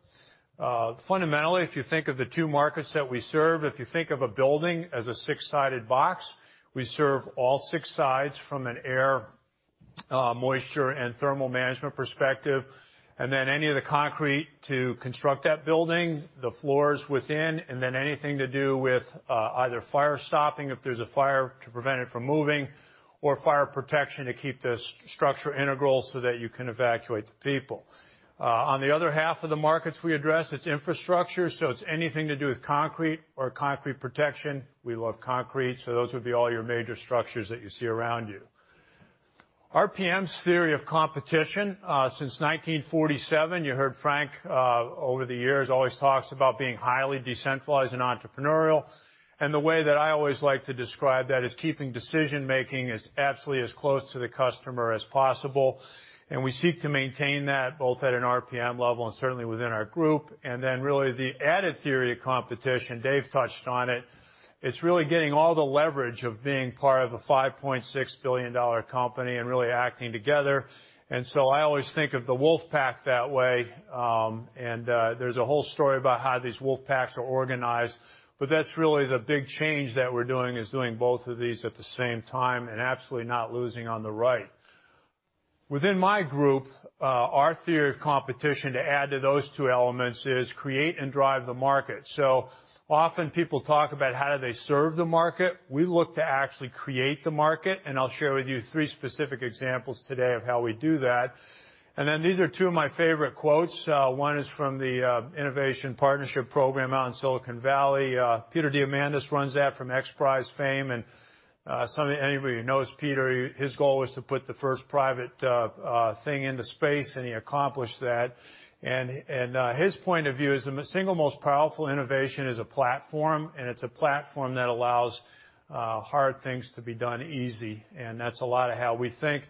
Fundamentally, if you think of the two markets that we serve, if you think of a building as a six-sided box, we serve all six sides from an air, moisture, and thermal management perspective. Any of the concrete to construct that building, the floors within, and then anything to do with either fire stopping, if there's a fire, to prevent it from moving, or fire protection to keep the structure integral so that you can evacuate the people. On the other half of the markets we address, it's infrastructure, so it's anything to do with concrete or concrete protection. We love concrete, so those would be all your major structures that you see around you. RPM's theory of competition. Since 1947, you heard Frank, over the years, always talks about being highly decentralized and entrepreneurial. The way that I always like to describe that is keeping decision-making as absolutely as close to the customer as possible. We seek to maintain that both at an RPM level and certainly within our group. Really the added theory of competition, Dave touched on it. It's really getting all the leverage of being part of a $5.6 billion company and really acting together. I always think of the wolf pack that way. There's a whole story about how these wolf packs are organized. That's really the big change that we're doing, is doing both of these at the same time and absolutely not losing on the right. Within my group, our theory of competition to add to those two elements is create and drive the market. Often people talk about how do they serve the market. We look to actually create the market, and I'll share with you three specific examples today of how we do that. These are two of my favorite quotes. One is from the Innovation Partnership program out in Silicon Valley. Peter Diamandis runs that from XPRIZE fame, and anybody who knows Peter, his goal was to put the first private thing into space, and he accomplished that. His point of view is the single most powerful innovation is a platform, and it's a platform that allows hard things to be done easy. That's a lot of how we think.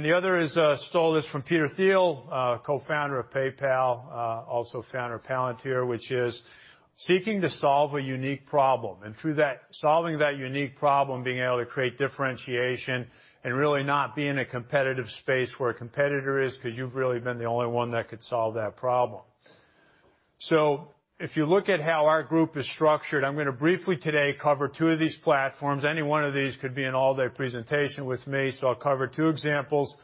The other is, stole this from Peter Thiel, co-founder of PayPal, also founder of Palantir, which is seeking to solve a unique problem. Through that, solving that unique problem, being able to create differentiation and really not be in a competitive space where a competitor is because you've really been the only one that could solve that problem. If you look at how our group is structured, I'm going to briefly today cover two of these platforms. Any one of these could be an all-day presentation with me, so I'll cover two examples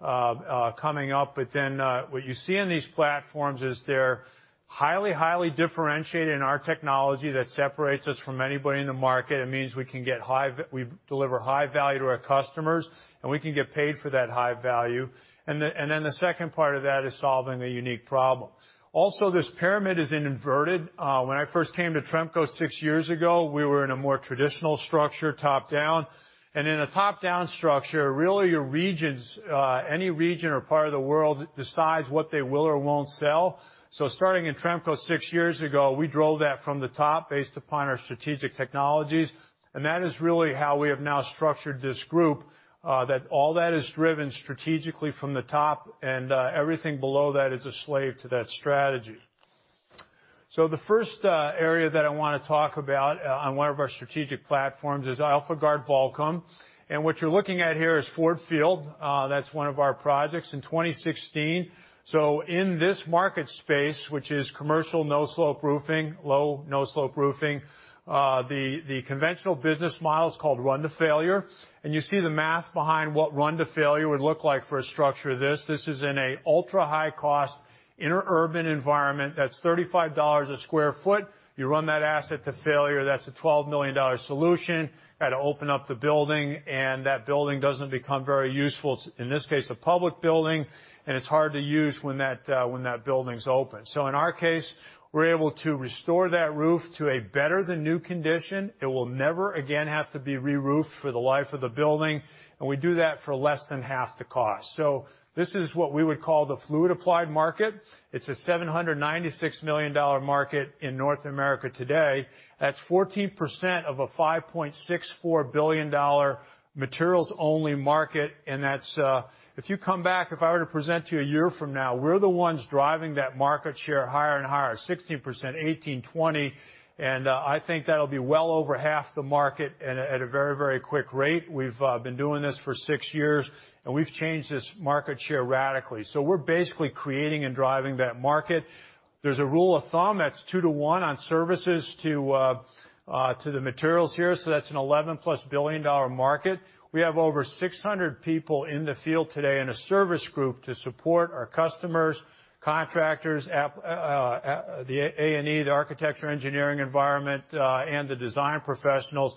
coming up. What you see in these platforms is they're highly differentiated in our technology that separates us from anybody in the market. It means we deliver high value to our customers, and we can get paid for that high value. The second part of that is solving a unique problem. Also, this pyramid is inverted. When I first came to Tremco six years ago, we were in a more traditional structure, top-down. In a top-down structure, really, any region or part of the world decides what they will or won't sell. Starting in Tremco six years ago, we drove that from the top based upon our strategic technologies, and that is really how we have now structured this group, that all that is driven strategically from the top and everything below that is a slave to that strategy. The first area that I want to talk about on one of our strategic platforms is AlphaGuard Vulkem. What you're looking at here is Ford Field. That's one of our projects in 2016. In this market space, which is commercial no slope roofing, low, no slope roofing, the conventional business model is called run to failure, and you see the math behind what run to failure would look like for a structure of this. This is in a ultra-high-cost inter-urban environment that's $35 a square foot. You run that asset to failure, that's a $12 million solution. Got to open up the building, and that building doesn't become very useful. In this case, a public building, and it's hard to use when that building's open. In our case, we're able to restore that roof to a better-than-new condition. It will never again have to be re-roofed for the life of the building, and we do that for less than half the cost. This is what we would call the fluid applied market. It's a $796 million market in North America today. That's 14% of a $5.64 billion materials-only market, and that's, if you come back, if I were to present to you a year from now, we're the ones driving that market share higher and higher, 16%, 18, 20. I think that'll be well over half the market at a very, very quick rate. We've been doing this for six years, and we've changed this market share radically. We're basically creating and driving that market. There's a rule of thumb that's two to one on services to the materials here. That's an $11-plus billion market. We have over 600 people in the field today in a service group to support our customers, contractors, the A&E, the architecture engineering environment, and the design professionals.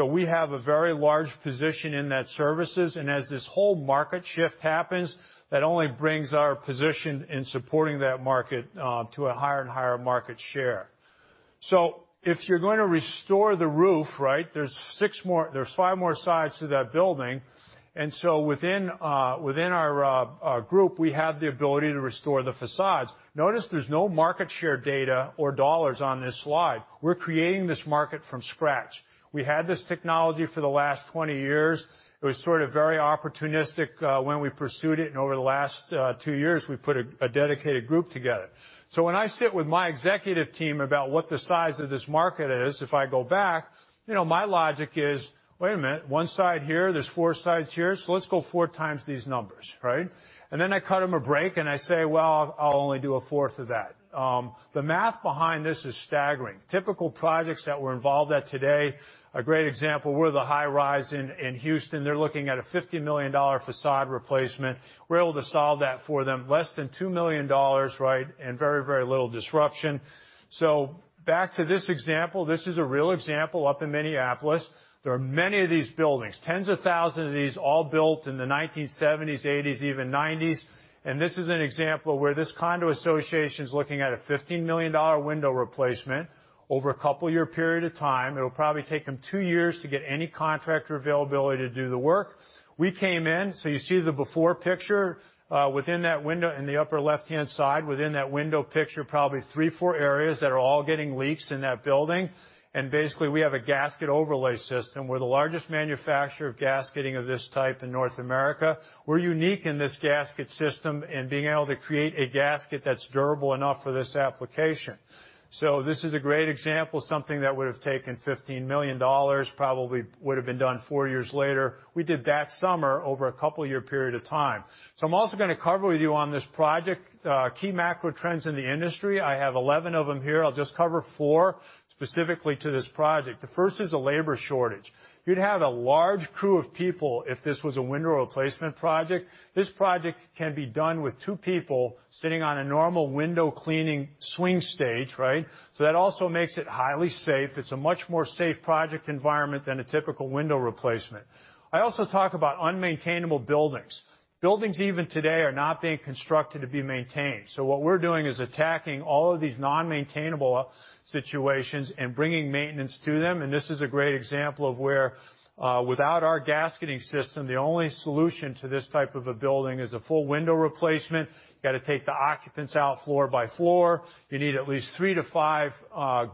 We have a very large position in that services, and as this whole market shift happens, that only brings our position in supporting that market to a higher and higher market share. If you're going to restore the roof, there's five more sides to that building, within our group, we have the ability to restore the facades. Notice there's no market share data or dollars on this slide. We're creating this market from scratch. We had this technology for the last 20 years. It was sort of very opportunistic, when we pursued it. Over the last two years, we put a dedicated group together. When I sit with my executive team about what the size of this market is, if I go back, my logic is, wait a minute, one side here, there's four sides here, let's go four times these numbers. Then I cut them a break and I say, "Well, I'll only do a fourth of that." The math behind this is staggering. Typical projects that we're involved at today, a great example, we're the high-rise in Houston. They're looking at a $50 million facade replacement. We're able to solve that for them less than $2 million and very little disruption. Back to this example. This is a real example up in Minneapolis. There are many of these buildings, tens of thousands of these all built in the 1970s, '80s, even '90s. This is an example of where this condo association's looking at a $15 million window replacement over a couple year period of time. It'll probably take them two years to get any contractor availability to do the work. We came in, so you see the before picture, within that window in the upper left-hand side, within that window picture, probably three, four areas that are all getting leaks in that building. Basically, we have a gasket overlay system. We're the largest manufacturer of gasketing of this type in North America. We're unique in this gasket system and being able to create a gasket that's durable enough for this application. This is a great example of something that would have taken $15 million, probably would have been done four years later. We did that summer over a couple year period of time. I'm also gonna cover with you on this project, key macro trends in the industry. I have 11 of them here. I'll just cover four specifically to this project. The first is a labor shortage. You'd have a large crew of people if this was a window replacement project. This project can be done with two people sitting on a normal window cleaning swing stage. That also makes it highly safe. It's a much more safe project environment than a typical window replacement. I also talk about unmaintainable buildings. Buildings even today are not being constructed to be maintained. What we're doing is attacking all of these non-maintainable situations and bringing maintenance to them. This is a great example of where, without our gasketing system, the only solution to this type of a building is a full window replacement. Got to take the occupants out floor by floor. You need at least 3 to 5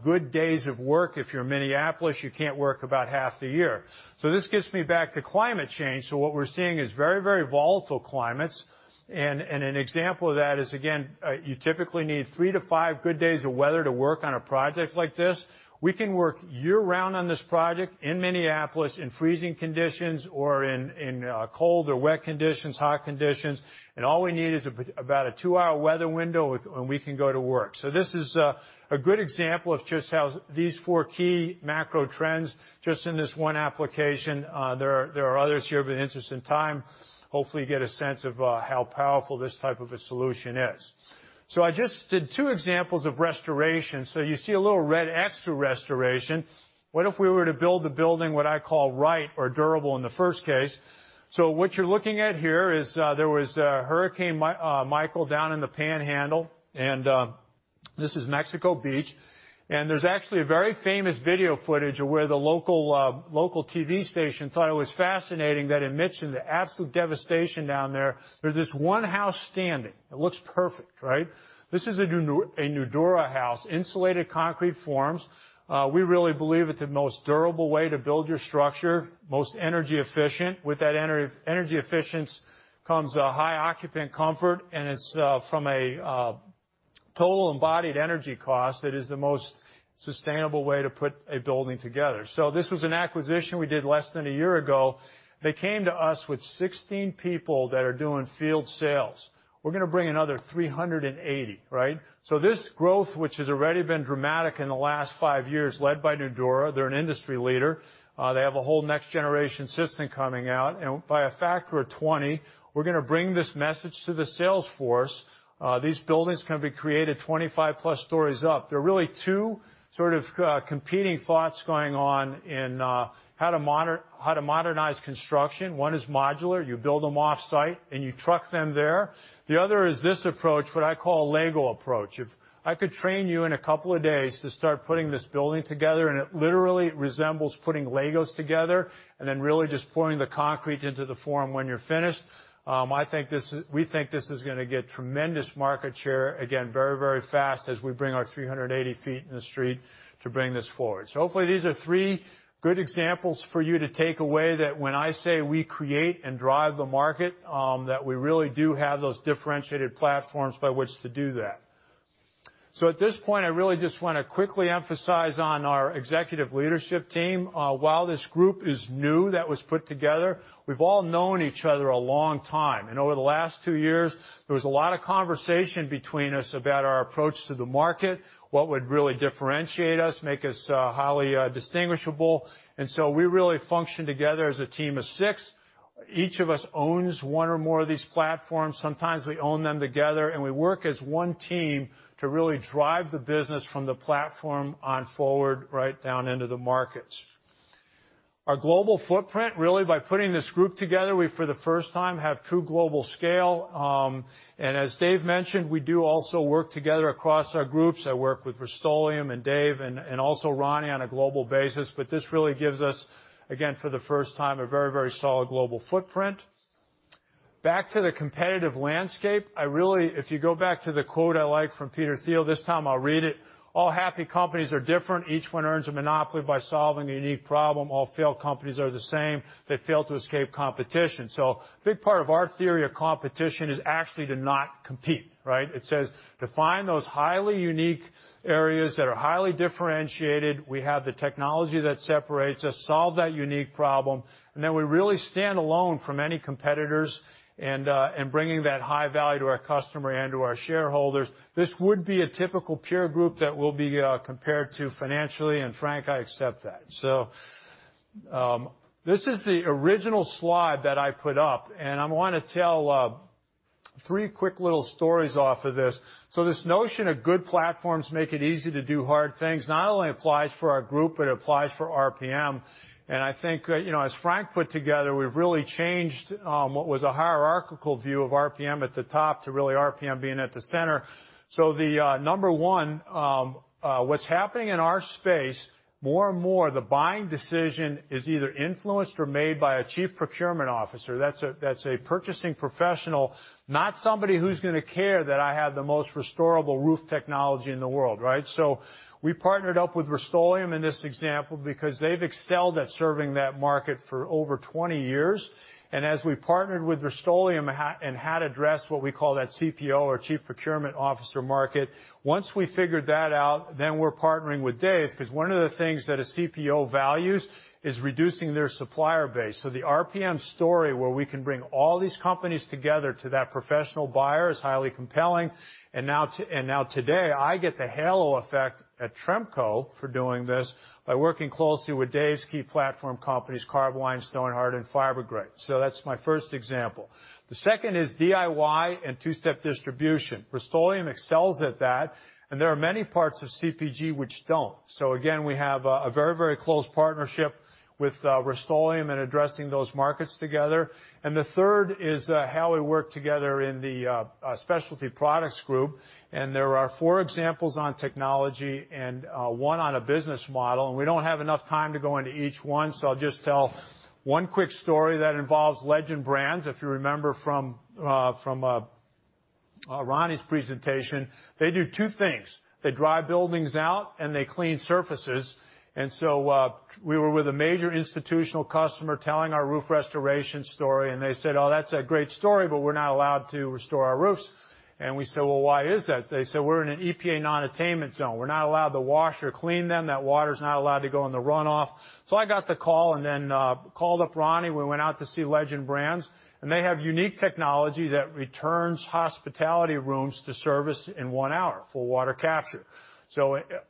good days of work. If you're Minneapolis, you can't work about half the year. This gets me back to climate change. What we're seeing is very, very volatile climates. An example of that is, again, you typically need 3 to 5 good days of weather to work on a project like this. We can work year-round on this project in Minneapolis in freezing conditions or in cold or wet conditions, hot conditions. All we need is about a two-hour weather window, we can go to work. This is a good example of just how these four key macro trends, just in this one application, there are others here, but in the interest of time, hopefully you get a sense of how powerful this type of a solution is. I just did two examples of restoration. You see a little red X through restoration. What if we were to build the building, what I call right or durable in the first case? What you're looking at here is, there was Hurricane Michael down in the Panhandle, and this is Mexico Beach, and there's actually a very famous video footage of where the local TV station thought it was fascinating that in the midst of the absolute devastation down there's this one house standing. It looks perfect, right? This is a Nudura house, insulated concrete forms. We really believe it's the most durable way to build your structure, most energy efficient. With that energy efficiency comes high occupant comfort, and it's from a total embodied energy cost that is the most sustainable way to put a building together. This was an acquisition we did less than a year ago. They came to us with 16 people that are doing field sales. We're going to bring another 380, right? This growth, which has already been dramatic in the last five years, led by Nudura, they're an industry leader. They have a whole next-generation system coming out. By a factor of 20, we're going to bring this message to the sales force. These buildings can be created 25-plus stories up. There are really two sort of competing thoughts going on in how to modernize construction. One is modular. You build them off-site, and you truck them there. The other is this approach, what I call Lego approach. If I could train you in a couple of days to start putting this building together, and it literally resembles putting Legos together, and then really just pouring the concrete into the form when you're finished. We think this is going to get tremendous market share, again, very, very fast as we bring our 380 feet in the street to bring this forward. Hopefully, these are three good examples for you to take away that when I say we create and drive the market, that we really do have those differentiated platforms by which to do that. At this point, I really just want to quickly emphasize on our executive leadership team. While this group is new that was put together, we've all known each other a long time. Over the last two years, there was a lot of conversation between us about our approach to the market, what would really differentiate us, make us highly distinguishable. We really function together as a team of six. Each of us owns one or more of these platforms. Sometimes we own them together. We work as one team to really drive the business from the platform on forward, right down into the markets. Our global footprint, really, by putting this group together, we, for the first time, have true global scale. As Dave mentioned, we do also work together across our groups. I work with Rust-Oleum, Dave, and also Ronnie on a global basis. This really gives us, again, for the first time, a very, very solid global footprint. Back to the competitive landscape. If you go back to the quote I like from Peter Thiel, this time I'll read it. "All happy companies are different. Each one earns a monopoly by solving a unique problem. All failed companies are the same. They fail to escape competition." Big part of our theory of competition is actually to not compete, right? It says define those highly unique areas that are highly differentiated. We have the technology that separates us, solve that unique problem, and then we really stand alone from any competitors and bringing that high value to our customer and to our shareholders. This would be a typical peer group that we'll be compared to financially, and Frank, I accept that. This is the original slide that I put up, and I want to tell three quick little stories off of this. This notion of good platforms make it easy to do hard things, not only applies for our group, but it applies for RPM. I think, as Frank put together, we've really changed what was a hierarchical view of RPM at the top to really RPM being at the center. The number 1, what's happening in our space, more and more, the buying decision is either influenced or made by a chief procurement officer. That's a purchasing professional, not somebody who's going to care that I have the most restorable roof technology in the world, right? We partnered up with Rust-Oleum in this example because they've excelled at serving that market for over 20 years. As we partnered with Rust-Oleum and had addressed what we call that CPO or chief procurement officer market, once we figured that out, we're partnering with Dave, because one of the things that a CPO values is reducing their supplier base. The RPM story, where we can bring all these companies together to that professional buyer, is highly compelling. Now today, I get the halo effect at Tremco for doing this by working closely with Dave's key platform companies, Carboline, Stonhard, and Fibergrate. That's my first example. The second is DIY and two-step distribution. Rust-Oleum excels at that, and there are many parts of CPG which don't. Again, we have a very close partnership with Rust-Oleum and addressing those markets together. The third is how we work together in the Specialty Products Group. There are four examples on technology and one on a business model. We don't have enough time to go into each one, so I'll just tell one quick story that involves Legend Brands. If you remember from Ronnie's presentation, they do two things. They dry buildings out. They clean surfaces. We were with a major institutional customer telling our roof restoration story. They said, "Oh, that's a great story, but we're not allowed to restore our roofs." We said, "Well, why is that?" They said, "We're in an EPA non-attainment zone. We're not allowed to wash or clean them. That water's not allowed to go in the runoff." I got the call. Called up Ronnie. We went out to see Legend Brands, and they have unique technology that returns hospitality rooms to service in one hour for water capture.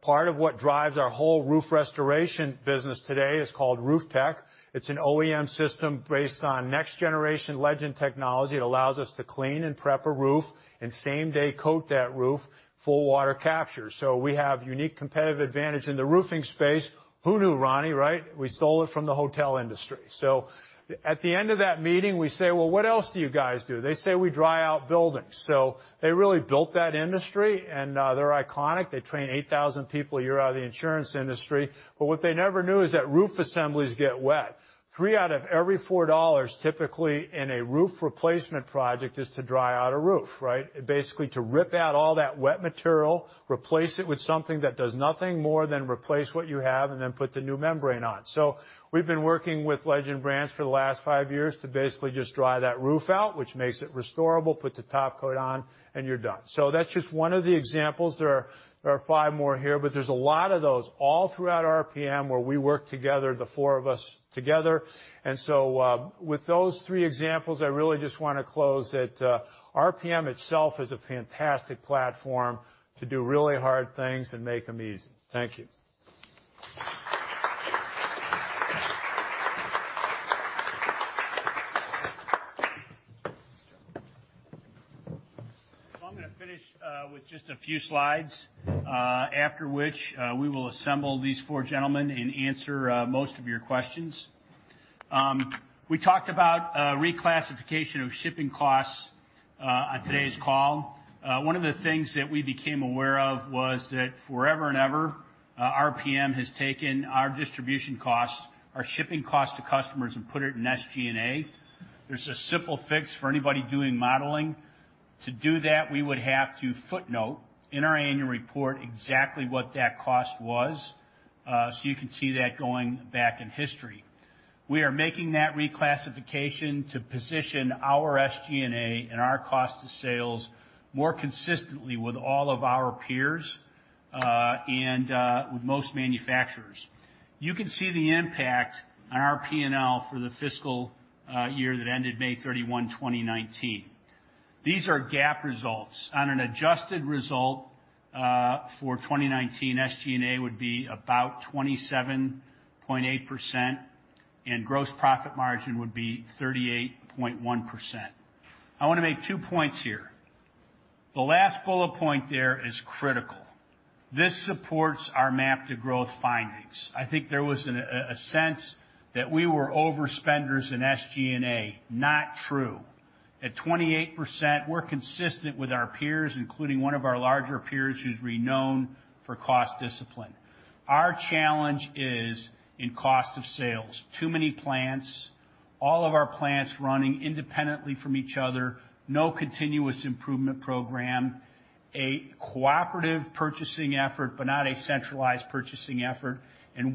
Part of what drives our whole roof restoration business today is called Roof Tech. It's an OEM system based on next generation Legend technology. It allows us to clean and prep a roof, and same-day coat that roof for water capture. We have unique competitive advantage in the roofing space. Who knew, Ronnie, right? We stole it from the hotel industry. At the end of that meeting, we say, "Well, what else do you guys do?" They say, "We dry out buildings." They really built that industry, and they're iconic. They train 8,000 people a year out of the insurance industry. What they never knew is that roof assemblies get wet. Three out of every $4, typically, in a roof replacement project is to dry out a roof, right? Basically, to rip out all that wet material, replace it with something that does nothing more than replace what you have, and then put the new membrane on. We've been working with Legend Brands for the last five years to basically just dry that roof out, which makes it restorable, put the top coat on, and you're done. That's just one of the examples. There are five more here. There's a lot of those all throughout RPM, where we work together, the four of us together. With those three examples, I really just want to close that RPM itself is a fantastic platform to do really hard things and make them easy. Thank you. I'm going to finish with just a few slides, after which, we will assemble these four gentlemen and answer most of your questions. We talked about reclassification of shipping costs on today's call. One of the things that we became aware of was that forever and ever, RPM has taken our distribution cost, our shipping cost to customers, and put it in SG&A. There's a simple fix for anybody doing modeling. To do that, we would have to footnote in our annual report exactly what that cost was, so you can see that going back in history. We are making that reclassification to position our SG&A and our cost of sales more consistently with all of our peers, and with most manufacturers. You can see the impact on our P&L for the fiscal year that ended May 31, 2019. These are GAAP results. On an adjusted result for 2019, SG&A would be about 27.8%, and gross profit margin would be 38.1%. I want to make two points here. The last bullet point there is critical. This supports our MAP to Growth findings. I think there was a sense that we were overspenders in SG&A. Not true. At 28%, we're consistent with our peers, including one of our larger peers who's renowned for cost discipline. Our challenge is in cost of sales. Too many plants. All of our plants running independently from each other. No continuous improvement program. A cooperative purchasing effort, but not a centralized purchasing effort.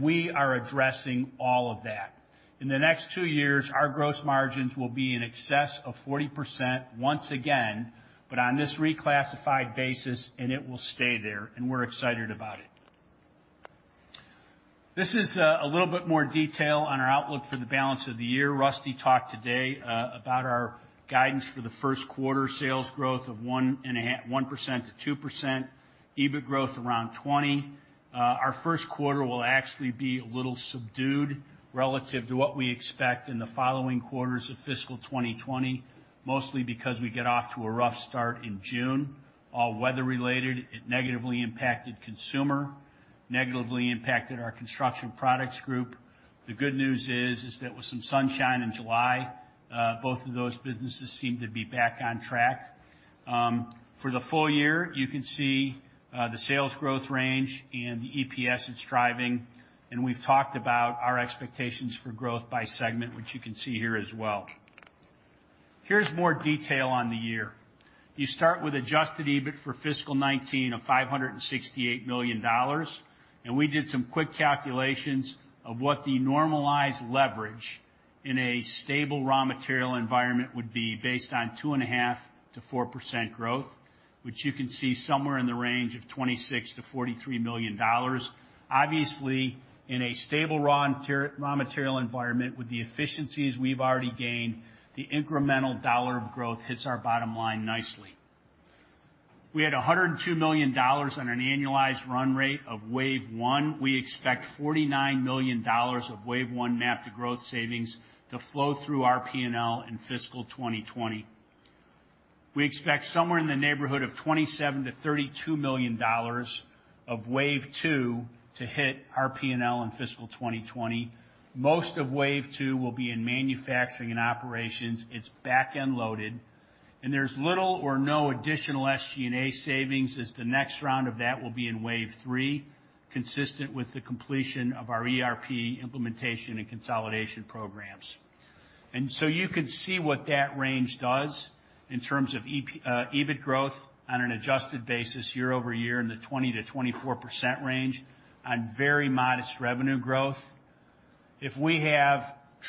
We are addressing all of that. In the next two years, our gross margins will be in excess of 40% once again, but on this reclassified basis, and it will stay there, and we're excited about it. This is a little bit more detail on our outlook for the balance of the year. Rusty talked today about our guidance for the first quarter sales growth of 1%-2%, EBIT growth around 20%. Our first quarter will actually be a little subdued relative to what we expect in the following quarters of fiscal 2020, mostly because we get off to a rough start in June. All weather-related. It negatively impacted Consumer Group, negatively impacted our Construction Products Group. The good news is that with some sunshine in July, both of those businesses seem to be back on track. For the full year, you can see the sales growth range and the EPS it's driving. We've talked about our expectations for growth by segment, which you can see here as well. Here's more detail on the year. You start with adjusted EBIT for fiscal 2019 of $568 million. We did some quick calculations of what the normalized leverage in a stable raw material environment would be based on 2.5%-4% growth, which you can see somewhere in the range of $26 million-$43 million. Obviously, in a stable raw material environment with the efficiencies we've already gained, the incremental dollar of growth hits our bottom line nicely. We had $102 million on an annualized run rate of Wave One. We expect $49 million of Wave One MAP to Growth savings to flow through our P&L in fiscal 2020. We expect somewhere in the neighborhood of $27 million-$32 million of Wave Two to hit our P&L in fiscal 2020. Most of Wave Two will be in manufacturing and operations. It's back-end loaded. There's little or no additional SG&A savings, as the next round of that will be in wave 3, consistent with the completion of our ERP implementation and consolidation programs. You can see what that range does in terms of EBIT growth on an adjusted basis year-over-year in the 20%-24% range on very modest revenue growth. If we have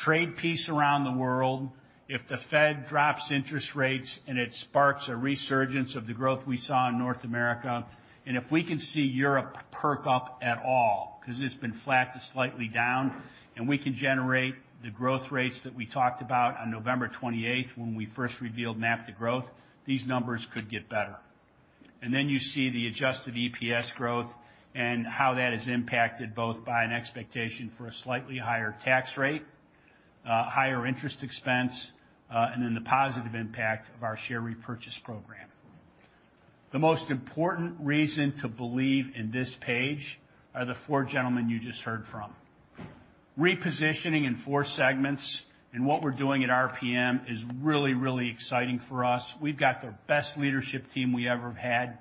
trade peace around the world, if the Fed drops interest rates and it sparks a resurgence of the growth we saw in North America, and if we can see Europe perk up at all, because it's been flat to slightly down, and we can generate the growth rates that we talked about on November 28th when we first revealed MAP to Growth, these numbers could get better. Then you see the adjusted EPS growth and how that is impacted both by an expectation for a slightly higher tax rate, higher interest expense, and then the positive impact of our share repurchase program. The most important reason to believe in this page are the four gentlemen you just heard from. Repositioning in four segments and what we're doing at RPM is really, really exciting for us. We've got the best leadership team we ever had.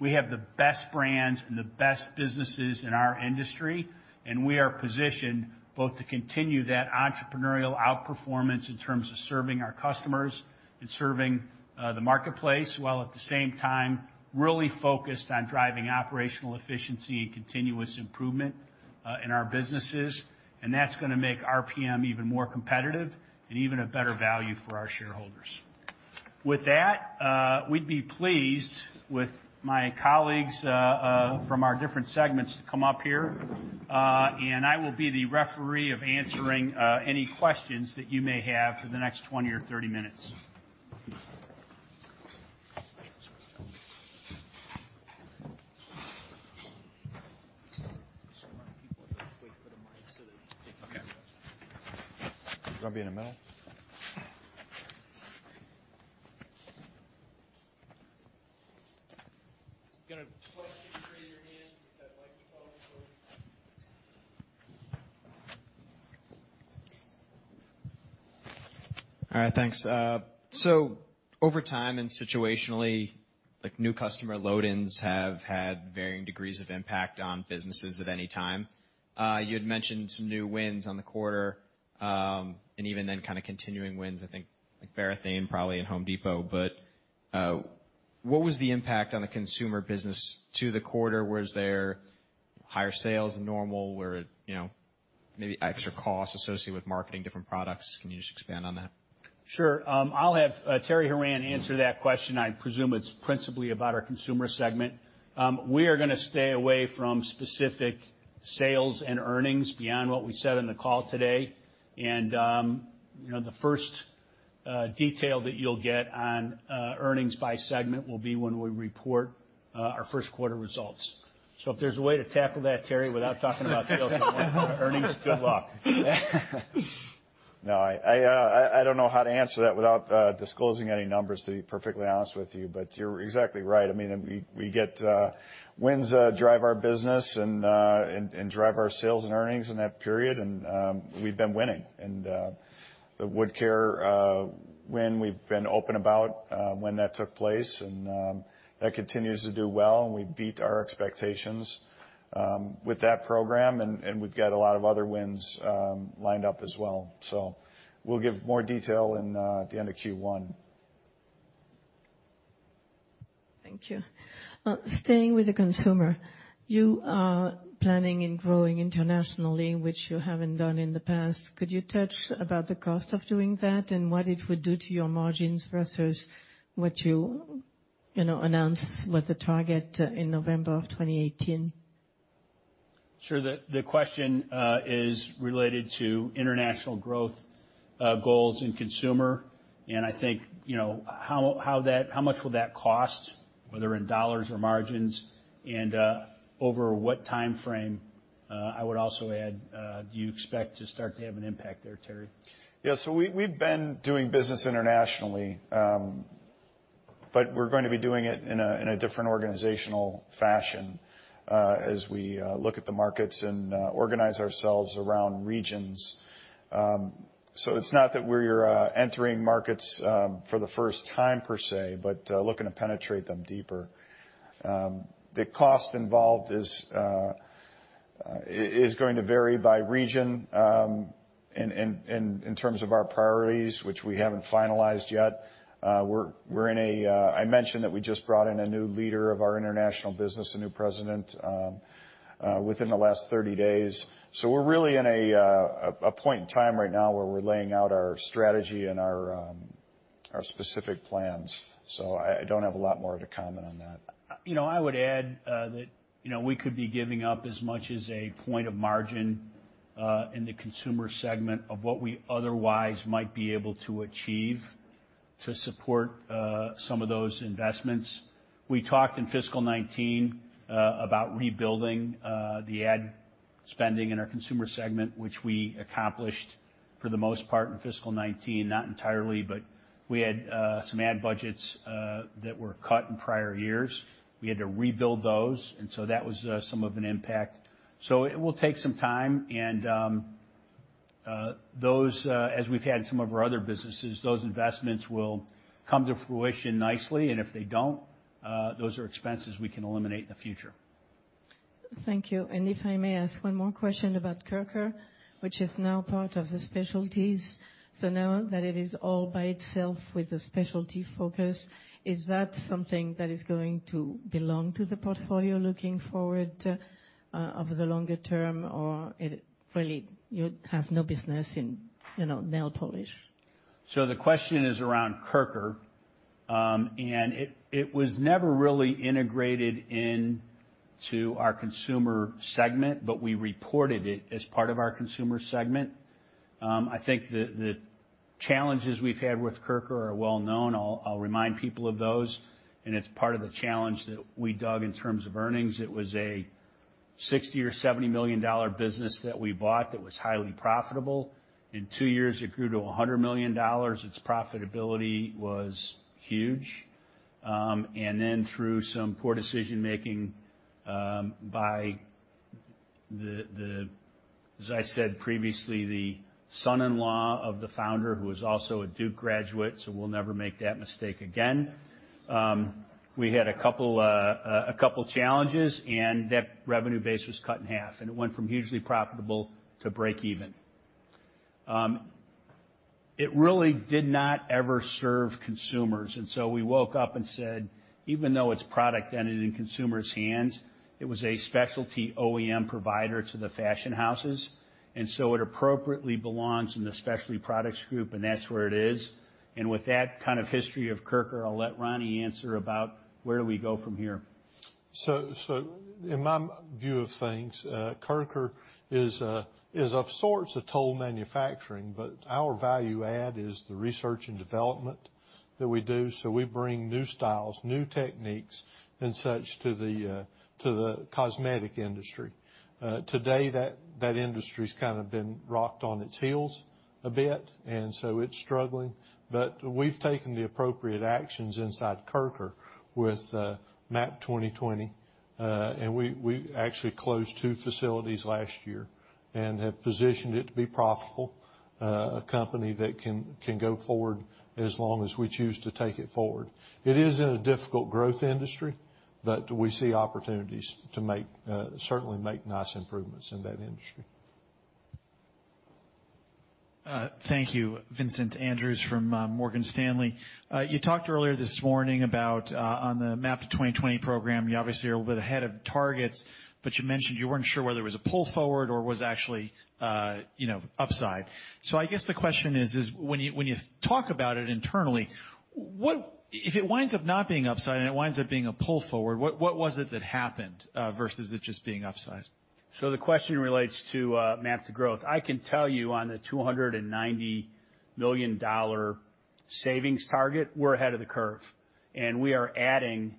We have the best brands and the best businesses in our industry, and we are positioned both to continue that entrepreneurial outperformance in terms of serving our customers and serving the marketplace, while at the same time really focused on driving operational efficiency and continuous improvement in our businesses. That's going to make RPM even more competitive and even a better value for our shareholders. With that, we'd be pleased with my colleagues from our different segments to come up here. I will be the referee of answering any questions that you may have for the next 20 or 30 minutes. There's a lot of people, so wait for the mic so that they can hear your question. Okay. Do you want me in the middle? If you have a question, raise your hand with that microphone so. All right. Thanks. Over time and situationally, new customer load-ins have had varying degrees of impact on businesses at any time. You had mentioned some new wins on the quarter, and even then kind of continuing wins, I think, like Varathane probably and Home Depot. What was the impact on the consumer business to the quarter? Was there higher sales than normal? Were maybe extra costs associated with marketing different products? Can you just expand on that? Sure. I'll have Terry Horan answer that question. I presume it's principally about our consumer segment. We are going to stay away from specific sales and earnings beyond what we said on the call today. The first detail that you'll get on earnings by segment will be when we report our first quarter results. If there's a way to tackle that, Terry, without talking about sales and earnings, good luck. I don't know how to answer that without disclosing any numbers, to be perfectly honest with you. You're exactly right. Wins drive our business and drive our sales and earnings in that period, and we've been winning. The Woodcare win, we've been open about when that took place, and that continues to do well, and we beat our expectations with that program, and we've got a lot of other wins lined up as well. We'll give more detail at the end of Q1. Thank you. Staying with the consumer, you are planning and growing internationally, which you haven't done in the past. Could you touch about the cost of doing that and what it would do to your margins versus what you announce was the target in November of 2018? Sure. The question is related to international growth goals in consumer. I think how much will that cost, whether in dollars or margins, and over what timeframe, I would also add, do you expect to start to have an impact there, Terry? We've been doing business internationally, but we're going to be doing it in a different organizational fashion as we look at the markets and organize ourselves around regions. It's not that we're entering markets for the first time per se, but looking to penetrate them deeper. The cost involved is going to vary by region in terms of our priorities, which we haven't finalized yet. I mentioned that we just brought in a new leader of our international business, a new president, within the last 30 days. We're really in a point in time right now where we're laying out our strategy and our specific plans. I don't have a lot more to comment on that. I would add that we could be giving up as much as a point of margin in the consumer segment of what we otherwise might be able to achieve to support some of those investments. We talked in fiscal 2019 about rebuilding the ad spending in our consumer segment, which we accomplished for the most part in fiscal 2019, not entirely, but we had some ad budgets that were cut in prior years. We had to rebuild those. That was some of an impact. It will take some time, and as we've had in some of our other businesses, those investments will come to fruition nicely. If they don't, those are expenses we can eliminate in the future. Thank you. If I may ask one more question about Kirker, which is now part of the specialties. Now that it is all by itself with a specialty focus, is that something that is going to belong to the portfolio looking forward over the longer term? Really you have no business in nail polish? The question is around Kirker, and it was never really integrated into our Consumer Group, but we reported it as part of our Consumer Group. I think the challenges we've had with Kirker are well-known. I'll remind people of those, and it's part of the challenge that we dug in terms of earnings. It was a $60 million or $70 million business that we bought that was highly profitable. In two years, it grew to $100 million. Its profitability was huge. Then through some poor decision making by the, as I said previously, the son-in-law of the founder, who was also a Duke graduate, so we'll never make that mistake again. We had a couple challenges, and that revenue base was cut in half, and it went from hugely profitable to break even. It really did not ever serve consumers. We woke up and said, even though its product ended in consumers' hands, it was a specialty OEM provider to the fashion houses. It appropriately belongs in the Specialty Products Group, and that's where it is. With that kind of history of Kirker, I'll let Ronnie answer about where we go from here. In my view of things, Kirker is of sorts a toll manufacturing, but our value add is the research and development that we do. We bring new styles, new techniques, and such to the cosmetic industry. Today, that industry's kind of been rocked on its heels a bit, and so it's struggling. We've taken the appropriate actions inside Kirker with MAP 2020. We actually closed two facilities last year and have positioned it to be profitable, a company that can go forward as long as we choose to take it forward. It is in a difficult growth industry. We see opportunities to certainly make nice improvements in that industry. Thank you. Vincent Andrews from Morgan Stanley. You talked earlier this morning about on the MAP 2020 program, you obviously are a little bit ahead of targets, but you mentioned you weren't sure whether it was a pull forward or was actually upside. I guess the question is, when you talk about it internally, if it winds up not being upside and it winds up being a pull forward, what was it that happened, versus it just being upside? The question relates to MAP to Growth. I can tell you on the $290 million savings target, we're ahead of the curve, and we are adding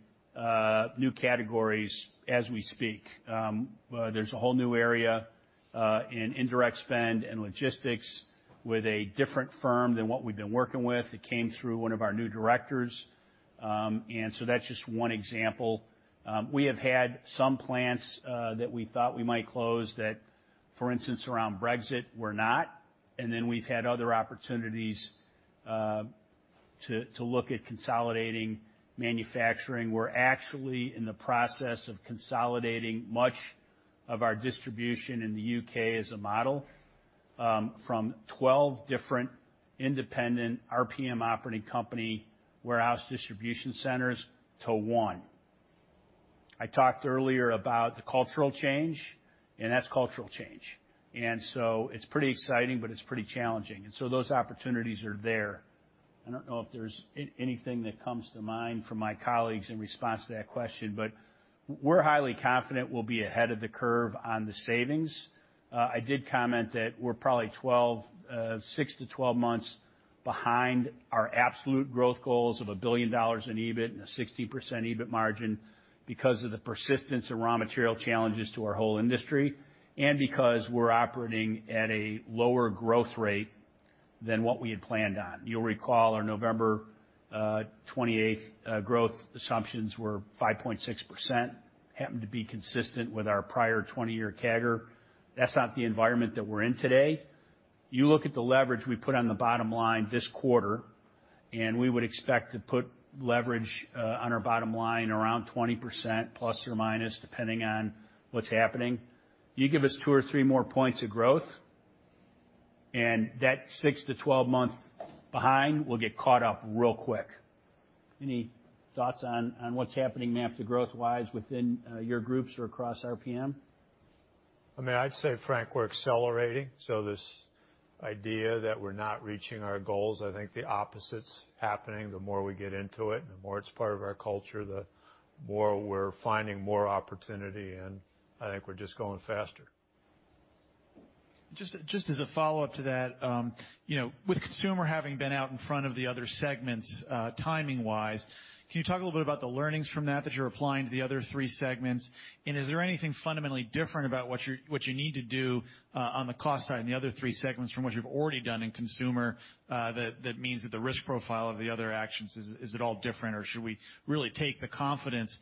new categories as we speak. There's a whole new area in indirect spend and logistics with a different firm than what we've been working with that came through one of our new directors. That's just one example. We have had some plants that we thought we might close that, for instance, around Brexit, were not. We've had other opportunities to look at consolidating manufacturing. We're actually in the process of consolidating much of our distribution in the U.K. as a model from 12 different independent RPM operating company warehouse distribution centers to one. I talked earlier about the cultural change, and that's cultural change. It's pretty exciting, but it's pretty challenging. Those opportunities are there. I don't know if there's anything that comes to mind from my colleagues in response to that question, but we're highly confident we'll be ahead of the curve on the savings. I did comment that we're probably 6-12 months behind our absolute growth goals of $1 billion in EBIT and a 60% EBIT margin because of the persistence of raw material challenges to our whole industry and because we're operating at a lower growth rate than what we had planned on. You'll recall our November 28th growth assumptions were 5.6%, happened to be consistent with our prior 20-year CAGR. That's not the environment that we're in today. You look at the leverage we put on the bottom line this quarter, and we would expect to put leverage on our bottom line around 20% ±, depending on what's happening. You give us two or three more points of growth, that 6-12 months behind will get caught up real quick. Any thoughts on what's happening MAP to Growth-wise within your groups or across RPM? I'd say, Frank, we're accelerating. This idea that we're not reaching our goals, I think the opposite's happening. The more we get into it, the more it's part of our culture, the more we're finding more opportunity, and I think we're just going faster. Just as a follow-up to that. With Consumer having been out in front of the other segments timing-wise, can you talk a little bit about the learnings from that that you're applying to the other three segments? Is there anything fundamentally different about what you need to do on the cost side and the other three segments from what you've already done in Consumer that means that the risk profile of the other actions is at all different, or should we really take the confidence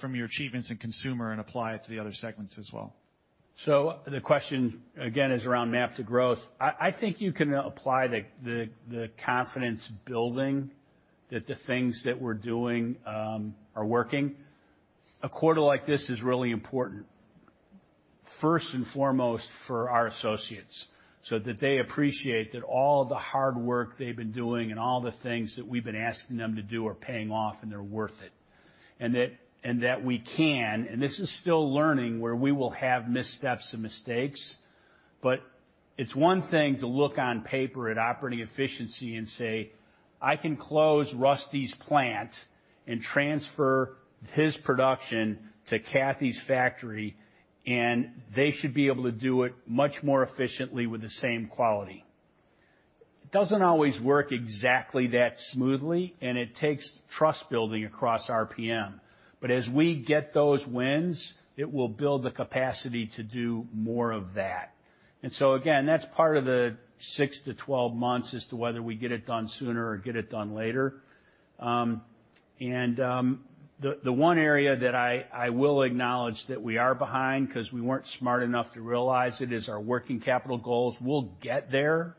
from your achievements in Consumer and apply it to the other segments as well? The question again is around MAP to Growth. I think you can apply the confidence building that the things that we're doing are working. A quarter like this is really important, first and foremost for our associates, so that they appreciate that all the hard work they've been doing and all the things that we've been asking them to do are paying off and they're worth it. That we can, and this is still learning where we will have missteps and mistakes, but it's one thing to look on paper at operating efficiency and say, "I can close Rusty's plant and transfer his production to Kathy's factory, and they should be able to do it much more efficiently with the same quality." It doesn't always work exactly that smoothly, it takes trust-building across RPM. As we get those wins, it will build the capacity to do more of that. Again, that's part of the 6 to 12 months as to whether we get it done sooner or get it done later. The one area that I will acknowledge that we are behind, because we weren't smart enough to realize it, is our working capital goals. We'll get there,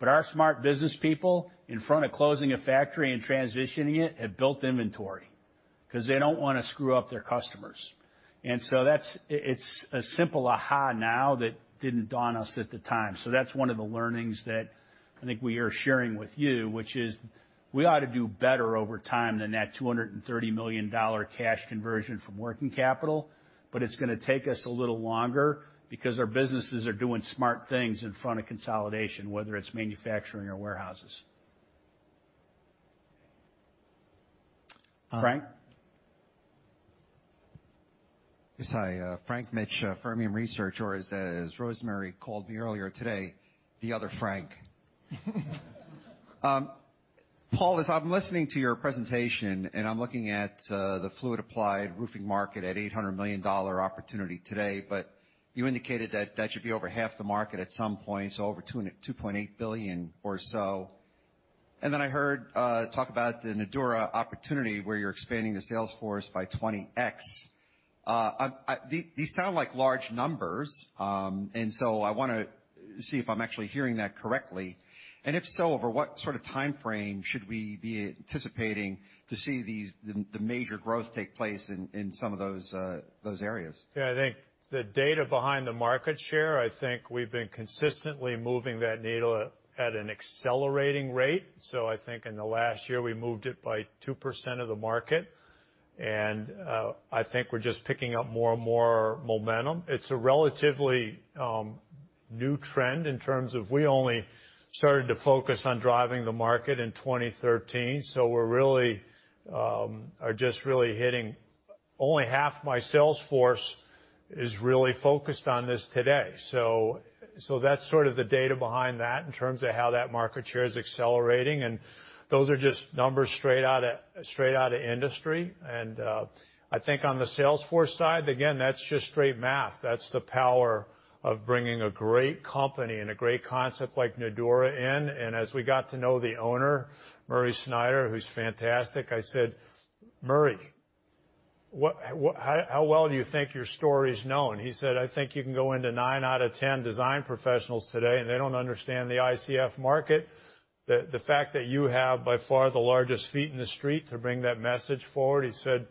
but our smart business people, in front of closing a factory and transitioning it, have built inventory because they don't want to screw up their customers. It's a simple aha now that didn't dawn on us at the time. That's one of the learnings that I think we are sharing with you, which is we ought to do better over time than that $230 million cash conversion from working capital, but it's going to take us a little longer because our businesses are doing smart things in front of consolidation, whether it's manufacturing or warehouses. Frank? Yes. Hi, Frank Mitsch, Fermium Research, or as Rosemary called me earlier today, the other Frank. Paul, as I'm listening to your presentation and I'm looking at the fluid applied roofing market at $800 million opportunity today, but you indicated that that should be over half the market at some point, so over $2.8 billion or so. I heard talk about the Nudura opportunity where you're expanding the sales force by 20X. These sound like large numbers. I want to see if I'm actually hearing that correctly. If so, over what sort of timeframe should we be anticipating to see the major growth take place in some of those areas? Yeah, I think the data behind the market share, I think we've been consistently moving that needle at an accelerating rate. I think in the last year, we moved it by 2% of the market, and I think we're just picking up more and more momentum. It's a relatively new trend in terms of we only started to focus on driving the market in 2013. Only half my sales force is really focused on this today. That's sort of the data behind that in terms of how that market share is accelerating, and those are just numbers straight out of industry. I think on the sales force side, again, that's just straight math. That's the power of bringing a great company and a great concept like Nudura in. As we got to know the owner, Murray Snyder, who's fantastic, I said, "Murray, how well do you think your story's known?" He said, "I think you can go into nine out of 10 design professionals today, and they don't understand the ICF market." The fact that you have by far the largest feet in the street to bring that message forward, he said,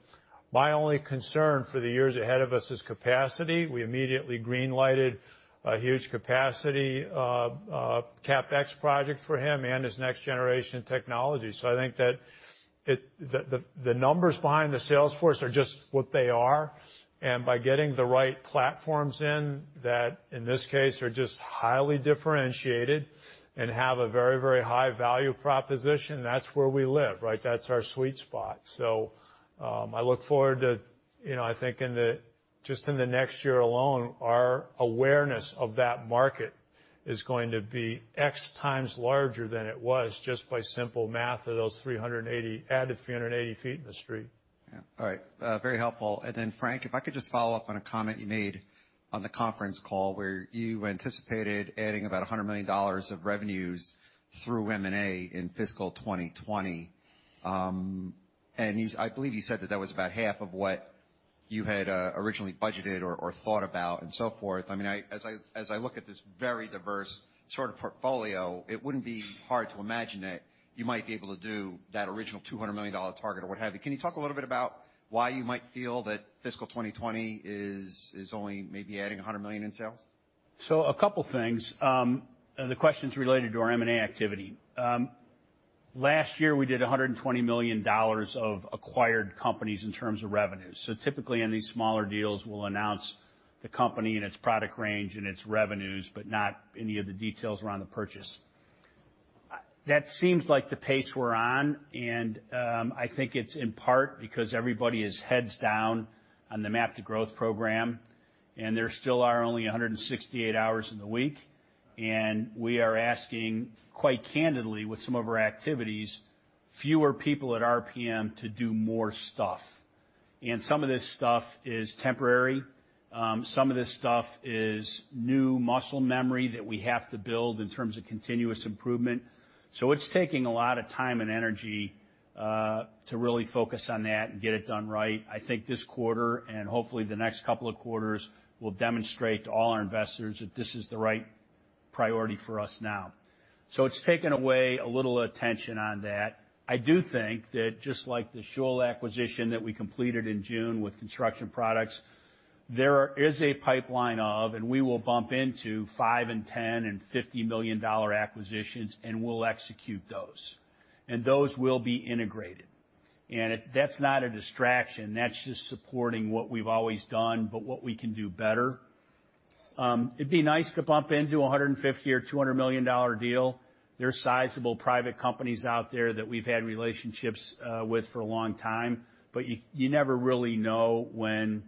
"My only concern for the years ahead of us is capacity." We immediately green-lighted a huge capacity CapEx project for him and his next-generation technology. I think that the numbers behind the sales force are just what they are, and by getting the right platforms in that, in this case, are just highly differentiated and have a very high value proposition, that's where we live, right? That's our sweet spot. I think just in the next year alone, our awareness of that market is going to be X times larger than it was just by simple math of those added 380 feet in the street. Yeah. All right. Very helpful. Frank, if I could just follow up on a comment you made on the conference call where you anticipated adding about $100 million of revenues through M&A in fiscal 2020. I believe you said that that was about half of what you had originally budgeted or thought about and so forth. As I look at this very diverse sort of portfolio, it wouldn't be hard to imagine that you might be able to do that original $200 million target or what have you. Can you talk a little bit about why you might feel that fiscal 2020 is only maybe adding $100 million in sales? A couple things. The question's related to our M&A activity. Last year we did $120 million of acquired companies in terms of revenues. Typically, in these smaller deals, we'll announce the company and its product range and its revenues, but not any of the details around the purchase. That seems like the pace we're on, and I think it's in part because everybody is heads down on the MAP to Growth program, and there still are only 168 hours in the week, and we are asking, quite candidly with some of our activities, fewer people at RPM to do more stuff. Some of this stuff is temporary. Some of this stuff is new muscle memory that we have to build in terms of continuous improvement. It's taking a lot of time and energy to really focus on that and get it done right. I think this quarter, and hopefully the next couple of quarters, will demonstrate to all our investors that this is the right priority for us now. It's taken away a little attention on that. I do think that just like the Schul acquisition that we completed in June with Construction Products. There is a pipeline of, and we will bump into $5 million and $10 million and $50 million acquisitions, and we'll execute those, and those will be integrated. That's not a distraction. That's just supporting what we've always done, but what we can do better. It'd be nice to bump into $150 million or $200 million deal. There are sizable private companies out there that we've had relationships with for a long time, but you never really know when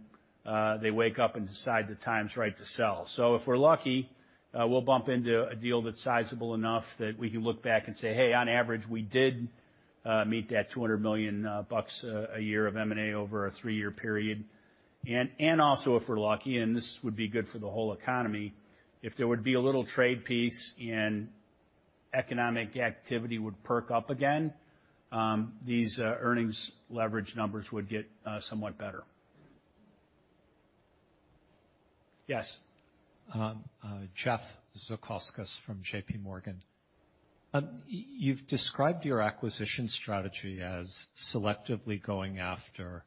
they wake up and decide the time is right to sell. If we're lucky, we'll bump into a deal that's sizable enough that we can look back and say, "Hey, on average, we did meet that $200 million a year of M&A over a three-year period." If we're lucky, and this would be good for the whole economy, if there would be a little trade peace and economic activity would perk up again, these earnings leverage numbers would get somewhat better. Yes. Jeff Zekauskas from JPMorgan. You've described your acquisition strategy as selectively going after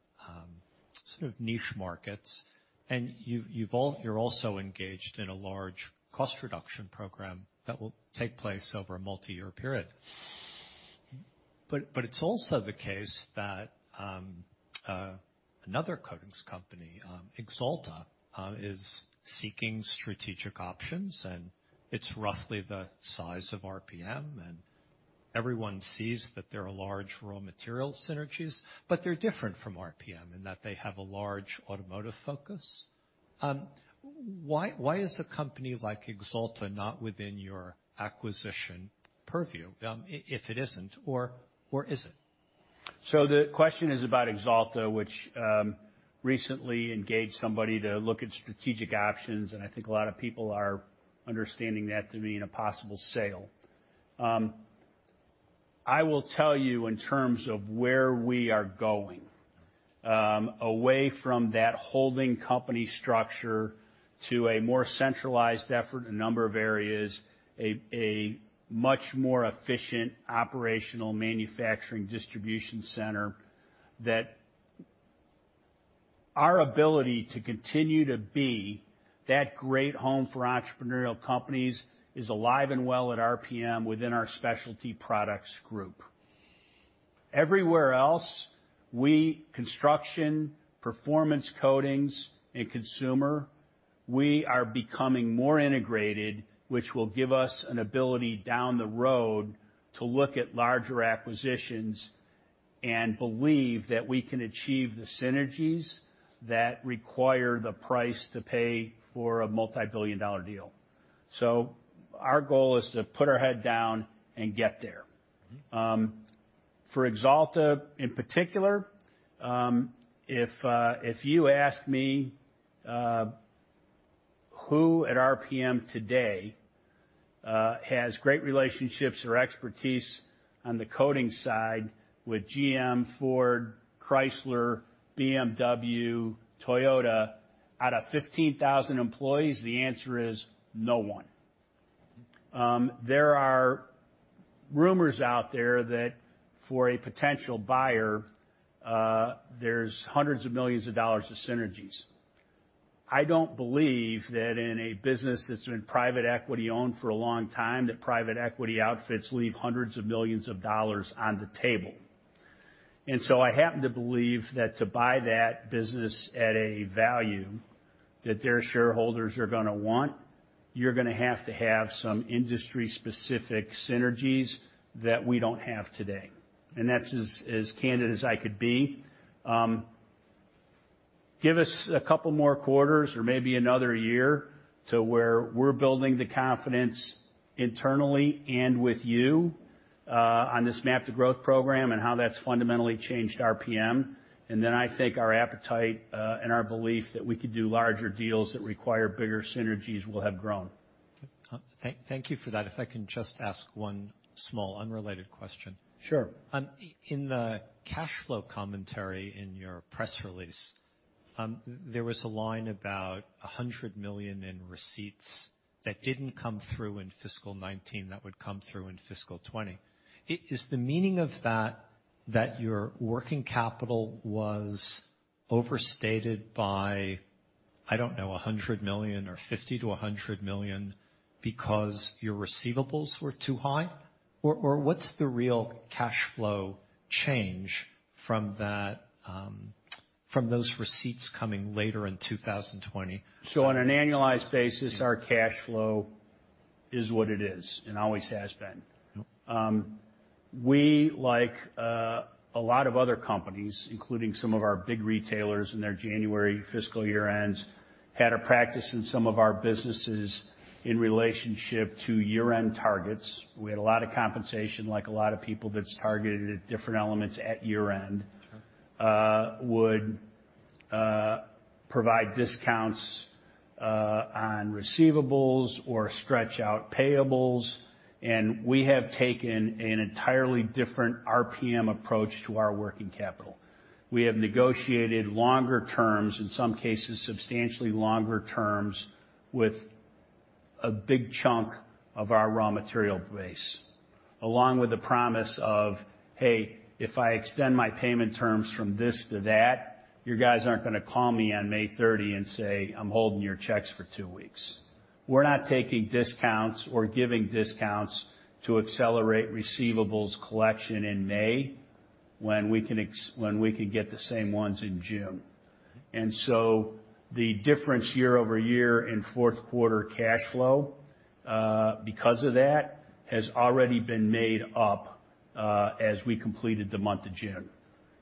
sort of niche markets. You're also engaged in a large cost reduction program that will take place over a multi-year period. It's also the case that another coatings company, Axalta, is seeking strategic options, and it's roughly the size of RPM, and everyone sees that there are large raw material synergies, but they're different from RPM, and that they have a large automotive focus. Why is a company like Axalta not within your acquisition purview? If it isn't, or is it? The question is about Axalta, which recently engaged somebody to look at strategic options, and I think a lot of people are understanding that to mean a possible sale. I will tell you in terms of where we are going, away from that holding company structure to a more centralized effort, a number of areas, a much more efficient operational manufacturing distribution center, that our ability to continue to be that great home for entrepreneurial companies is alive and well at RPM within our Specialty Products Group. Everywhere else, we, Construction, Performance Coatings, and Consumer, we are becoming more integrated, which will give us an ability down the road to look at larger acquisitions and believe that we can achieve the synergies that require the price to pay for a multi-billion dollar deal. Our goal is to put our head down and get there. For Axalta, in particular, if you ask me who at RPM today has great relationships or expertise on the coding side with GM, Ford, Chrysler, BMW, Toyota, out of 15,000 employees, the answer is no one. There are rumors out there that for a potential buyer, there's hundreds of millions of dollars of synergies. I don't believe that in a business that's been private equity owned for a long time, that private equity outfits leave hundreds of millions of dollars on the table. I happen to believe that to buy that business at a value that their shareholders are going to want, you're going to have to have some industry-specific synergies that we don't have today. That's as candid as I could be. Give us a couple more quarters or maybe another year to where we're building the confidence internally and with you on this MAP to Growth program and how that's fundamentally changed RPM. I think our appetite and our belief that we could do larger deals that require bigger synergies will have grown. Thank you for that. If I can just ask one small, unrelated question. Sure. In the cash flow commentary in your press release, there was a line about $100 million in receipts that didn't come through in fiscal 2019 that would come through in fiscal 2020. Is the meaning of that your working capital was overstated by, I don't know, $100 million or $50 million-$100 million because your receivables were too high? What's the real cash flow change from those receipts coming later in 2020? On an annualized basis, our cash flow is what it is and always has been. We, like a lot of other companies, including some of our big retailers in their January fiscal year ends, had a practice in some of our businesses in relationship to year-end targets. We had a lot of compensation, like a lot of people that's targeted at different elements at year-end. Sure. Would provide discounts on receivables or stretch out payables. We have taken an entirely different RPM approach to our working capital. We have negotiated longer terms, in some cases, substantially longer terms with a big chunk of our raw material base, along with the promise of, hey, if I extend my payment terms from this to that, you guys aren't going to call me on May 30 and say, "I'm holding your checks for two weeks." We're not taking discounts or giving discounts to accelerate receivables collection in May, when we could get the same ones in June. The difference year-over-year in fourth quarter cash flow, because of that, has already been made up as we completed the month of June.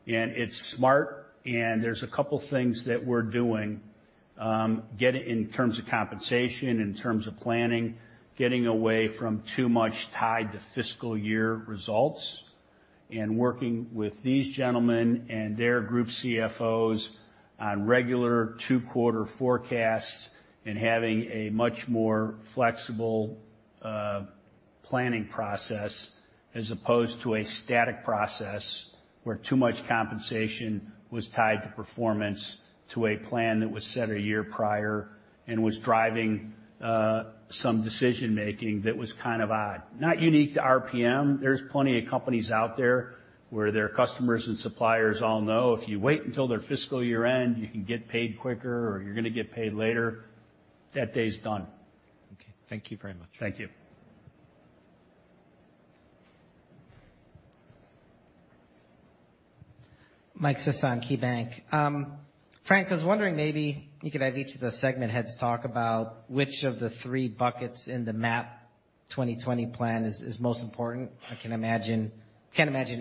It's smart, and there's a couple things that we're doing, get it in terms of compensation, in terms of planning, getting away from too much tied to fiscal year results and working with these gentlemen and their group CFOs on regular two-quarter forecasts and having a much more flexible planning process as opposed to a static process where too much compensation was tied to performance to a plan that was set a year prior and was driving some decision-making that was kind of odd. Not unique to RPM. There's plenty of companies out there where their customers and suppliers all know if you wait until their fiscal year-end, you can get paid quicker, or you're going to get paid later. That day is done. Okay. Thank you very much. Thank you. Mike Sison, KeyBanc. Frank, I was wondering maybe you could have each of the segment heads talk about which of the three buckets in the MAP 2020 plan is most important. I can't imagine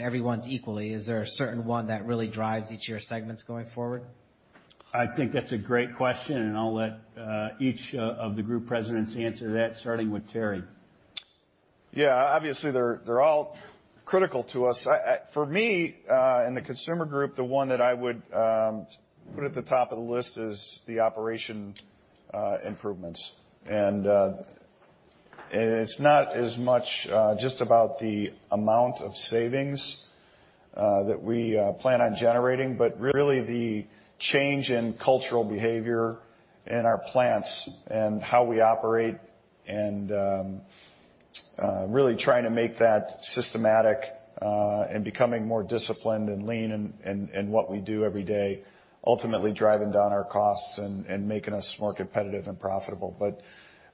everyone's equally. Is there a certain one that really drives each of your segments going forward? I think that's a great question. I'll let each of the Group Presidents answer that, starting with Terry. Yeah. Obviously, they're all critical to us. For me, in the Consumer Group, the one that I would put at the top of the list is the operation improvements. It's not as much just about the amount of savings that we plan on generating, but really the change in cultural behavior in our plants and how we operate and really trying to make that systematic, and becoming more disciplined and lean in what we do every day, ultimately driving down our costs and making us more competitive and profitable.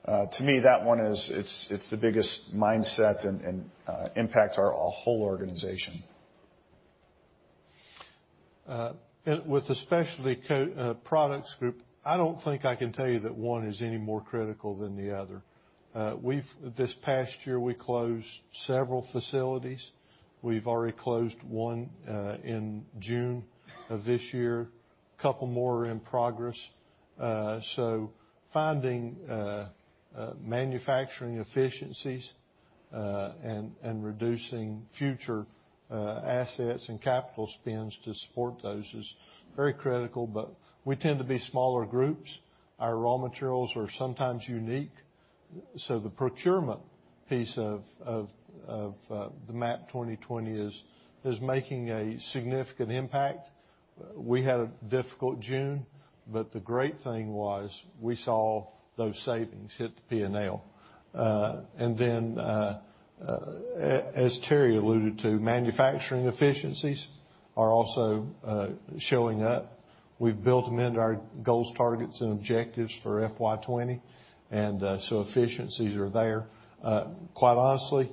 To me, that one is the biggest mindset and impacts our whole organization. With the Specialty Products Group, I don't think I can tell you that one is any more critical than the other. This past year, we closed several facilities. We've already closed one in June of this year, couple more are in progress. Finding manufacturing efficiencies and reducing future assets and capital spends to support those is very critical. We tend to be smaller groups. Our raw materials are sometimes unique. The procurement piece of the MAP 2020 is making a significant impact. We had a difficult June, but the great thing was we saw those savings hit the P&L. As Terry alluded to, manufacturing efficiencies are also showing up. We've built them into our goals, targets, and objectives for FY 2020, efficiencies are there. Quite honestly,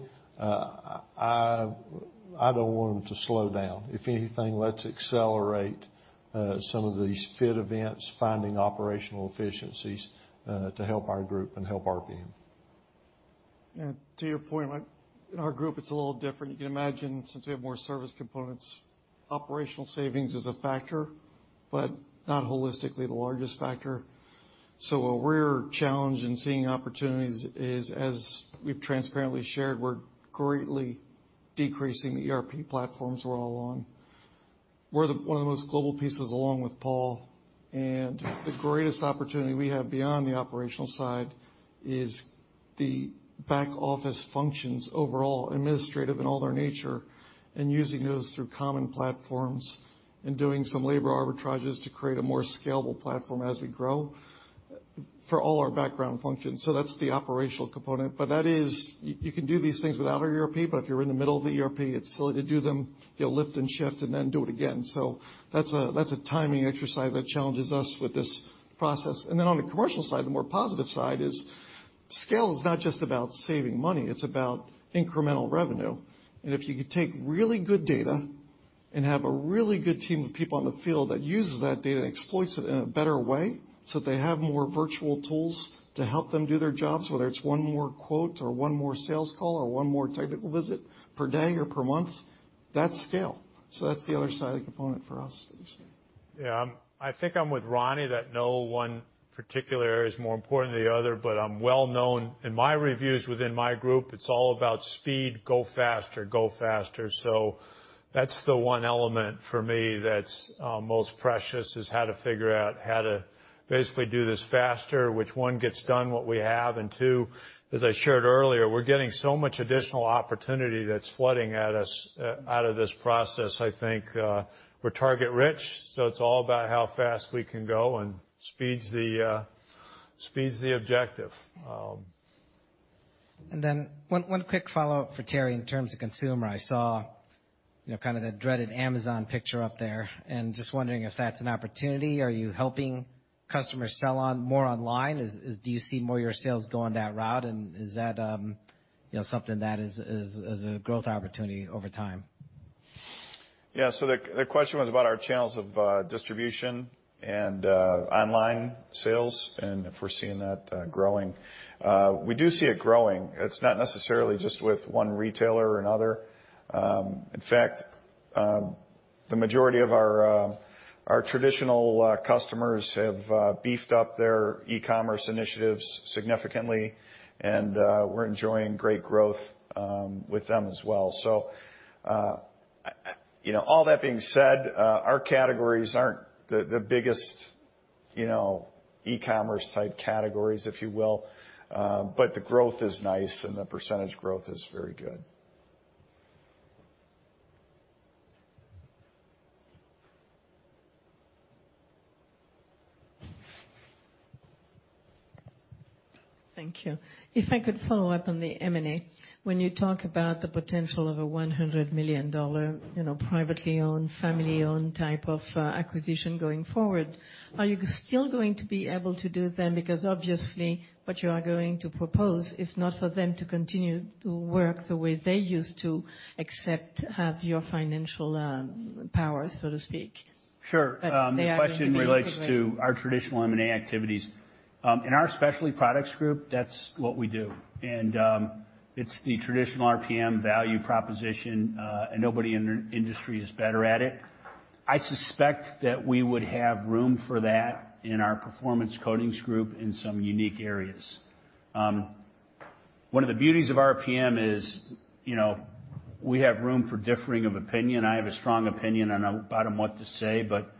I don't want them to slow down. If anything, let's accelerate some of these fit events, finding operational efficiencies to help our group and help RPM. To your point, Mike, in our group, it's a little different. You can imagine, since we have more service components, operational savings is a factor, but not holistically the largest factor. Where we're challenged in seeing opportunities is, as we've transparently shared, we're greatly decreasing the ERP platforms we're all on. We're one of the most global pieces along with Paul, and the greatest opportunity we have beyond the operational side is the back office functions overall, administrative in all their nature, and using those through common platforms and doing some labor arbitrages to create a more scalable platform as we grow for all our background functions. That's the operational component. That is, you can do these things without an ERP, but if you're in the middle of the ERP, it's silly to do them. You'll lift and shift and then do it again. That's a timing exercise that challenges us with this process. On the commercial side, the more positive side is scale is not just about saving money, it's about incremental revenue. If you could take really good data and have a really good team of people in the field that uses that data and exploits it in a better way so that they have more virtual tools to help them do their jobs, whether it's one more quote or one more sales call or one more technical visit per day or per month, that's scale. That's the other side of the component for us. Yeah. I think I'm with Ronnie that no one particular area is more important than the other, but I'm well known in my reviews within my group, it's all about speed, go faster, go faster. That's the one element for me that's most precious is how to figure out how to basically do this faster, which one gets done what we have, and two. As I shared earlier, we're getting so much additional opportunity that's flooding at us out of this process. I think we're target-rich, so it's all about how fast we can go, and speed's the objective. One quick follow-up for Terry in terms of Consumer. I saw kind of the dreaded Amazon picture up there and just wondering if that's an opportunity. Are you helping customers sell more online? Do you see more of your sales going that route? Is that something that is a growth opportunity over time? Yeah. The question was about our channels of distribution and online sales and if we're seeing that growing. We do see it growing. It's not necessarily just with one retailer or another. In fact, the majority of our traditional customers have beefed up their e-commerce initiatives significantly, and we're enjoying great growth with them as well. All that being said, our categories aren't the biggest e-commerce type categories, if you will. The growth is nice, and the percentage growth is very good. Thank you. If I could follow up on the M&A. When you talk about the potential of a $100 million, privately owned, family-owned type of acquisition going forward, are you still going to be able to do them? Because obviously, what you are going to propose is not for them to continue to work the way they used to, except have your financial power, so to speak. Sure. They are going to be integrated. The question relates to our traditional M&A activities. In our Specialty Products Group, that's what we do, and it's the traditional RPM value proposition. Nobody in our industry is better at it. I suspect that we would have room for that in our Performance Coatings Group in some unique areas. One of the beauties of RPM is we have room for differing of opinion. I have a strong opinion on about what to say, but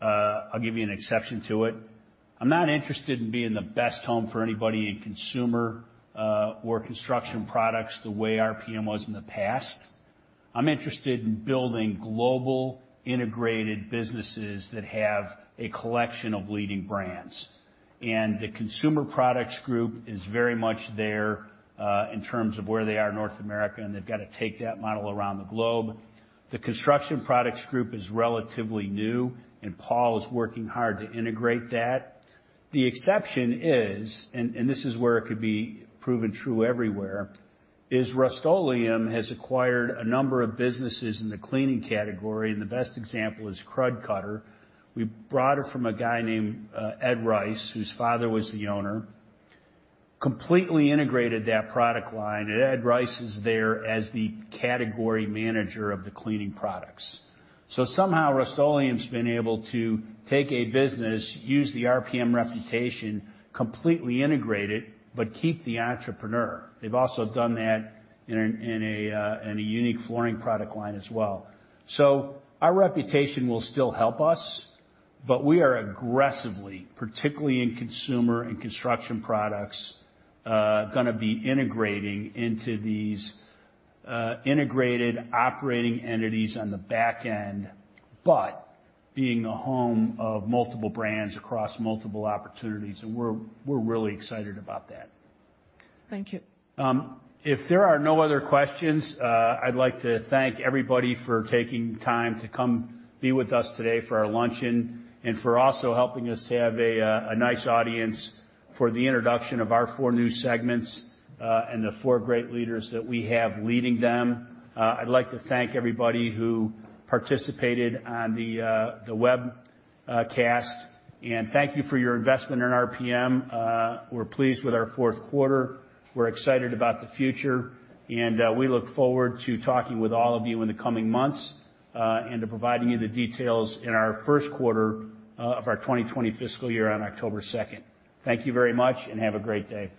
I'll give you an exception to it. I'm not interested in being the best home for anybody in consumer or construction products the way RPM was in the past. I'm interested in building global, integrated businesses that have a collection of leading brands. The Consumer Products Group is very much there, in terms of where they are in North America, and they've got to take that model around the globe. The Construction Products Group is relatively new. Paul is working hard to integrate that. The exception is, this is where it could be proven true everywhere, Rust-Oleum has acquired a number of businesses in the cleaning category. The best example is Krud Kutter. We bought it from a guy named Ed Rice, whose father was the owner. Completely integrated that product line. Ed Rice is there as the category manager of the cleaning products. Somehow, Rust-Oleum's been able to take a business, use the RPM reputation, completely integrate it, but keep the entrepreneur. They've also done that in a unique flooring product line as well. Our reputation will still help us, but we are aggressively, particularly in consumer and construction products, going to be integrating into these integrated operating entities on the back end, but being the home of multiple brands across multiple opportunities, and we're really excited about that. Thank you. If there are no other questions, I'd like to thank everybody for taking time to come be with us today for our luncheon and for also helping us have a nice audience for the introduction of our four new segments, and the four great leaders that we have leading them. I'd like to thank everybody who participated on the webcast, and thank you for your investment in RPM. We're pleased with our fourth quarter. We're excited about the future, and we look forward to talking with all of you in the coming months, and to providing you the details in our first quarter of our 2020 fiscal year on October 2nd. Thank you very much, and have a great day.